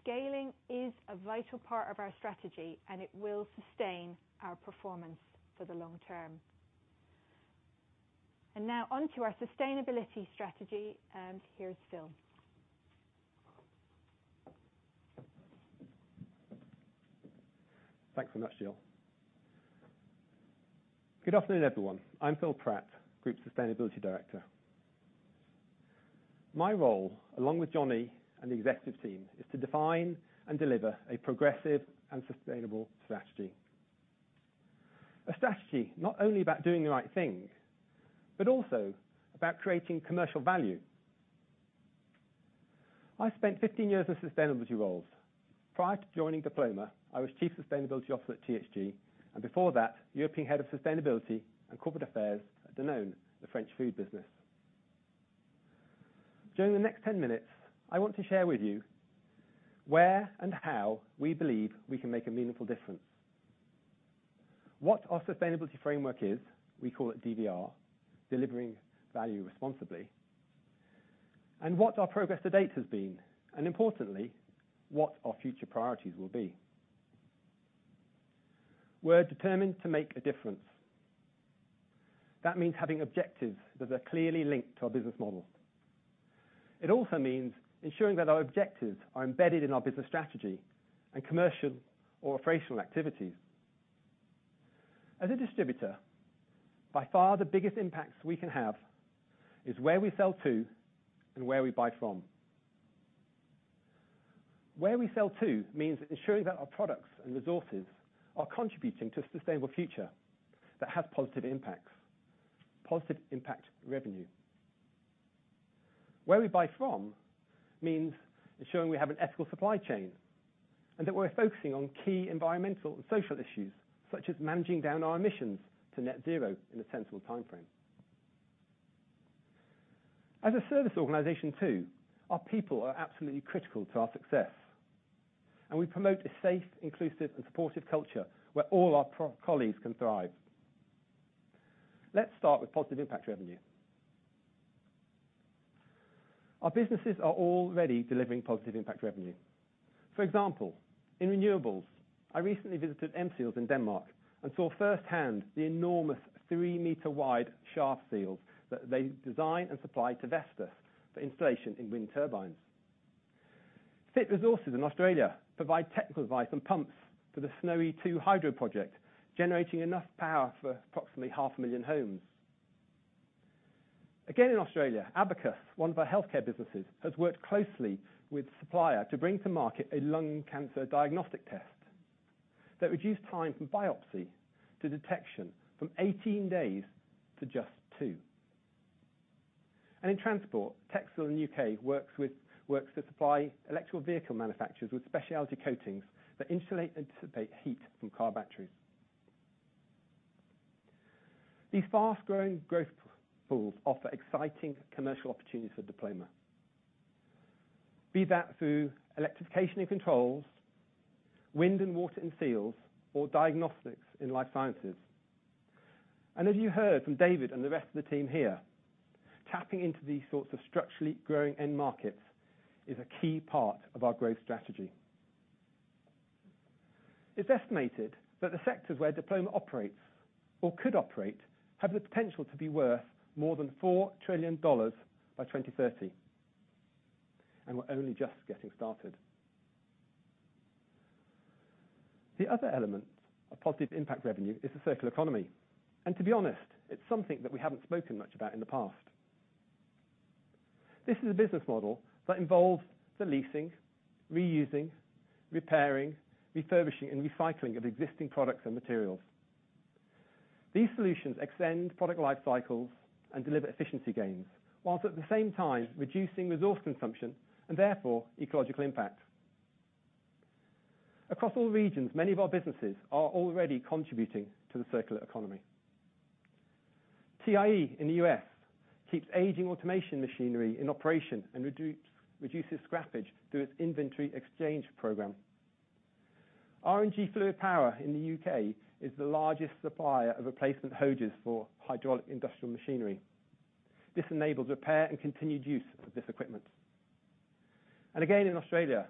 Scaling is a vital part of our strategy, and it will sustain our performance for the long term. Now on to our sustainability strategy, and here's Phil. Thanks for that, Jill. Good afternoon, everyone. I'm Phil Pratt, Group Sustainability Director. My role, along with Johnny Thomson and the executive team, is to define and deliver a progressive and sustainable strategy. A strategy not only about doing the right thing, but also about creating commercial value. I spent 15 years in sustainability roles. Prior to joining Diploma, I was Chief Sustainability Officer at THG. Before that, European Head of Sustainability and Corporate Affairs at Danone, the French food business. During the next 10 minutes, I want to share with you where and how we believe we can make a meaningful difference. What our sustainability framework is, we call it DVR, Delivering Value Responsibly. What our progress to date has been, and importantly, what our future priorities will be. We're determined to make a difference. That means having objectives that are clearly linked to our business model. It also means ensuring that our objectives are embedded in our business strategy and commercial or operational activities. As a distributor, by far the biggest impacts we can have is where we sell to and where we buy from. Where we sell to means ensuring that our products and resources are contributing to a sustainable future that has positive impacts, positive impact revenue. Where we buy from means ensuring we have an ethical supply chain, and that we're focusing on key environmental and social issues, such as managing down our emissions to net zero in a sensible timeframe. As a service organization, too, our people are absolutely critical to our success, and we promote a safe, inclusive, and supportive culture where all our colleagues can thrive. Let's start with positive impact revenue. Our businesses are already delivering positive impact revenue. For example, in renewables, I recently visited M Seals in Denmark and saw firsthand the enormous 3 m wide shaft seals that they design and supply to Vestas for installation in wind turbines. Fit Resources in Australia provide technical advice and pumps for the Snowy 2.0 hydro project, generating enough power for approximately half a million homes. Again, in Australia, Abacus, one of our healthcare businesses, has worked closely with supplier to bring to market a lung cancer diagnostic test that reduced time from biopsy to detection from 18 days to just two. In transport, TECHSiL in the U.K. works to supply electric vehicle manufacturers with specialty coatings that insulate and dissipate heat from car batteries. These fast-growing growth pools offer exciting commercial opportunities for Diploma, be that through electrification and controls, wind and water and seals, or diagnostics in life sciences. As you heard from David and the rest of the team here, tapping into these sorts of structurally growing end markets is a key part of our growth strategy. It's estimated that the sectors where Diploma operates or could operate have the potential to be worth more than $4 trillion by 2030, and we're only just getting started. The other element of positive impact revenue is the circular economy, and to be honest, it's something that we haven't spoken much about in the past. This is a business model that involves the leasing, reusing, repairing, refurbishing, and recycling of existing products and materials. These solutions extend product life cycles and deliver efficiency gains, while at the same time reducing resource consumption and therefore ecological impact. Across all regions, many of our businesses are already contributing to the circular economy. TIE in the U.S. keeps aging automation machinery in operation and reduces scrappage through its inventory exchange program. R&G Fluid Power in the U.K. is the largest supplier of replacement hoses for hydraulic industrial machinery. This enables repair and continued use of this equipment. Again, in Australia,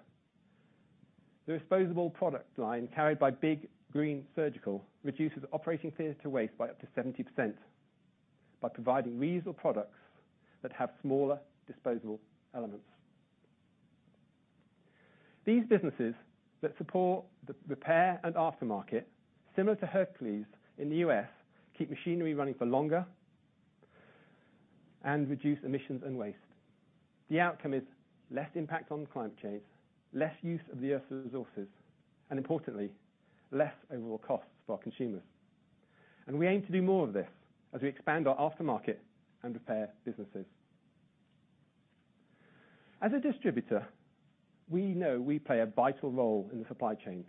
the disposable product line carried by Big Green Surgical reduces operating theater waste by up to 70%, by providing reusable products that have smaller disposable elements. These businesses that support the repair and aftermarket, similar to Hercules in the U.S., keep machinery running for longer and reduce emissions and waste. The outcome is less impact on climate change, less use of the earth's resources, and importantly, less overall costs for consumers. We aim to do more of this as we expand our aftermarket and repair businesses. As a distributor, we know we play a vital role in the supply chain,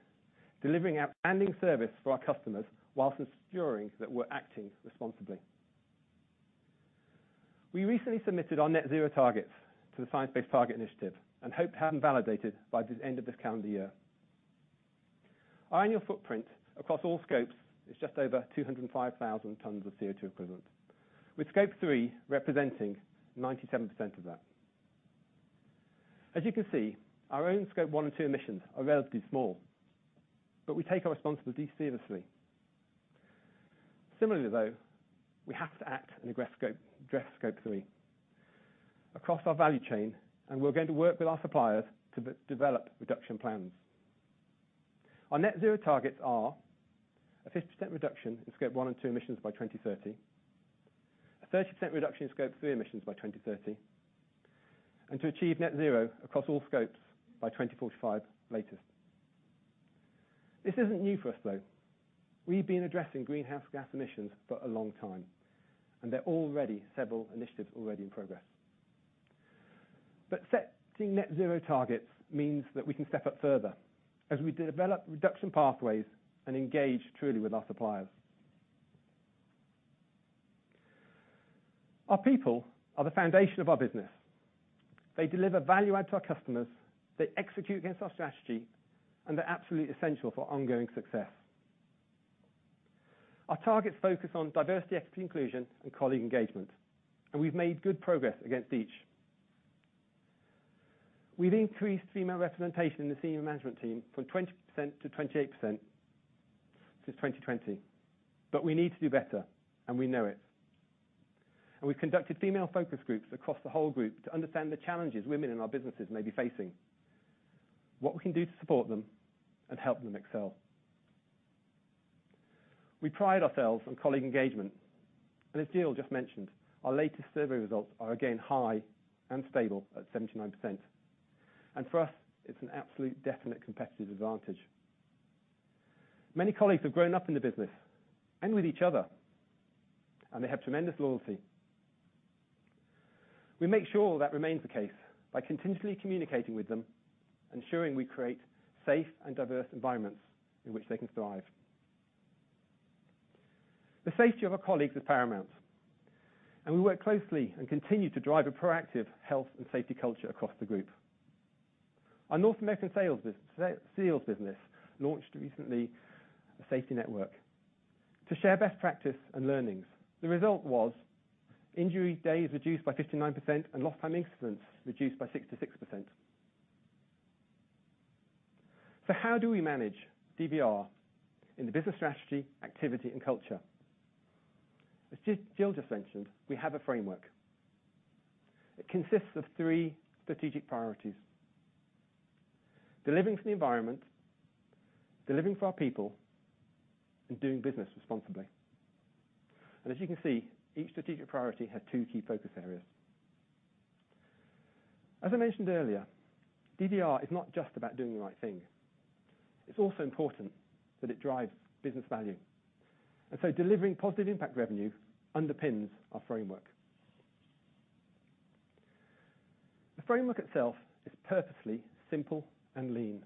delivering outstanding service for our customers while ensuring that we're acting responsibly. We recently submitted our net zero targets to the Science Based Targets initiative, hope to have them validated by the end of this calendar year. Our annual footprint across all scopes is just over 205,000 tons of CO2 equivalent, with Scope 3 representing 97% of that. As you can see, our own Scope 1 and 2 emissions are relatively small, we take our responsibilities seriously. Similarly, though, we have to act and address Scope 3 across our value chain, we're going to work with our suppliers to develop reduction plans. Our net zero targets are: a 50% reduction in Scope 1 and 2 emissions by 2030, a 30% reduction in Scope 3 emissions by 2030, and to achieve net zero across all scopes by 2045 latest. This isn't new for us, though. We've been addressing greenhouse gas emissions for a long time. There are already several initiatives in progress. Setting net zero targets means that we can step up further as we develop reduction pathways and engage truly with our suppliers. Our people are the foundation of our business. They deliver value add to our customers, they execute against our strategy, and they're absolutely essential for ongoing success. Our targets focus on diversity, equity, inclusion, and colleague engagement, and we've made good progress against each. We've increased female representation in the senior management team from 20% to 28% since 2020. We need to do better, and we know it. We've conducted female focus groups across the whole group to understand the challenges women in our businesses may be facing, what we can do to support them, and help them excel. We pride ourselves on colleague engagement. As Jill just mentioned, our latest survey results are again, high and stable at 79%. For us, it's an absolute definite competitive advantage. Many colleagues have grown up in the business and with each other, and they have tremendous loyalty. We make sure that remains the case by continuously communicating with them, ensuring we create safe and diverse environments in which they can thrive. The safety of our colleagues is paramount, and we work closely and continue to drive a proactive health and safety culture across the group. Our North American seals business launched recently a safety network to share best practice and learnings. The result was injury days reduced by 59% and lost time incidents reduced by 66%. How do we manage DVR in the business strategy, activity, and culture? As Jill just mentioned, we have a framework. It consists of 3 strategic priorities: delivering for the environment, delivering for our people, and doing business responsibly. As you can see, each strategic priority has two key focus areas. As I mentioned earlier, DVR is not just about doing the right thing, it's also important that it drives business value. Delivering positive impact revenue underpins our framework. The framework itself is purposely simple and lean,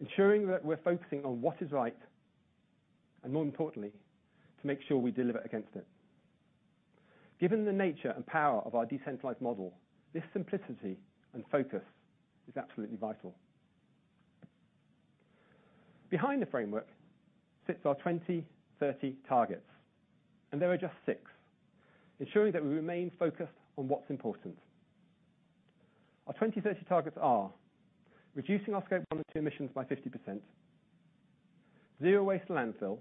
ensuring that we're focusing on what is right, and more importantly, to make sure we deliver against it. Given the nature and power of our decentralized model, this simplicity and focus is absolutely vital. Behind the framework sits our 2030 targets. There are just six, ensuring that we remain focused on what's important. Our 2030 targets are: reducing our Scope 1 and 2 emissions by 50%, zero waste to landfill,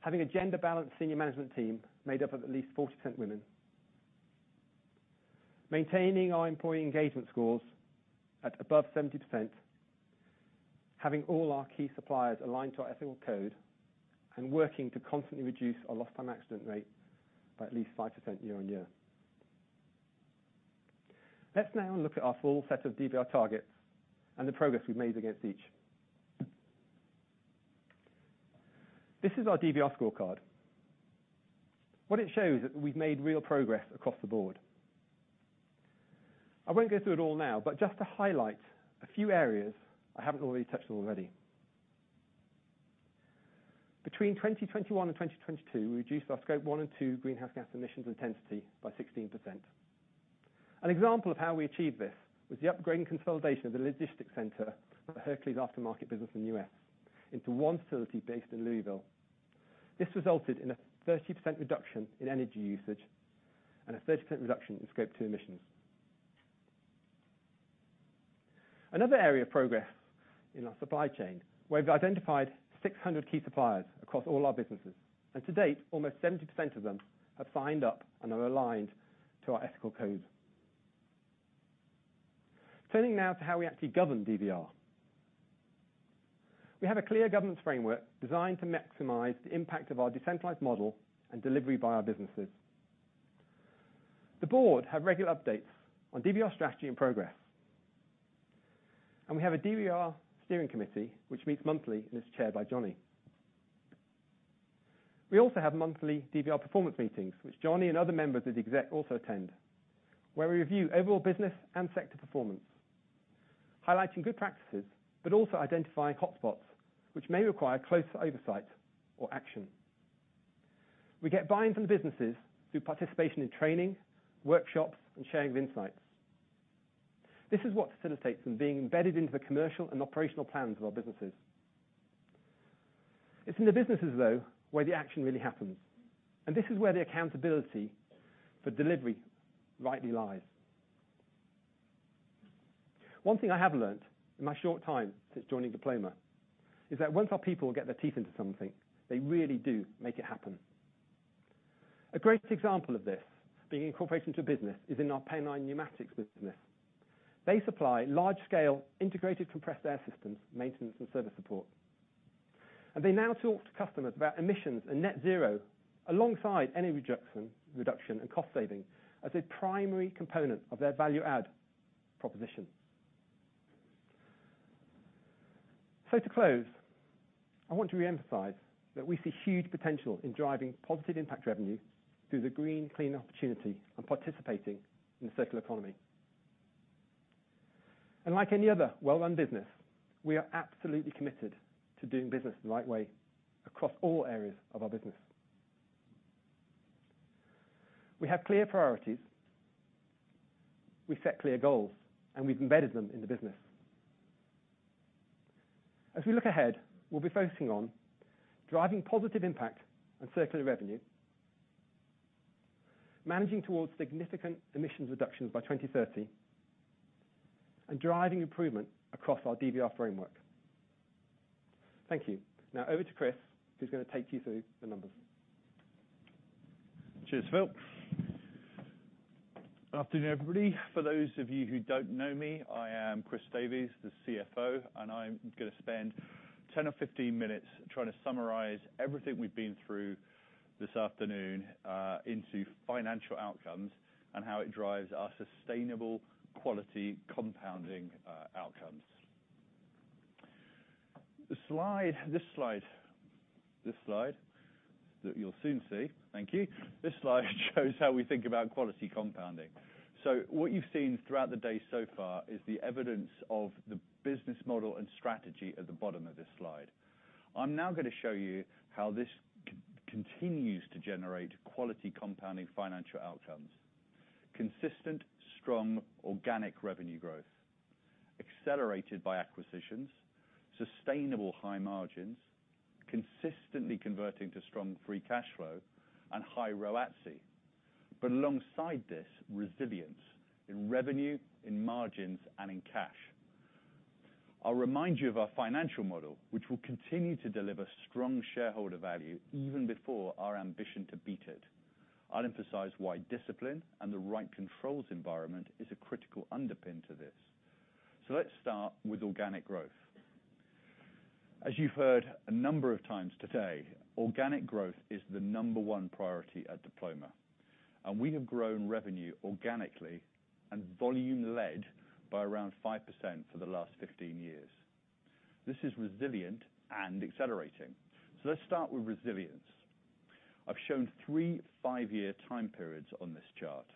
having a gender-balanced senior management team made up of at least 40% women, maintaining our employee engagement scores at above 70%, having all our key suppliers aligned to our ethical code, working to constantly reduce our lost time accident rate by at least 5% year-on-year. Let's now look at our full set of DVR targets and the progress we've made against each. This is our DVR scorecard. What it shows is that we've made real progress across the board. I won't go through it all now, but just to highlight a few areas I haven't already touched on already. Between 2021 and 2022, we reduced our Scope 1 and 2 greenhouse gas emissions intensity by 16%. An example of how we achieved this was the upgrade and consolidation of the logistics center for Hercules Aftermarket business in the U.S. into one facility based in Louisville. This resulted in a 30% reduction in energy usage and a 30% reduction in Scope 2 emissions. Another area of progress in our supply chain, we've identified 600 key suppliers across all our businesses, and to date, almost 70% of them have signed up and are aligned to our ethical code. Turning now to how we actually govern DVR. We have a clear governance framework designed to maximize the impact of our decentralized model and delivery by our businesses. The board have regular updates on DVR strategy and progress. We have a DVR steering committee, which meets monthly and is chaired by Johnny. We also have monthly DVR performance meetings, which Johnny and other members of the exec also attend, where we review overall business and sector performance, highlighting good practices, also identifying hotspots which may require closer oversight or action. We get buy-in from businesses through participation in training, workshops, and sharing of insights. This is what facilitates them being embedded into the commercial and operational plans of our businesses. It's in the businesses, though, where the action really happens. This is where the accountability for delivery rightly lies. One thing I have learned in my short time since joining Diploma, is that once our people get their teeth into something, they really do make it happen. A great example of this being incorporated into a business is in our Pennine Pneumatics business. They supply large-scale integrated compressed air systems, maintenance, and service support. They now talk to customers about emissions and net zero, alongside any rejection, reduction and cost saving as a primary component of their value add proposition. To close, I want to reemphasize that we see huge potential in driving positive impact revenue through the green, clean opportunity and participating in the circular economy. Like any other well-run business, we are absolutely committed to doing business the right way across all areas of our business. We have clear priorities, we set clear goals, and we've embedded them in the business. As we look ahead, we'll be focusing on driving positive impact and circular revenue. Managing towards significant emissions reductions by 2030, and driving improvement across our DVR framework. Thank you. Over to Chris, who's going to take you through the numbers. Cheers, Phil. Afternoon, everybody. For those of you who don't know me, I am Chris Davies, the CFO, and I'm going to spend 10 or 15 minutes trying to summarize everything we've been through this afternoon into financial outcomes and how it drives our sustainable quality compounding outcomes. This slide that you'll soon see. Thank you. This slide shows how we think about quality compounding. What you've seen throughout the day so far is the evidence of the business model and strategy at the bottom of this slide. I'm now going to show you how this continues to generate quality compounding financial outcomes. Consistent, strong, organic revenue growth, accelerated by acquisitions, sustainable high margins, consistently converting to strong free cash flow and high ROACE. Alongside this, resilience in revenue, in margins, and in cash. I'll remind you of our financial model, which will continue to deliver strong shareholder value even before our ambition to beat it. I'll emphasize why discipline and the right controls environment is a critical underpin to this. Let's start with organic growth. As you've heard a number of times today, organic growth is the number one priority at Diploma, and we have grown revenue organically and volume-led by around 5% for the last 15 years. This is resilient and accelerating. Let's start with resilience. I've shown three five-year time periods on this chart.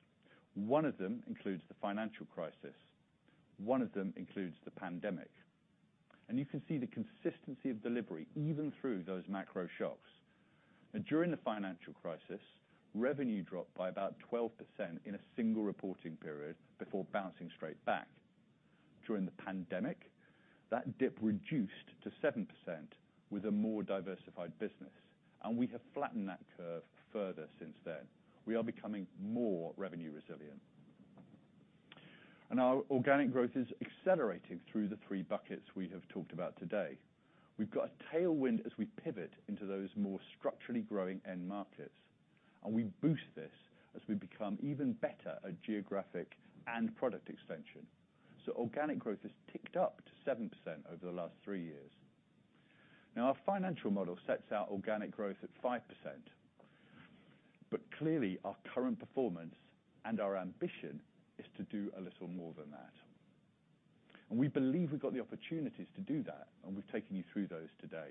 One of them includes the financial crisis. One of them includes the pandemic, and you can see the consistency of delivery, even through those macro shocks. During the financial crisis, revenue dropped by about 12% in a single reporting period before bouncing straight back. During the pandemic, that dip reduced to 7% with a more diversified business, and we have flattened that curve further since then. We are becoming more revenue resilient. Our organic growth is accelerating through the three buckets we have talked about today. We've got a tailwind as we pivot into those more structurally growing end markets, and we boost this as we become even better at geographic and product extension. Organic growth has ticked up to 7% over the last three years. Now, our financial model sets out organic growth at 5%, but clearly, our current performance and our ambition is to do a little more than that. We believe we've got the opportunities to do that, and we've taken you through those today.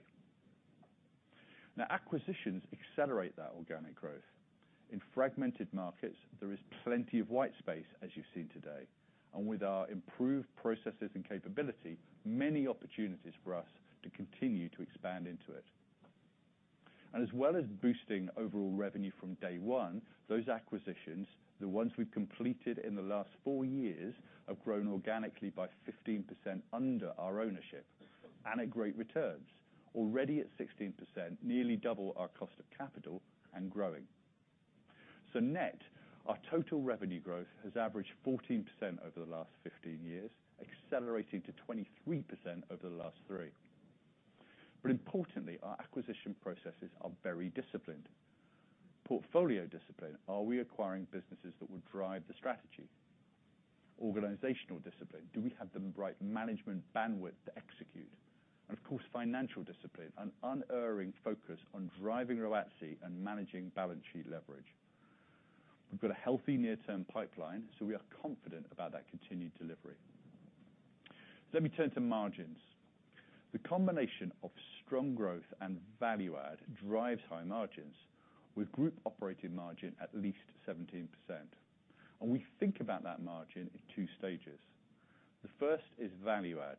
Now, acquisitions accelerate that organic growth. In fragmented markets, there is plenty of white space, as you've seen today, and with our improved processes and capability, many opportunities for us to continue to expand into it. As well as boosting overall revenue from day one, those acquisitions, the ones we've completed in the last four years, have grown organically by 15% under our ownership and at great returns, already at 16%, nearly double our cost of capital and growing. Net, our total revenue growth has averaged 14% over the last 15 years, accelerating to 23% over the last 3. Importantly, our acquisition processes are very disciplined. Portfolio discipline: are we acquiring businesses that will drive the strategy? Organizational discipline: do we have the right management bandwidth to execute? Of course, financial discipline: an unerring focus on driving ROACE and managing balance sheet leverage. We've got a healthy near-term pipeline. We are confident about that continued delivery. Let me turn to margins. The combination of strong growth and value add drives high margins, with group operating margin at least 17%. We think about that margin in two stages. The first is value add.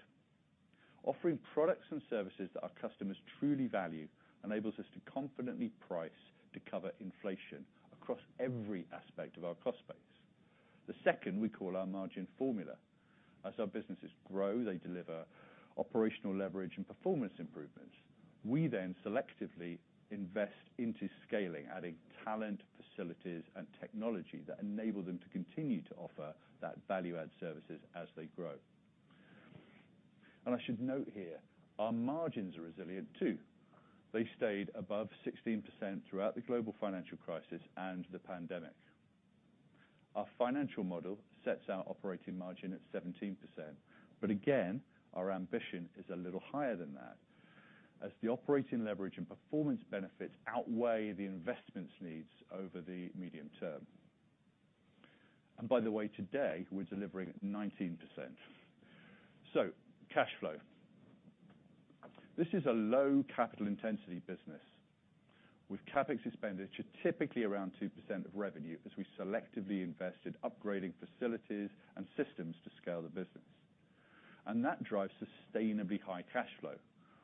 Offering products and services that our customers truly value enables us to confidently price to cover inflation across every aspect of our cost base. The second we call our margin formula. As our businesses grow, they deliver operational leverage and performance improvements. We then selectively invest into scaling, adding talent, facilities, and technology that enable them to continue to offer that value-add services as they grow. I should note here, our margins are resilient too. They stayed above 16% throughout the global financial crisis and the pandemic. Our financial model sets our operating margin at 17%. Again, our ambition is a little higher than that, as the operating leverage and performance benefits outweigh the investments needs over the medium term. By the way, today, we're delivering at 19%. Cash flow. This is a low capital intensity business, with CapEx expenditure typically around 2% of revenue, as we selectively invest in upgrading facilities and systems to scale the business. That drives sustainably high cash flow,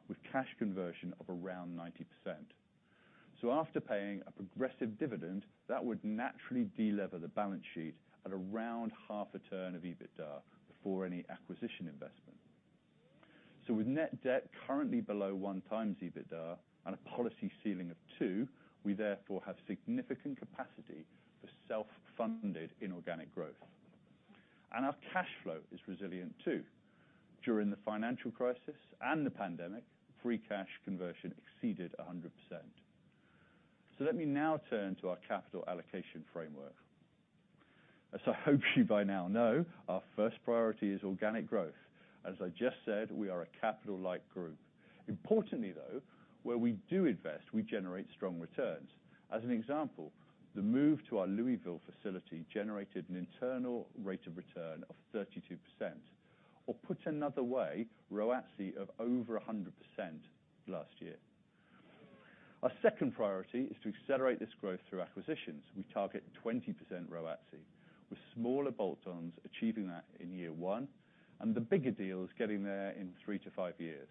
with cash conversion of around 90%. After paying a progressive dividend, that would naturally de-lever the balance sheet at around half a turn of EBITDA before any acquisition investment. With net debt currently below 1x EBITDA and a policy ceiling of 2, we therefore have significant capacity for self-funded inorganic growth. Our cash flow is resilient, too. During the financial crisis and the pandemic, free cash conversion exceeded 100%. Let me now turn to our capital allocation framework. As I hope you by now know, our first priority is organic growth. As I just said, we are a capital-light group. Importantly, though, where we do invest, we generate strong returns. As an example, the move to our Louisville facility generated an internal rate of return of 32%, or put another way, ROACE of over 100% last year. Our second priority is to accelerate this growth through acquisitions. We target 20% ROACE, with smaller bolt-ons achieving that in year one, and the bigger deals getting there in three to five years.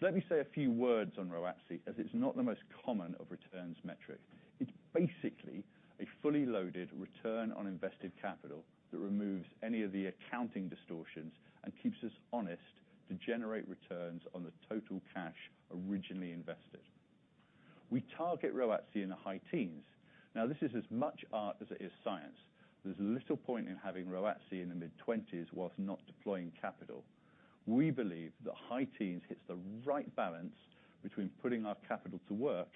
Let me say a few words on ROACE, as it's not the most common of returns metric. It's basically a fully loaded return on invested capital that removes any of the accounting distortions and keeps us honest to generate returns on the total cash originally invested. We target ROACE in the high teens. This is as much art as it is science. There's little point in having ROACE in the mid-twenties whilst not deploying capital. We believe that high teens hits the right balance between putting our capital to work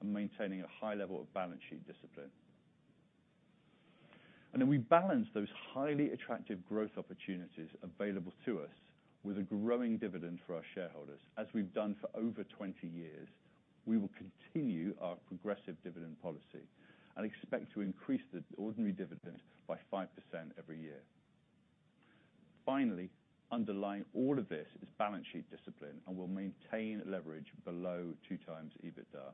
and maintaining a high level of balance sheet discipline. We balance those highly attractive growth opportunities available to us with a growing dividend for our shareholders, as we've done for over 20 years. We will continue our progressive dividend policy and expect to increase the ordinary dividend by 5% every year. Finally, underlying all of this is balance sheet discipline, and we'll maintain leverage below 2x EBITDA.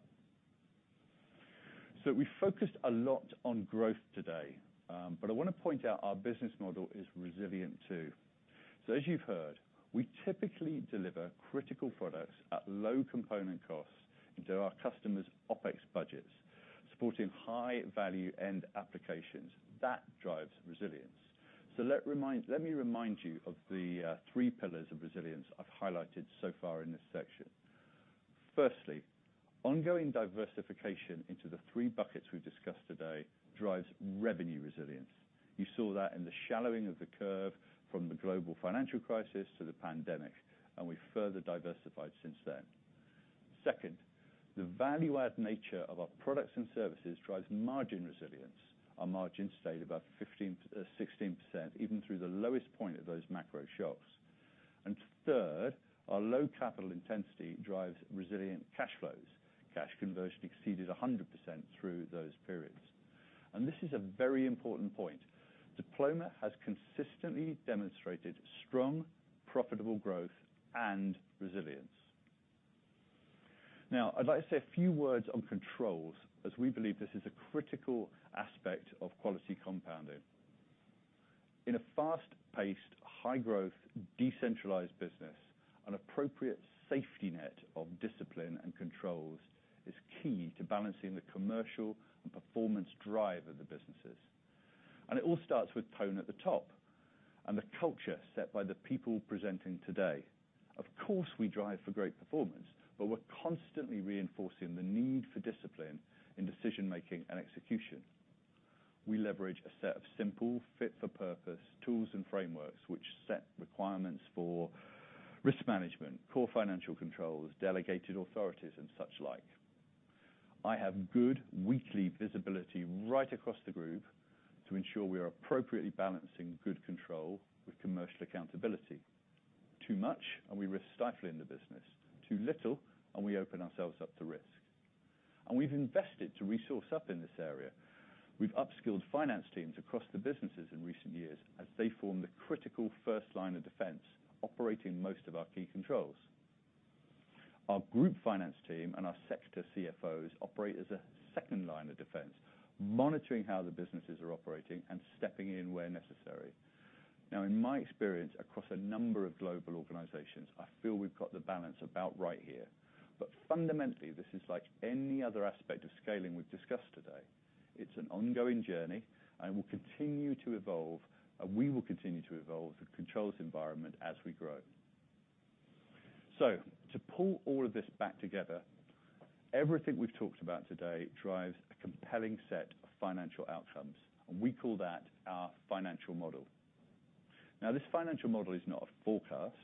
We focused a lot on growth today. I want to point out our business model is resilient, too. As you've heard, we typically deliver critical products at low component costs into our customers' OpEx budgets, supporting high value and applications. That drives resilience. Let me remind you of the three pillars of resilience I've highlighted so far in this section. Firstly, ongoing diversification into the three buckets we've discussed today drives revenue resilience. You saw that in the shallowing of the curve from the global financial crisis to the pandemic. We've further diversified since then. Second, the value-add nature of our products and services drives margin resilience. Our margins stayed about 15%-16%, even through the lowest point of those macro shocks. Third, our low capital intensity drives resilient cash flows. Cash conversion exceeded 100% through those periods. This is a very important point. Diploma has consistently demonstrated strong, profitable growth and resilience. I'd like to say a few words on controls, as we believe this is a critical aspect of quality compounding. In a fast-paced, high-growth, decentralized business, an appropriate safety net of discipline and controls is key to balancing the commercial and performance drive of the businesses. It all starts with tone at the top, and the culture set by the people presenting today. Of course, we drive for great performance, but we're constantly reinforcing the need for discipline in decision-making and execution. We leverage a set of simple, fit-for-purpose tools and frameworks, which set requirements for risk management, core financial controls, delegated authorities and such like. I have good weekly visibility right across the group to ensure we are appropriately balancing good control with commercial accountability. Too much, we risk stifling the business. Too little, we open ourselves up to risk. We've invested to resource up in this area. We've upskilled finance teams across the businesses in recent years, as they form the critical first line of defense, operating most of our key controls. Our group finance team and our sector CFOs operate as a second line of defense, monitoring how the businesses are operating and stepping in where necessary. In my experience across a number of global organizations, I feel we've got the balance about right here. Fundamentally, this is like any other aspect of scaling we've discussed today. It's an ongoing journey, it will continue to evolve, we will continue to evolve the controls environment as we grow. To pull all of this back together, everything we've talked about today drives a compelling set of financial outcomes, we call that our financial model. This financial model is not a forecast.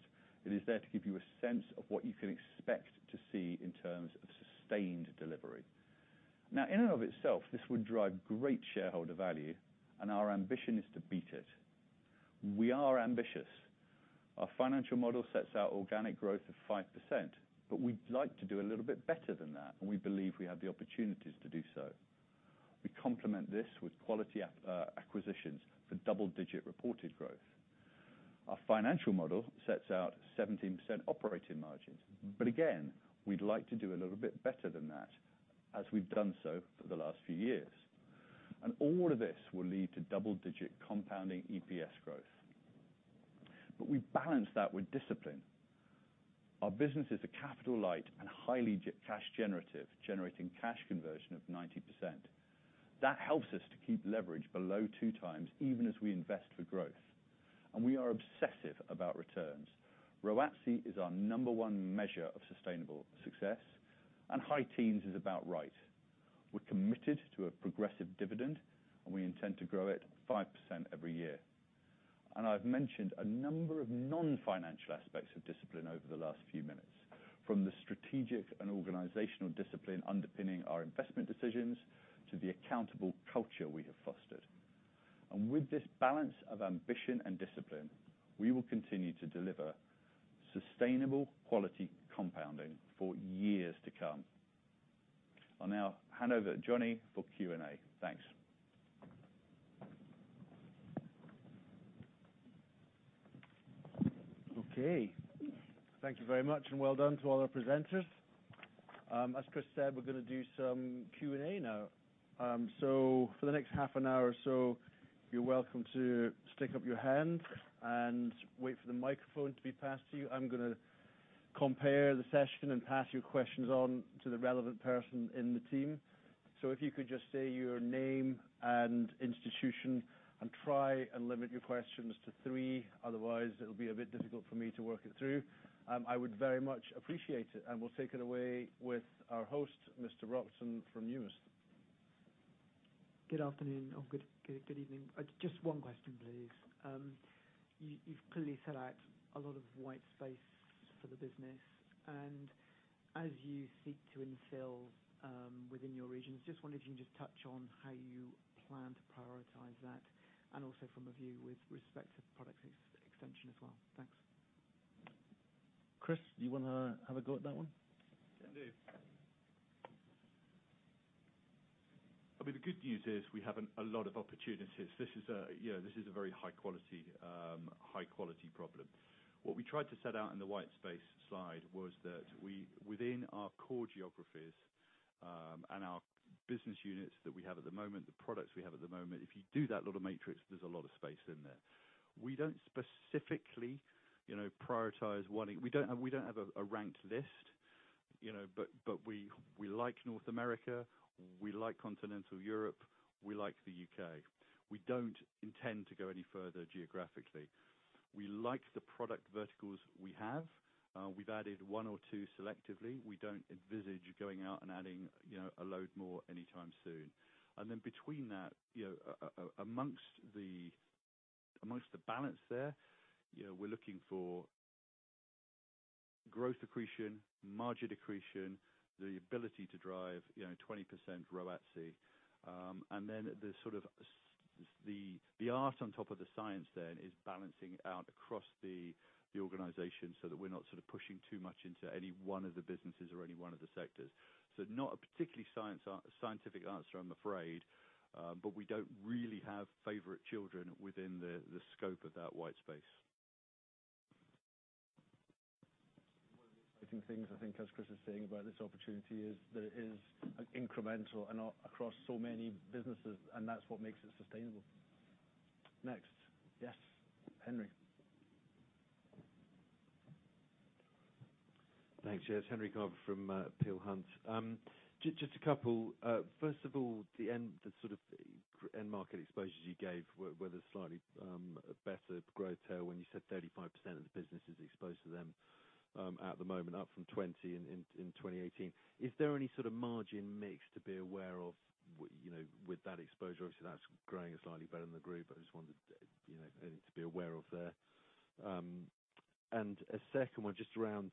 It is there to give you a sense of what you can expect to see in terms of sustained delivery. In and of itself, this would drive great shareholder value, our ambition is to beat it. We are ambitious. Our financial model sets out organic growth of 5%, we'd like to do a little bit better than that, we believe we have the opportunities to do so. We complement this with quality acquisitions for double-digit reported growth. Our financial model sets out 17% operating margins, again, we'd like to do a little bit better than that, as we've done so for the last few years. All of this will lead to double-digit compounding EPS growth. We balance that with discipline. Our business is a capital light and highly cash generative, generating cash conversion of 90%. That helps us to keep leverage below two times, even as we invest for growth. We are obsessive about returns. ROACE is our number one measure of sustainable success, high teens is about right. We're committed to a progressive dividend, we intend to grow it 5% every year. I've mentioned a number of non-financial aspects of discipline over the last few minutes, from the strategic and organizational discipline underpinning our investment decisions, to the accountable culture we have fostered. With this balance of ambition and discipline, we will continue to deliver sustainable quality compounding for years to come. I'll now hand over to Johnny for Q&A. Thanks. Okay, thank you very much, and well done to all our presenters. As Chris said, we're going to do some Q&A now. For the next half an hour or so, you're welcome to stick up your hand and wait for the microphone to be passed to you. I'm gonna compare the session and pass your questions on to the relevant person in the team. If you could just say your name and institution, and try and limit your questions to three. Otherwise, it'll be a bit difficult for me to work it through. I would very much appreciate it, and we'll take it away with our host, Mr. Robson from News. Good afternoon or good evening. Just one question, please. You've clearly set out a lot of white space for the business. As you seek to infill, within your regions, just wondered if you can just touch on how you plan to prioritize that. Also from a view with respect to product extension as well. Thanks. Chris, do you want to have a go at that one? I do. I mean, the good news is we have a lot of opportunities. This is, you know, this is a very high quality, high quality problem. What we tried to set out in the white space slide was that we, within our core geographies, and our business units that we have at the moment, the products we have at the moment, if you do that little matrix, there's a lot of space in there. We don't specifically, you know, prioritize one. We don't have a ranked list, you know. We like North America, we like Continental Europe, we like the U.K. We don't intend to go any further geographically. We like the product verticals we have. We've added one or two selectively. We don't envisage going out and adding, you know, a load more anytime soon. Between that, you know, amongst the balance there, you know, we're looking for growth accretion, margin accretion, the ability to drive, you know, 20% ROACE. The sort of the art on top of the science then is balancing out across the organization, so that we're not sort of pushing too much into any one of the businesses or any one of the sectors. Not a particularly scientific answer, I'm afraid, but we don't really have favorite children within the scope of that white space. One of the exciting things, I think, as Chris is saying about this opportunity, is that it is incremental and across so many businesses, and that's what makes it sustainable. Next. Yes, Henry? Thanks, yes, Henry Carver from Peel Hunt. Just a couple. First of all, the end, the sort of end market exposures you gave were there slightly a better growth tail when you said 35% of the business is exposed to them at the moment, up from 20 in 2018. Is there any sort of margin mix to be aware of, you know, with that exposure? Obviously, that's growing slightly better than the group. I just wondered, you know, anything to be aware of there. A second one, just around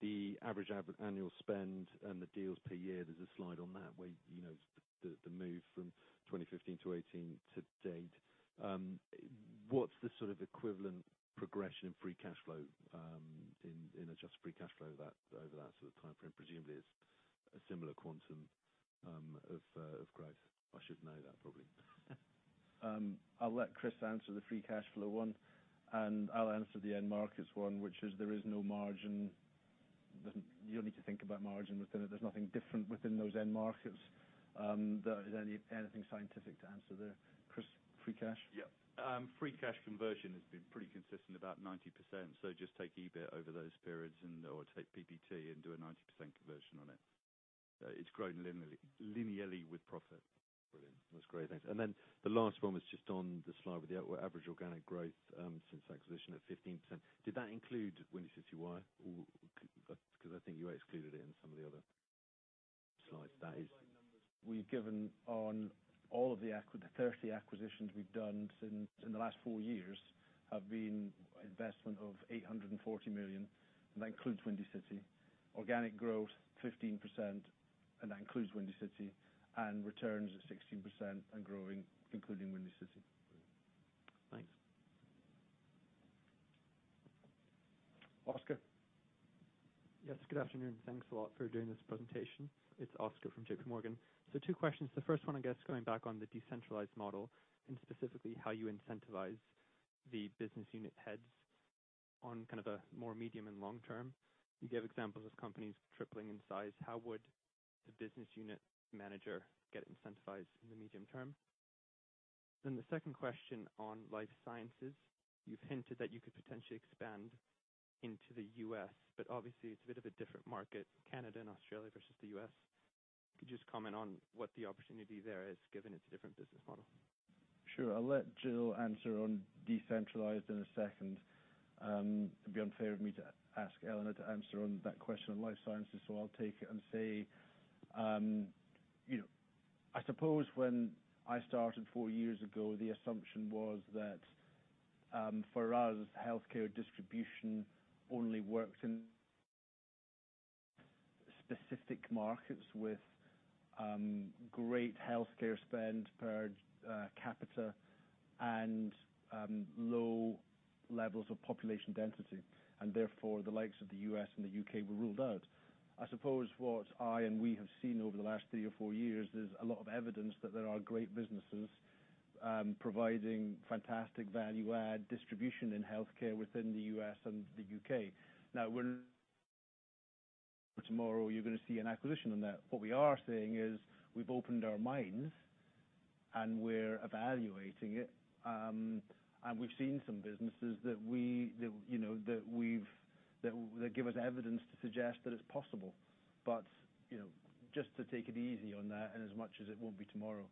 the average annual spend and the deals per year. There's a slide on that, where, you know, the move from 2015 to 18 to date. What's the sort of equivalent progression in free cash flow, in adjusted free cash flow that, over that sort of timeframe? Presumably, it's a similar quantum of growth. I should know that, probably. I'll let Chris answer the free cash flow one, and I'll answer the end markets one, which is there is no margin. You don't need to think about margin within it. There's nothing different within those end markets that there's anything scientific to answer there. Chris, free cash? Yeah. Free cash conversion has been pretty consistent, about 90%. Just take EBIT over those periods and, or take PBT and do a 90% conversion on it. It's grown linearly with profit. Brilliant. That's great, thanks. The last one was just on the slide with the average organic growth since acquisition at 15%. Did that include Windy City Wire, or because I think you excluded it in some of the other slides? We've given on all of the 30 acquisitions we've done since, in the last four years, have been investment of 840 million, and that includes Windy City. Organic growth, 15%, and that includes Windy City, and returns are 16% and growing, including Windy City. Thanks. Oscar? Yes, good afternoon. Thanks a lot for doing this presentation. It's Oscar from JPMorgan. Two questions. The first one, I guess, going back on the decentralized model and specifically how you incentivize the business unit heads on kind of a more medium and long term. You gave examples of companies tripling in size. How would the business unit manager get incentivized in the medium term? The second question on life sciences. You've hinted that you could potentially expand into the U.S., but obviously, it's a bit of a different market, Canada and Australia versus the U.S.. Could you just comment on what the opportunity there is, given it's a different business model? Sure. I'll let Jill answer on decentralized in a second. It'd be unfair of me to ask Elena to answer on that question on life sciences, so I'll take it and say, you know, I suppose when I started four years ago, the assumption was that, for us, healthcare distribution only worked in specific markets with great healthcare spend per capita and low levels of population density, and therefore, the likes of the U.S. and the U.K. were ruled out. I suppose what I and we have seen over the last three or four years is a lot of evidence that there are great businesses, providing fantastic value add distribution in healthcare within the U.S. and the U.K.. We're tomorrow, you're going to see an acquisition on that. What we are saying is, we've opened our minds, and we're evaluating it. We've seen some businesses that we, that, you know, that give us evidence to suggest that it's possible. You know, just to take it easy on that, and as much as it won't be tomorrow.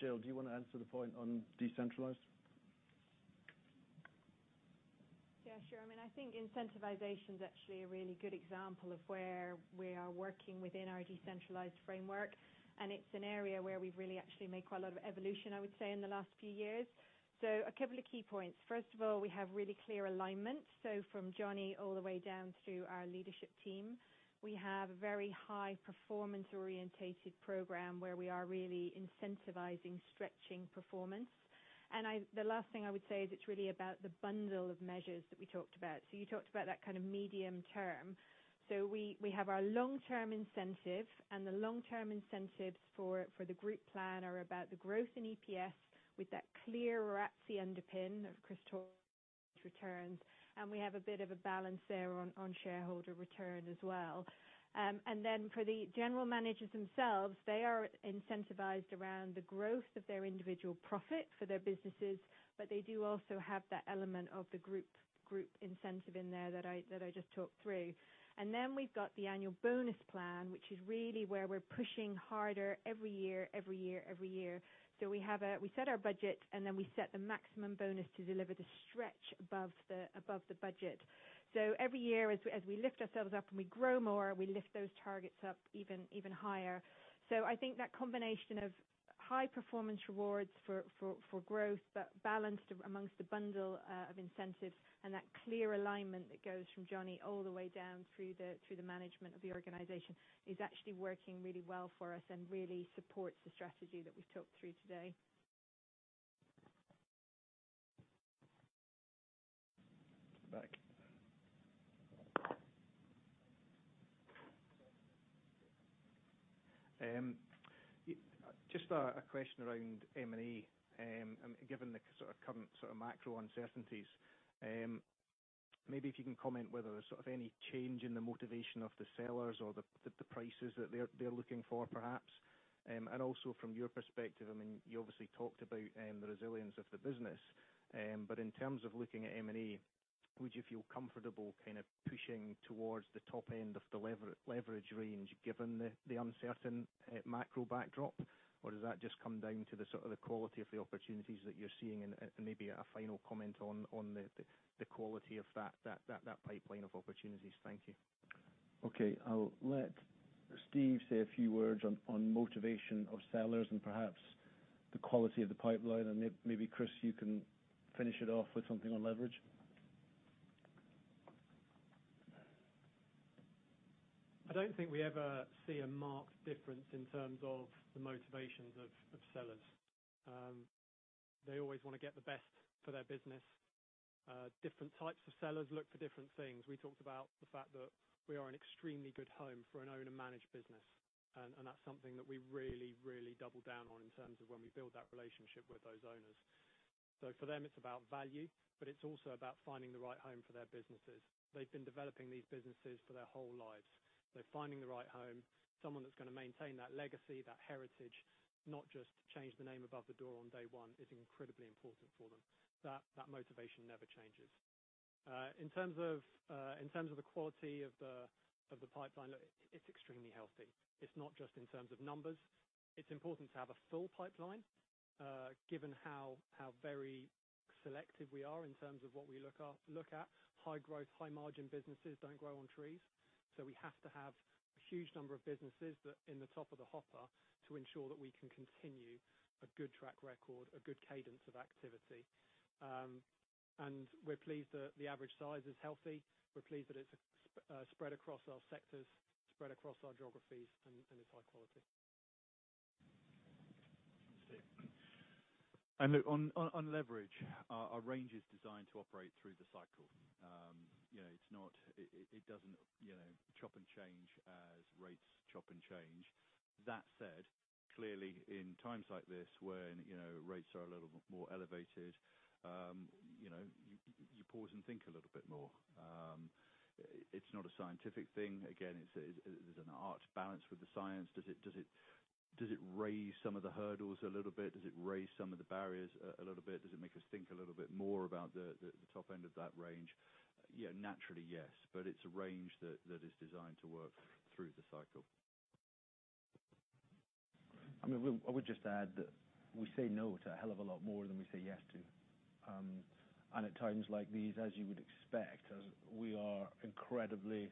Jill, do you want to answer the point on decentralized? Yeah, sure. I mean, I think incentivization is actually a really good example of where we are working within our decentralized framework, and it's an area where we've really actually made quite a lot of evolution, I would say, in the last few years. A couple of key points. First of all, we have really clear alignment. From Johnny all the way down through our leadership team, we have a very high performance-oriented program where we are really incentivizing, stretching performance. The last thing I would say is it's really about the bundle of measures that we talked about. You talked about that kind of medium term. We have our long-term incentive, and the long-term incentives for the group plan are about the growth in EPS, with that clear ROACE underpin of crystal returns. We have a bit of a balance there on shareholder return as well. Then for the general managers themselves, they are incentivized around the growth of their individual profit for their businesses, but they do also have that element of the group incentive in there that I just talked through. Then we've got the annual bonus plan, which is really where we're pushing harder every year, every year, every year. We set our budget, and then we set the maximum bonus to deliver the stretch above the budget. Every year, as we lift ourselves up and we grow more, we lift those targets up even higher. I think that combination of high performance rewards for growth, but balanced amongst a bundle of incentives and that clear alignment that goes from Johnny all the way down through the management of the organization, is actually working really well for us and really supports the strategy that we've talked through today. Back. Just a question around M&A, and given the sort of current, sort of macro uncertainties. Maybe if you can comment whether there's sort of any change in the motivation of the sellers or the prices that they're looking for, perhaps. Also from your perspective, I mean, you obviously talked about the resilience of the business, but in terms of looking at M&A, would you feel comfortable kind of pushing towards the top end of the leverage range, given the uncertain macro backdrop? Or does that just come down to the sort of the quality of the opportunities that you're seeing? Maybe a final comment on the quality of that pipeline of opportunities. Thank you. Okay. I'll let Steve say a few words on motivation of sellers. Perhaps the quality of the pipeline, maybe, Chris, you can finish it off with something on leverage. I don't think we ever see a marked difference in terms of the motivations of sellers. They always want to get the best for their business. Different types of sellers look for different things. We talked about the fact that we are an extremely good home for an owner-managed business, and that's something that we really double down on in terms of when we build that relationship with those owners. For them, it's about value, but it's also about finding the right home for their businesses. They've been developing these businesses for their whole lives. Finding the right home, someone that's going to maintain that legacy, that heritage, not just change the name above the door on day one, is incredibly important for them. That motivation never changes. In terms of the quality of the pipeline, look, it's extremely healthy. It's not just in terms of numbers. It's important to have a full pipeline, given how very selective we are in terms of what we look at. High growth, high-margin businesses don't grow on trees. We have to have a huge number of businesses that, in the top of the hopper, to ensure that we can continue a good track record, a good cadence of activity. We're pleased that the average size is healthy. We're pleased that it's spread across our sectors, spread across our geographies, and it's high quality. Chris. Look, on leverage, our range is designed to operate through the cycle. You know, it's not, it doesn't, you know, chop and change as rates chop and change. That said, clearly, in times like this, when, you know, rates are a little more. more elevated, you know, you pause and think a little bit more. It's not a scientific thing. Again, it's an art balance with the science. Does it raise some of the hurdles a little bit? Does it raise some of the barriers a little bit? Does it make us think a little bit more about the top end of that range? Yeah, naturally, yes, but it's a range that is designed to work through the cycle. I mean, I would just add that we say no to a hell of a lot more than we say yes to. At times like these, as you would expect, as we are incredibly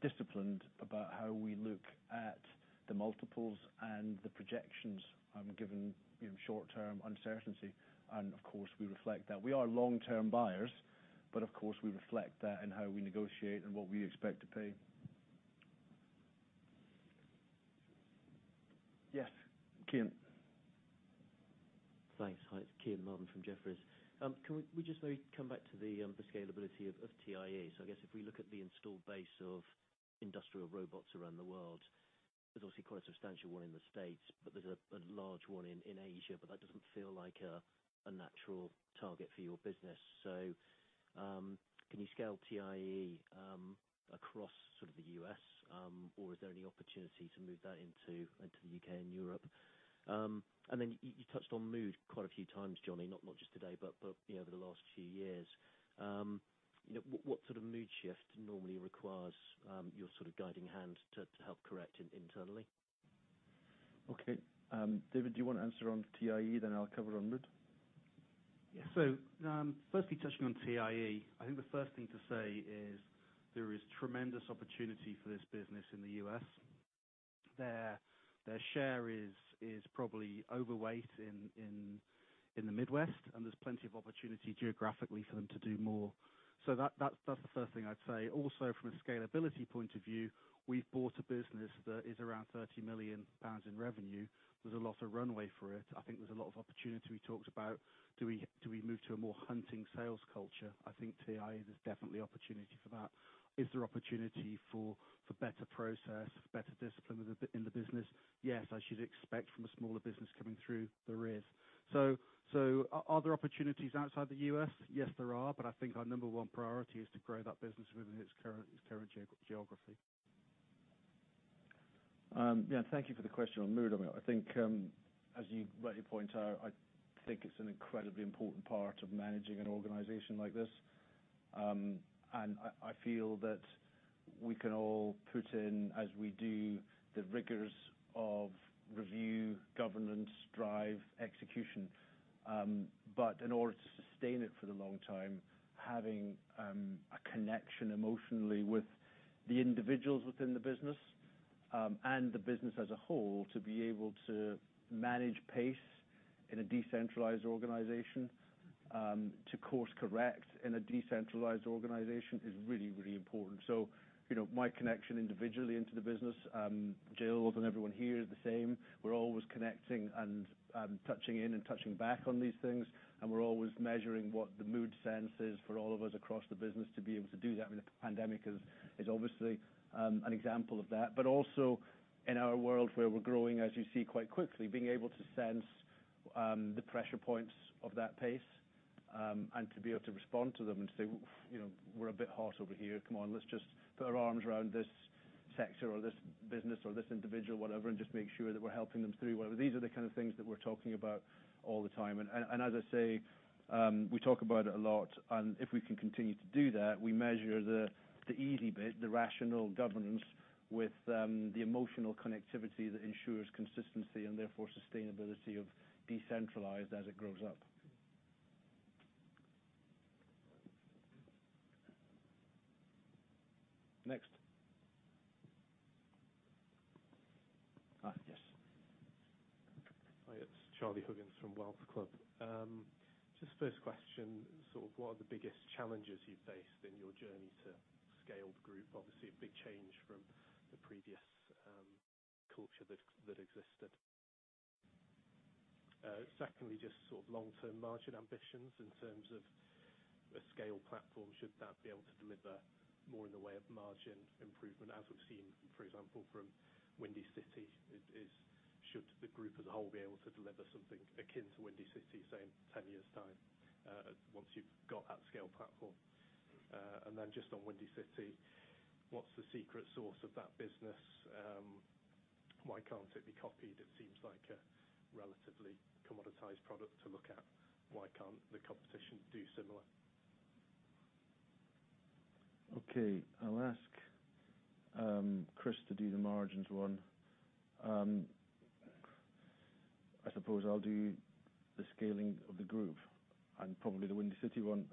disciplined about how we look at the multiples and the projections, given, you know, short-term uncertainty, and of course, we reflect that. We are long-term buyers, but of course, we reflect that in how we negotiate and what we expect to pay. Yes, Kieran. Thanks. Hi, it's Kieran Marvin from Jefferies. Can we just maybe come back to the scalability of TIE? I guess if we look at the installed base of industrial robots around the world, there's obviously quite a substantial one in the States, but there's a large one in Asia, but that doesn't feel like a natural target for your business. Can you scale TIE across sort of the U.S., or is there any opportunity to move that into the U.K. and Europe? You touched on mood quite a few times, Johnny, not just today, but, you know, over the last few years. You know, what sort of mood shift normally requires your sort of guiding hand to help correct internally? David, do you want to answer on TIE, then I'll cover on mood? Firstly, touching on TIE, I think the first thing to say is there is tremendous opportunity for this business in the U.S.. Their share is probably overweight in the Midwest, and there's plenty of opportunity geographically for them to do more. That's the first thing I'd say. Also, from a scalability point of view, we've bought a business that is around 30 million pounds in revenue. There's a lot of runway for it. I think there's a lot of opportunity. We talked about, do we move to a more hunting sales culture? I think TIE, there's definitely opportunity for that. Is there opportunity for better process, better discipline in the business? Yes, I should expect from a smaller business coming through, there is. Are there opportunities outside the U.S.? Yes, there are, but I think our number 1 priority is to grow that business within its current, its current geography. Yeah, thank you for the question on mood. I mean, I think, as you rightly point out, I think it's an incredibly important part of managing an organization like this. I feel that we can all put in, as we do, the rigors of review, governance, drive, execution, but in order to sustain it for the long time, having a connection emotionally with the individuals within the business, and the business as a whole, to be able to manage pace in a decentralized organization, to course correct in a decentralized organization, is really, really important. You know, my connection individually into the business, Jill and everyone here is the same. We're always connecting and touching in and touching back on these things, and we're always measuring what the mood sense is for all of us across the business to be able to do that. I mean, the pandemic is obviously an example of that. Also, in our world where we're growing, as you see, quite quickly, being able to sense the pressure points of that pace and to be able to respond to them and say, "You know, we're a bit hot over here. Come on, let's just put our arms around this sector or this business or this individual, whatever, and just make sure that we're helping them through." These are the kind of things that we're talking about all the time. As I say, we talk about it a lot, and if we can continue to do that, we measure the easy bit, the rational governance, with the emotional connectivity that ensures consistency and therefore sustainability of decentralized as it grows up. Next? Yes. Hi, it's Charlie Huggins from Wealth Club. Just first question, sort of what are the biggest challenges you faced in your journey to scale the group? Obviously, a big change from the previous culture that existed. Secondly, just sort of long-term margin ambitions in terms of a scale platform, should that be able to deliver more in the way of margin improvement, as we've seen, for example, from Windy City? Should the group as a whole be able to deliver something akin to Windy City, say, in 10 years' time, once you've got that scale platform? Just on Windy City, what's the secret sauce of that business? Why can't it be copied? It seems like a relatively commoditized product to look at. Why can't the competition do similar? Okay, I'll ask Chris to do the margins one. I suppose I'll do the scaling of the group and probably the Windy City one.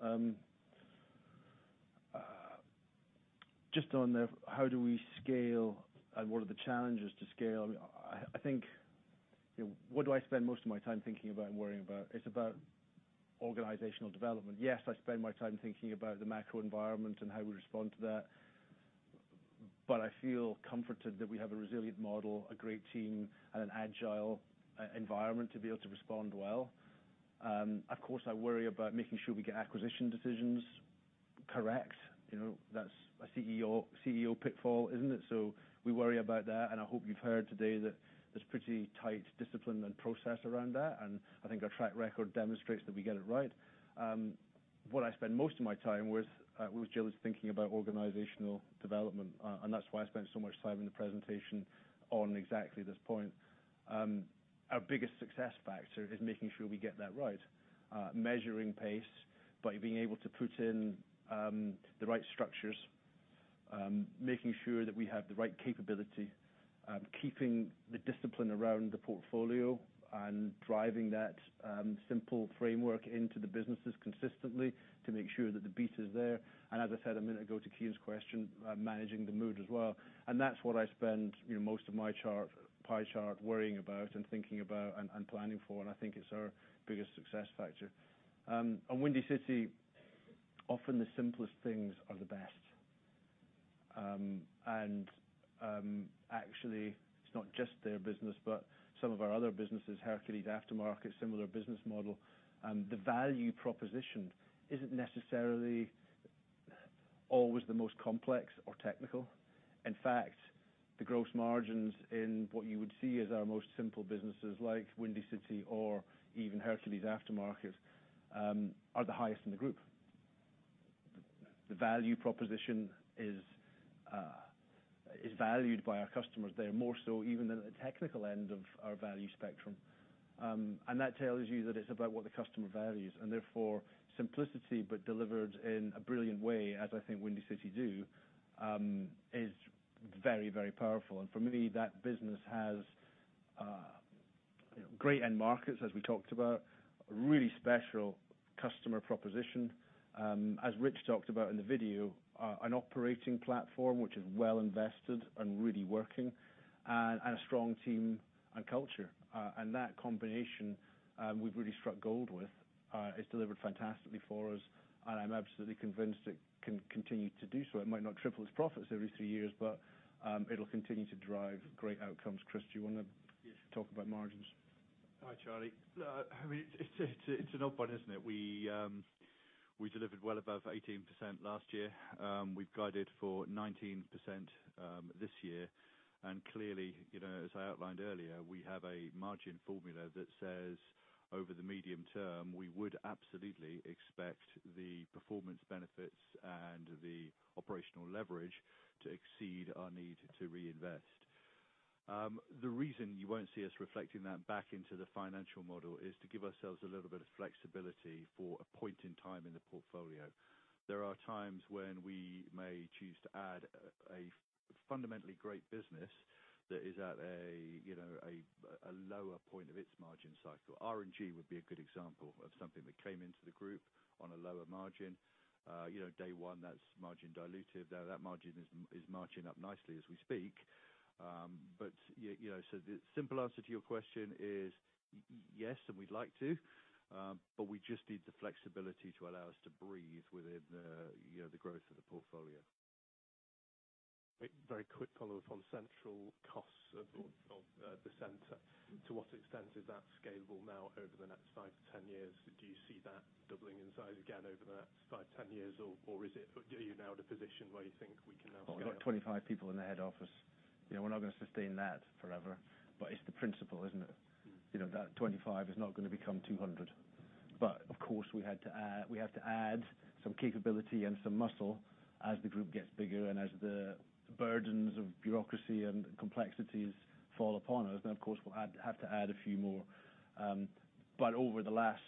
Just on the how do we scale and what are the challenges to scale, I think. You know, what do I spend most of my time thinking about and worrying about? It's about organizational development. Yes, I spend my time thinking about the macro environment and how we respond to that, but I feel comforted that we have a resilient model, a great team, and an agile environment to be able to respond well. Of course, I worry about making sure we get acquisition decisions correct. You know, that's a CEO pitfall, isn't it? We worry about that, and I hope you've heard today that there's pretty tight discipline and process around that, and I think our track record demonstrates that we get it right. What I spend most of my time with Jill, is thinking about organizational development. That's why I spent so much time in the presentation on exactly this point. Our biggest success factor is making sure we get that right. Measuring pace by being able to put in the right structures, making sure that we have the right capability, keeping the discipline around the portfolio, driving that simple framework into the businesses consistently to make sure that the beat is there. As I said a minute ago, to Kieran's question, managing the mood as well. That's what I spend, you know, most of my chart, pie chart worrying about and thinking about and planning for, and I think it's our biggest success factor. On Windy City, often the simplest things are the best. Actually, it's not just their business, but some of our other businesses, Hercules Aftermarket, similar business model, the value proposition isn't necessarily always the most complex or technical. In fact, the gross margins in what you would see as our most simple businesses, like Windy City or even Hercules Aftermarket, are the highest in the group. The value proposition is valued by our customers there, more so even than the technical end of our value spectrum. That tells you that it's about what the customer values, and therefore simplicity, but delivered in a brilliant way, as I think Windy City do, is very, very powerful. For me, that business has great end markets, as we talked about, a really special customer proposition. As Rich talked about in the video, an operating platform, which is well invested and really working, and a strong team and culture. That combination, we've really struck gold with, it's delivered fantastically for us, and I'm absolutely convinced it can continue to do so. It might not triple its profits every three years, but it'll continue to drive great outcomes. Chris, do you want to. Yes. talk about margins? Hi, Charlie. I mean, it's, it's an odd one, isn't it? We delivered well above 18% last year. We've guided for 19% this year. Clearly, you know, as I outlined earlier, we have a margin formula that says over the medium term, we would absolutely expect the performance benefits and the operational leverage to exceed our need to reinvest. The reason you won't see us reflecting that back into the financial model is to give ourselves a little bit of flexibility for a point in time in the portfolio. There are times when we may choose to add a fundamentally great business that is at a, you know, a lower point of its margin cycle. R&G would be a good example of something that came into the group on a lower margin. You know, day one, that's margin dilutive, though, that margin is marching up nicely as we speak. You know, so the simple answer to your question is yes, and we'd like to, but we just need the flexibility to allow us to breathe within the, you know, the growth of the portfolio. Very quick follow-up on central costs of the center. To what extent is that scalable now over the next 5-10 years? Do you see that doubling in size again over the next 5, 10 years, or are you now in a position where you think we can now scale? We've got 25 people in the head office. You know, we're not going to sustain that forever, but it's the principle, isn't it? You know, that 25 is not going to become 200. Of course, we have to add some capability and some muscle as the group gets bigger and as the burdens of bureaucracy and complexities fall upon us, of course, we'll have to add a few more. Over the last,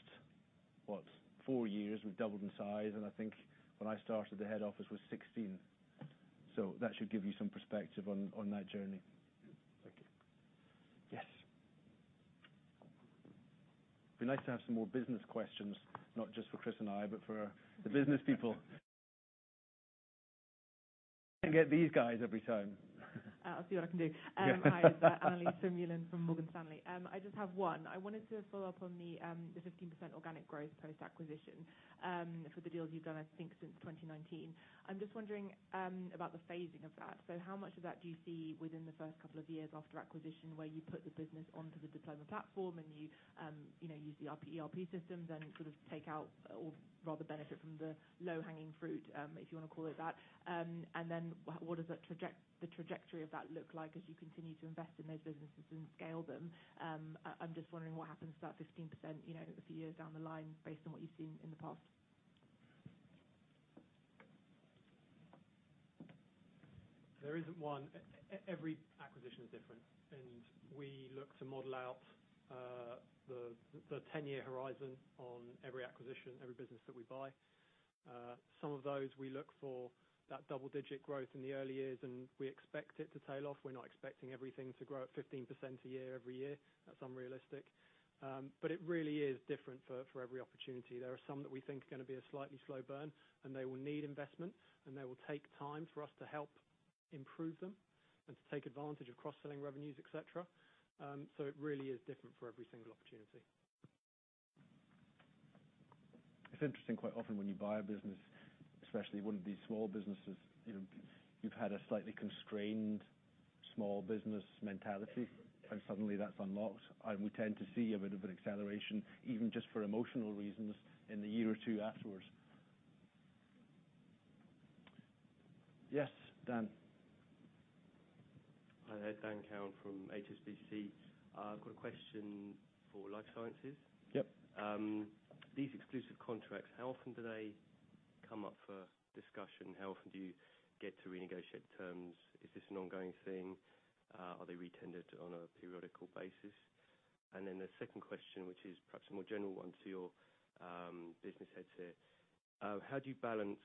what? four years, we've doubled in size, and I think when I started, the head office was 16. That should give you some perspective on that journey. Thank you. Yes. It'd be nice to have some more business questions, not just for Chris and I, but for the business people. I get these guys every time. I'll see what I can do. Hi, Annelies Vermeulen from Morgan Stanley. I just have one. I wanted to follow up on the 15% organic growth post-acquisition for the deals you've done, I think, since 2019. I'm just wondering about the phasing of that. How much of that do you see within the first couple of years after acquisition, where you put the business onto the Diploma platform and you know, use the ERP systems and sort of take out or rather benefit from the low-hanging fruit, if you want to call it that? What does the trajectory of that look like as you continue to invest in those businesses and scale them? I'm just wondering what happens to that 15%, you know, a few years down the line based on what you've seen in the past. There isn't one. Every acquisition is different, and we look to model out the 10-year horizon on every acquisition, every business that we buy. Some of those, we look for that double-digit growth in the early years, and we expect it to tail off. We're not expecting everything to grow at 15% a year, every year. That's unrealistic. It really is different for every opportunity. There are some that we think are going to be a slightly slow burn, and they will need investment, and they will take time for us to help improve them and to take advantage of cross-selling revenues, et cetera. It really is different for every single opportunity. It's interesting, quite often, when you buy a business, especially one of these small businesses, you know, you've had a slightly constrained small business mentality. Suddenly that's unlocked. We tend to see a bit of an acceleration, even just for emotional reasons, in the year or two afterwards. Yes, Dan? Hi, there. Daniel Cowan from HSBC. I've got a question for Life Sciences. Yep. These exclusive contracts, how often do they come up for discussion? How often do you get to renegotiate the terms? Is this an ongoing thing? Are they re-tendered on a periodical basis? The second question, which is perhaps a more general one to your business heads here. How do you balance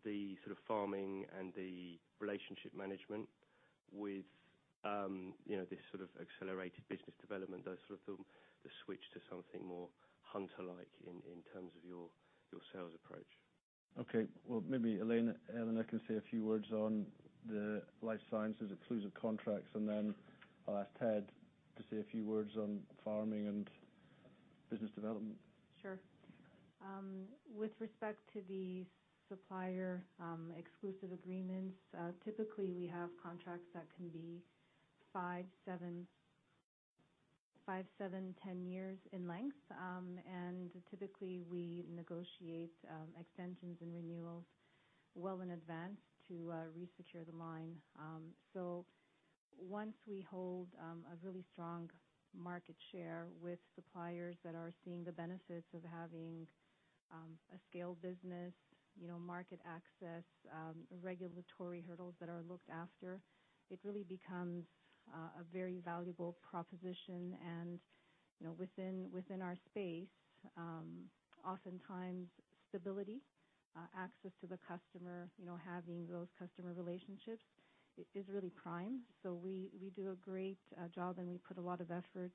the sort of farming and the relationship management with, this sort of accelerated business development, those sort of the switch to something more hunter-like in terms of your sales approach? Okay. Well, maybe Elena can say a few words on the life sciences exclusive contracts, then I'll ask Ted to say a few words on farming and business development. Sure. With respect to the supplier, exclusive agreements, typically, we have contracts that can be 5, 7, 10 years in length. Typically, we negotiate extensions and renewals well in advance to resecure the line. Once we hold a really strong market share with suppliers that are seeing the benefits of having a scaled business, you know, market access, regulatory hurdles that are looked after, it really becomes a very valuable proposition. You know, within our space, oftentimes stability, access to the customer, you know, having those customer relationships is really prime. We, we do a great job, and we put a lot of effort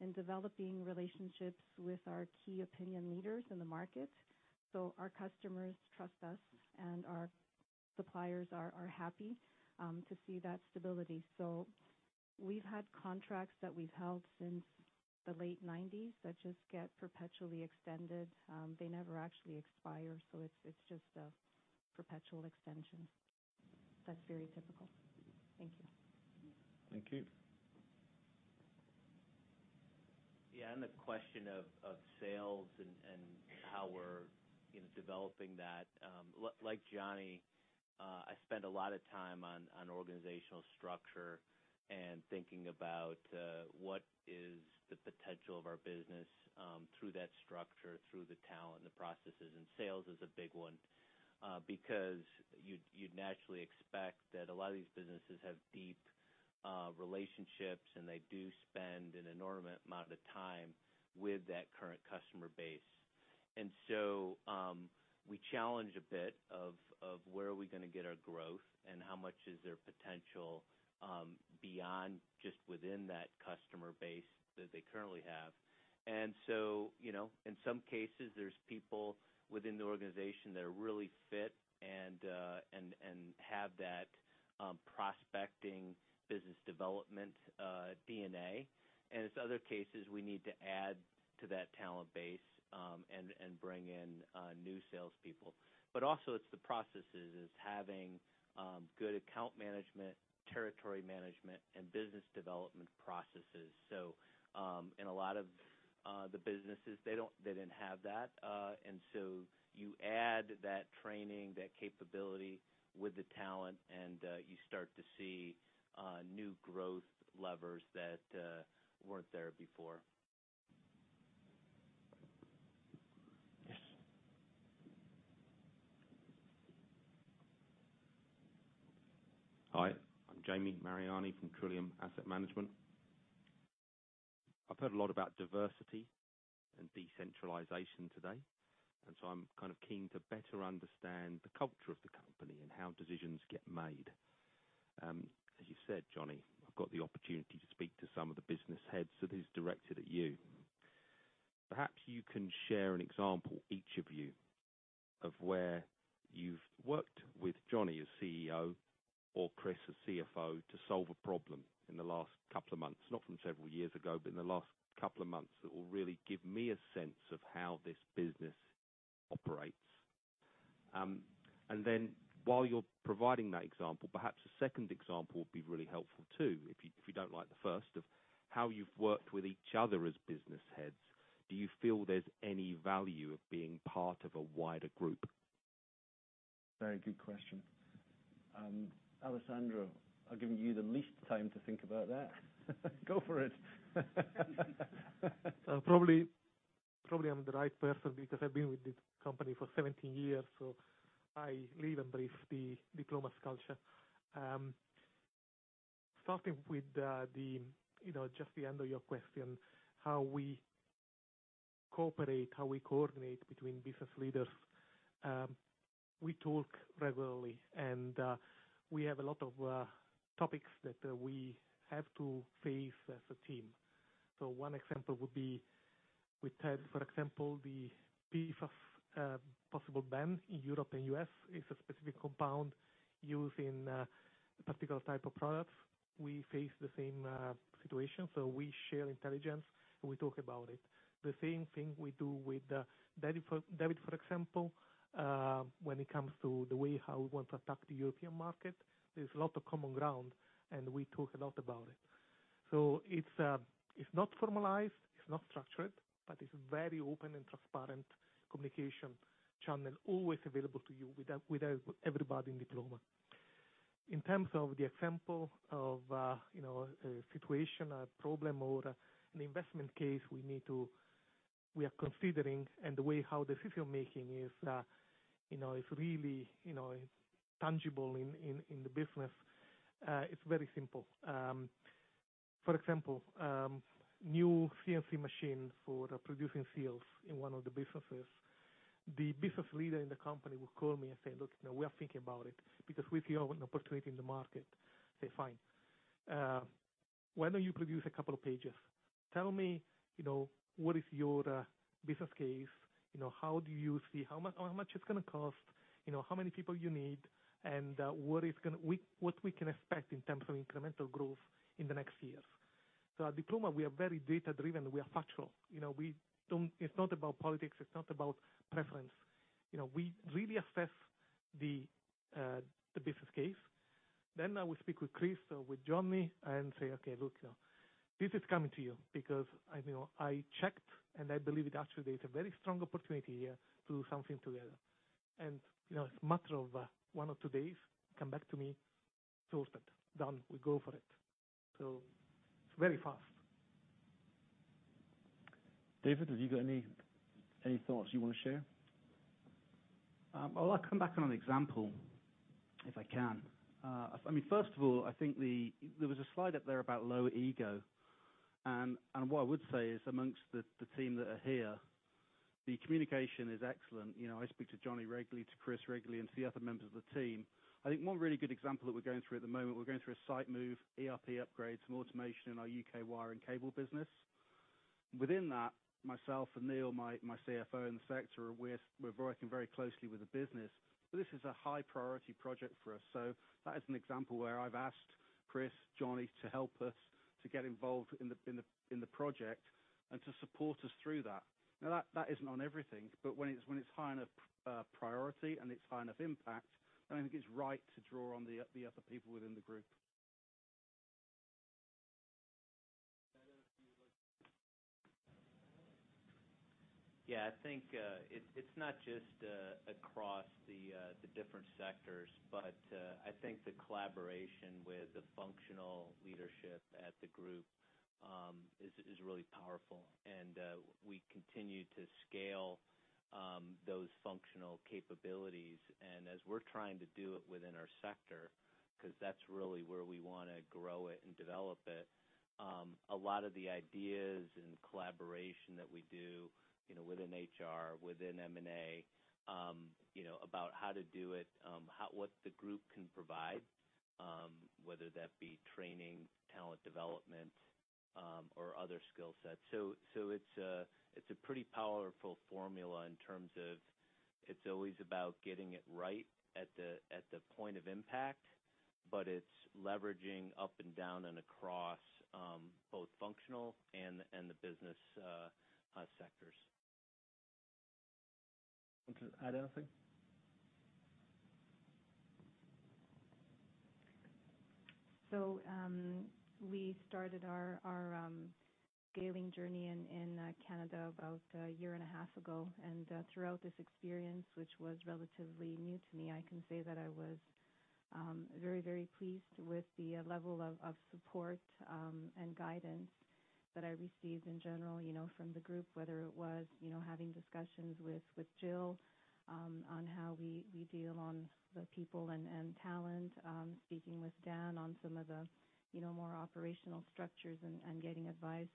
in developing relationships with our key opinion leaders in the market. Our customers trust us, and our suppliers are happy to see that stability. We've had contracts that we've held since the late 90s that just get perpetually extended. They never actually expire, it's just a perpetual extension. That's very typical. Thank you. Thank you. Yeah, on the question of sales and how we're, you know, developing that, like Johnny, I spend a lot of time on organizational structure and thinking about what is the potential of our business through that structure, through the talent, the processes. Sales is a big one because you'd naturally expect that a lot of these businesses have deep relationships, and they do spend an enormous amount of time with that current customer base. So we challenge a bit of where are we gonna get our growth and how much is there potential beyond just within that customer base that they currently have. So, you know, in some cases, there's people within the organization that are really fit and have that prospecting business development DNA. It's other cases, we need to add to that talent base and bring in new salespeople. Also, it's the processes: having good account management, territory management, and business development processes. In a lot of the businesses, they didn't have that. You add that training, that capability with the talent, and you start to see new growth levers that weren't there before. Yes. Hi, I'm Jamie Mariani from Trillium Asset Management. I've heard a lot about diversity and decentralization today, and so I'm kind of keen to better understand the culture of the company and how decisions get made. As you said, Johnny, I've got the opportunity to speak to some of the business heads, so this is directed at you. Perhaps you can share an example, each of you, of where you've worked with Johnny as CEO or Chris as CFO, to solve a problem in the last couple of months, not from several years ago, but in the last couple of months, that will really give me a sense of how this business operates. While you're providing that example, perhaps a second example would be really helpful, too, if you, if you don't like the first, of how you've worked with each other as business heads. Do you feel there's any value of being part of a wider group? Very good question. Alessandro, I've given you the least time to think about that. Go for it. probably I'm the right person because I've been with this company for 17 years, so I live and breathe the Diploma's culture. Starting with, you know, just the end of your question, how we cooperate, how we coordinate between business leaders. We talk regularly, and we have a lot of topics that we have to face as a team. One example would be with Ted, for example, the PFOS possible ban in Europe and U.S. It's a specific compound used in.... a particular type of product, we face the same situation. We share intelligence, and we talk about it. The same thing we do with David, for example, when it comes to the way how we want to attack the European market, there's a lot of common ground, and we talk a lot about it. It's not formalized, it's not structured, but it's very open and transparent communication channel, always available to you with everybody in Diploma. In terms of the example of, you know, a situation, a problem, or an investment case, we are considering and the way how the decision-making is, you know, is really, you know, tangible in the business. It's very simple. For example, new CNC machine for producing seals in one of the businesses. The business leader in the company will call me and say: "Look, you know, we are thinking about it, because we see an opportunity in the market." I say, "Fine, why don't you produce a couple of pages? Tell me, you know, what is your business case, you know, how do you see how much it's gonna cost, you know, how many people you need, and what we can expect in terms of incremental growth in the next years." At Diploma, we are very data-driven, we are factual. You know, it's not about politics, it's not about preference. You know, we really assess the business case. I will speak with Chris or with Johnny and say, "Okay, look, this is coming to you because, I know, I checked, and I believe it actually is a very strong opportunity here to do something together. You know, it's a matter of, one or two days, come back to me, sourced it, done, we go for it." It's very fast. David, have you got any thoughts you want to share? Well, I'll come back on an example, if I can. I mean, first of all, there was a slide up there about low ego, and what I would say is amongst the team that are here, the communication is excellent. You know, I speak to Johnny regularly, to Chris regularly, and to the other members of the team. I think one really good example that we're going through at the moment, we're going through a site move, ERP upgrade, some automation in our U.K. wire and cable business. Within that, myself and Neil, my CFO in the sector, we're working very closely with the business. This is a high priority project for us, so that is an example where I've asked Chris, Johnny, to help us, to get involved in the project and to support us through that. That isn't on everything, but when it's high enough priority and it's high enough impact, then I think it's right to draw on the other people within the group. Yeah, I think it's not just across the different sectors, but I think the collaboration with the functional leadership at the group is really powerful. We continue to scale those functional capabilities. As we're trying to do it within our sector, 'cause that's really where we wanna grow it and develop it, a lot of the ideas and collaboration that we do, you know, within HR, within M&A, you know, about how to do it, what the group can provide, whether that be training, talent development, or other skill sets. It's a pretty powerful formula in terms of, it's always about getting it right at the point of impact, but it's leveraging up and down and across, both functional and the business sectors. Okay. Add anything? We started our scaling journey in Canada about a year and a half ago. Throughout this experience, which was relatively new to me, I can say that I was very pleased with the level of support and guidance that I received in general, you know, from the group, whether it was, you know, having discussions with Jill on how we deal on the people and talent. Speaking with Dan on some of the, you know, more operational structures and getting advice,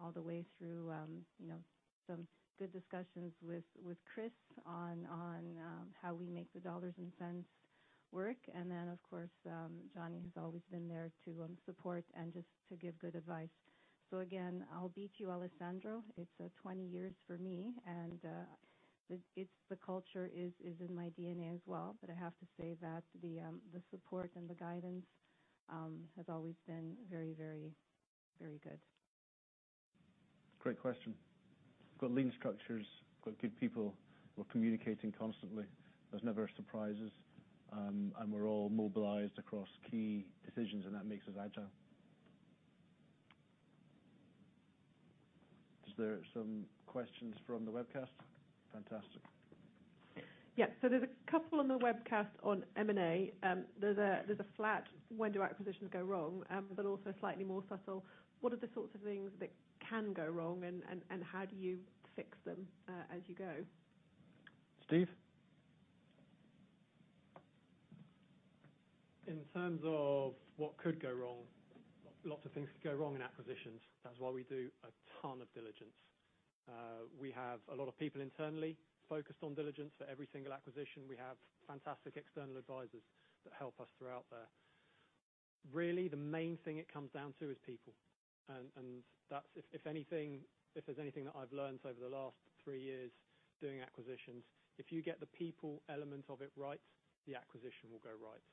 all the way through, you know, some good discussions with Chris on how we make the dollars and cents work. Of course, Johnny has always been there to support and just to give good advice. Again, I'll beat you, Alessandro. It's, 20 years for me, and, it's the culture is in my DNA as well. I have to say that the support and the guidance, has always been very good. Great question. We've got lean structures, we've got good people, we're communicating constantly. There's never surprises, we're all mobilized across key decisions, that makes us agile. Is there some questions from the webcast? Fantastic. Yeah. There's a couple on the webcast on M&A. There's a flat, when do acquisitions go wrong? Also slightly more subtle, what are the sorts of things that can go wrong and how do you fix them as you go? Steve? In terms of what could go wrong, lots of things could go wrong in acquisitions. That's why we do a ton of diligence. We have a lot of people internally focused on diligence for every single acquisition. We have fantastic external advisors that help us throughout there. Really, the main thing it comes down to is people. That's, if anything, if there's anything that I've learned over the last three years doing acquisitions, if you get the people element of it right, the acquisition will go right.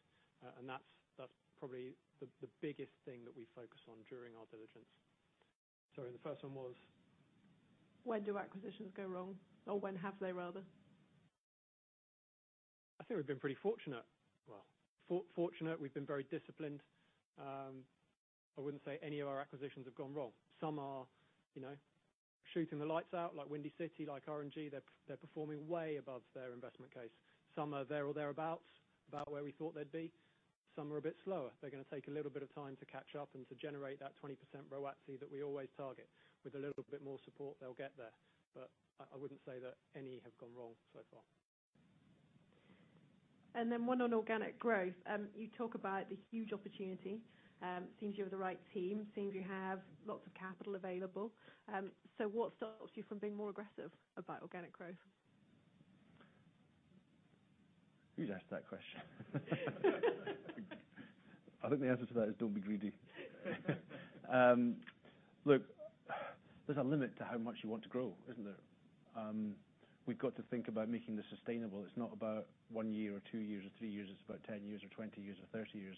That's probably the biggest thing that we focus on during our diligence. Sorry, the first one was? When do acquisitions go wrong, or when have they, rather? I think we've been pretty fortunate. Well, fortunate. We've been very disciplined. I wouldn't say any of our acquisitions have gone wrong. Some are, you know, shooting the lights out, like Windy City, like R&G, they're performing way above their investment case. Some are there or thereabouts, about where we thought they'd be. Some are a bit slower. They're gonna take a little bit of time to catch up and to generate that 20% ROATCE that we always target. With a little bit more support, they'll get there, but I wouldn't say that any have gone wrong so far. One on organic growth. You talk about the huge opportunity. Seems you have the right team, seems you have lots of capital available. What stops you from being more aggressive about organic growth? Who'd ask that question? I think the answer to that is, don't be greedy. Look, there's a limit to how much you want to grow, isn't there? We've got to think about making this sustainable. It's not about 1 year or two years or three years, it's about 10 years or 20 years or 30 years.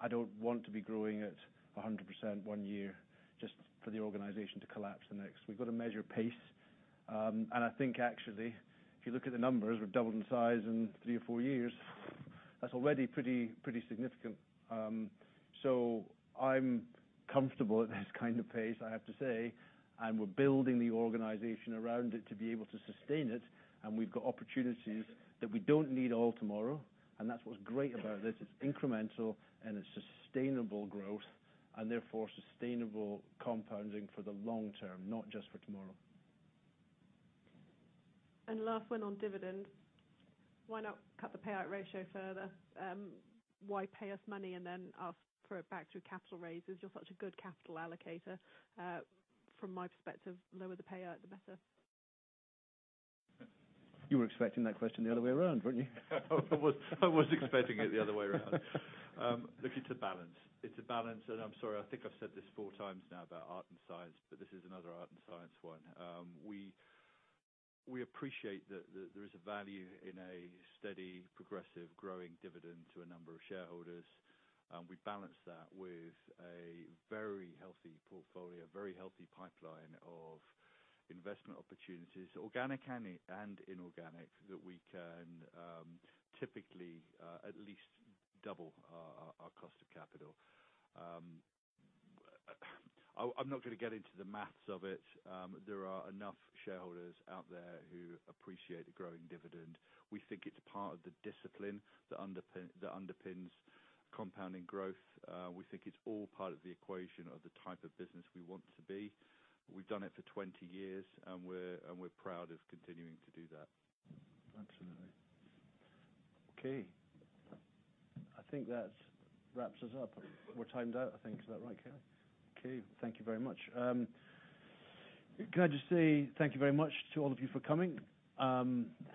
I don't want to be growing at 100% 1 year, just for the organization to collapse the next. We've got to measure pace, and I think actually, if you look at the numbers, we've doubled in size in three or four years. That's already pretty significant. I'm comfortable at this kind of pace, I have to say, and we're building the organization around it to be able to sustain it, and we've got opportunities that we don't need all tomorrow. That's what's great about this, it's incremental and it's sustainable growth, and therefore sustainable compounding for the long term, not just for tomorrow. Last one on dividends. Why not cut the payout ratio further? Why pay us money and then ask for it back through capital raises? You're such a good capital allocator. From my perspective, the lower the payout, the better. You were expecting that question the other way around, weren't you? I was expecting it the other way around. Look, it's a balance. It's a balance. I'm sorry, I think I've said this four times now about art and science, but this is another art and science one. We appreciate that there is a value in a steady, progressive, growing dividend to a number of shareholders. We balance that with a very healthy portfolio, a very healthy pipeline of investment opportunities, organic and inorganic, that we can typically at least double our cost of capital. I'm not going to get into the math of it. There are enough shareholders out there who appreciate a growing dividend. We think it's part of the discipline that underpins compounding growth. We think it's all part of the equation of the type of business we want to be. We've done it for 20 years, and we're proud of continuing to do that. Absolutely. Okay. I think that wraps us up. We're timed out, I think. Is that right, Kelly? Okay. Thank you very much. Can I just say thank you very much to all of you for coming.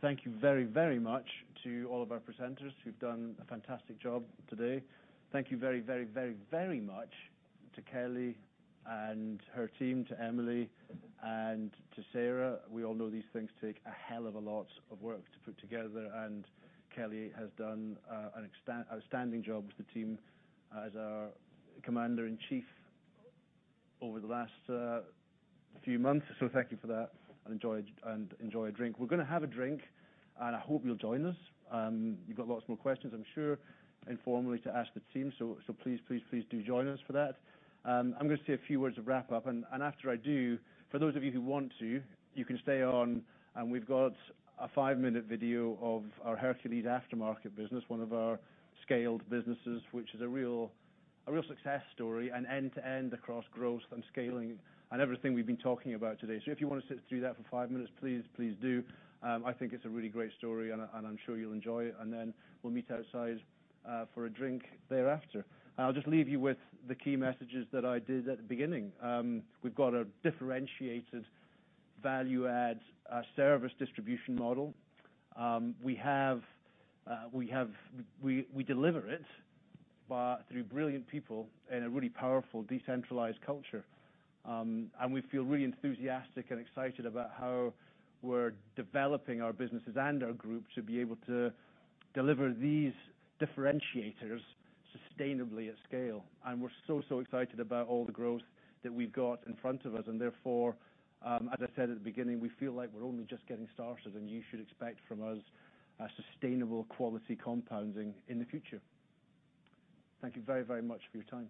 Thank you very, very much to all of our presenters who've done a fantastic job today. Thank you very, very, very, very much to Kelly and her team, to Emily and to Sarah. We all know these things take a hell of a lot of work to put together. Kelly has done an outstanding job with the team as our commander-in-chief over the last few months, so thank you for that, and enjoy a drink. We're gonna have a drink. I hope you'll join us. You've got lots more questions, I'm sure, informally, to ask the team, so please do join us for that. I'm gonna say a few words of wrap-up, and after I do, for those of you who want to, you can stay on, and we've got a five-minute video of our Hercules Aftermarket business, one of our scaled businesses, which is a real success story and end-to-end across growth and scaling and everything we've been talking about today. If you want to sit through that for five minutes, please do. I think it's a really great story, and I'm sure you'll enjoy it, and then we'll meet outside for a drink thereafter. I'll just leave you with the key messages that I did at the beginning. We've got a differentiated value-add service distribution model. We deliver it through brilliant people and a really powerful, decentralized culture. We feel really enthusiastic and excited about how we're developing our businesses and our group to be able to deliver these differentiators sustainably at scale. We're so excited about all the growth that we've got in front of us, and therefore, as I said at the beginning, we feel like we're only just getting started, and you should expect from us a sustainable quality compounding in the future. Thank you very much for your time.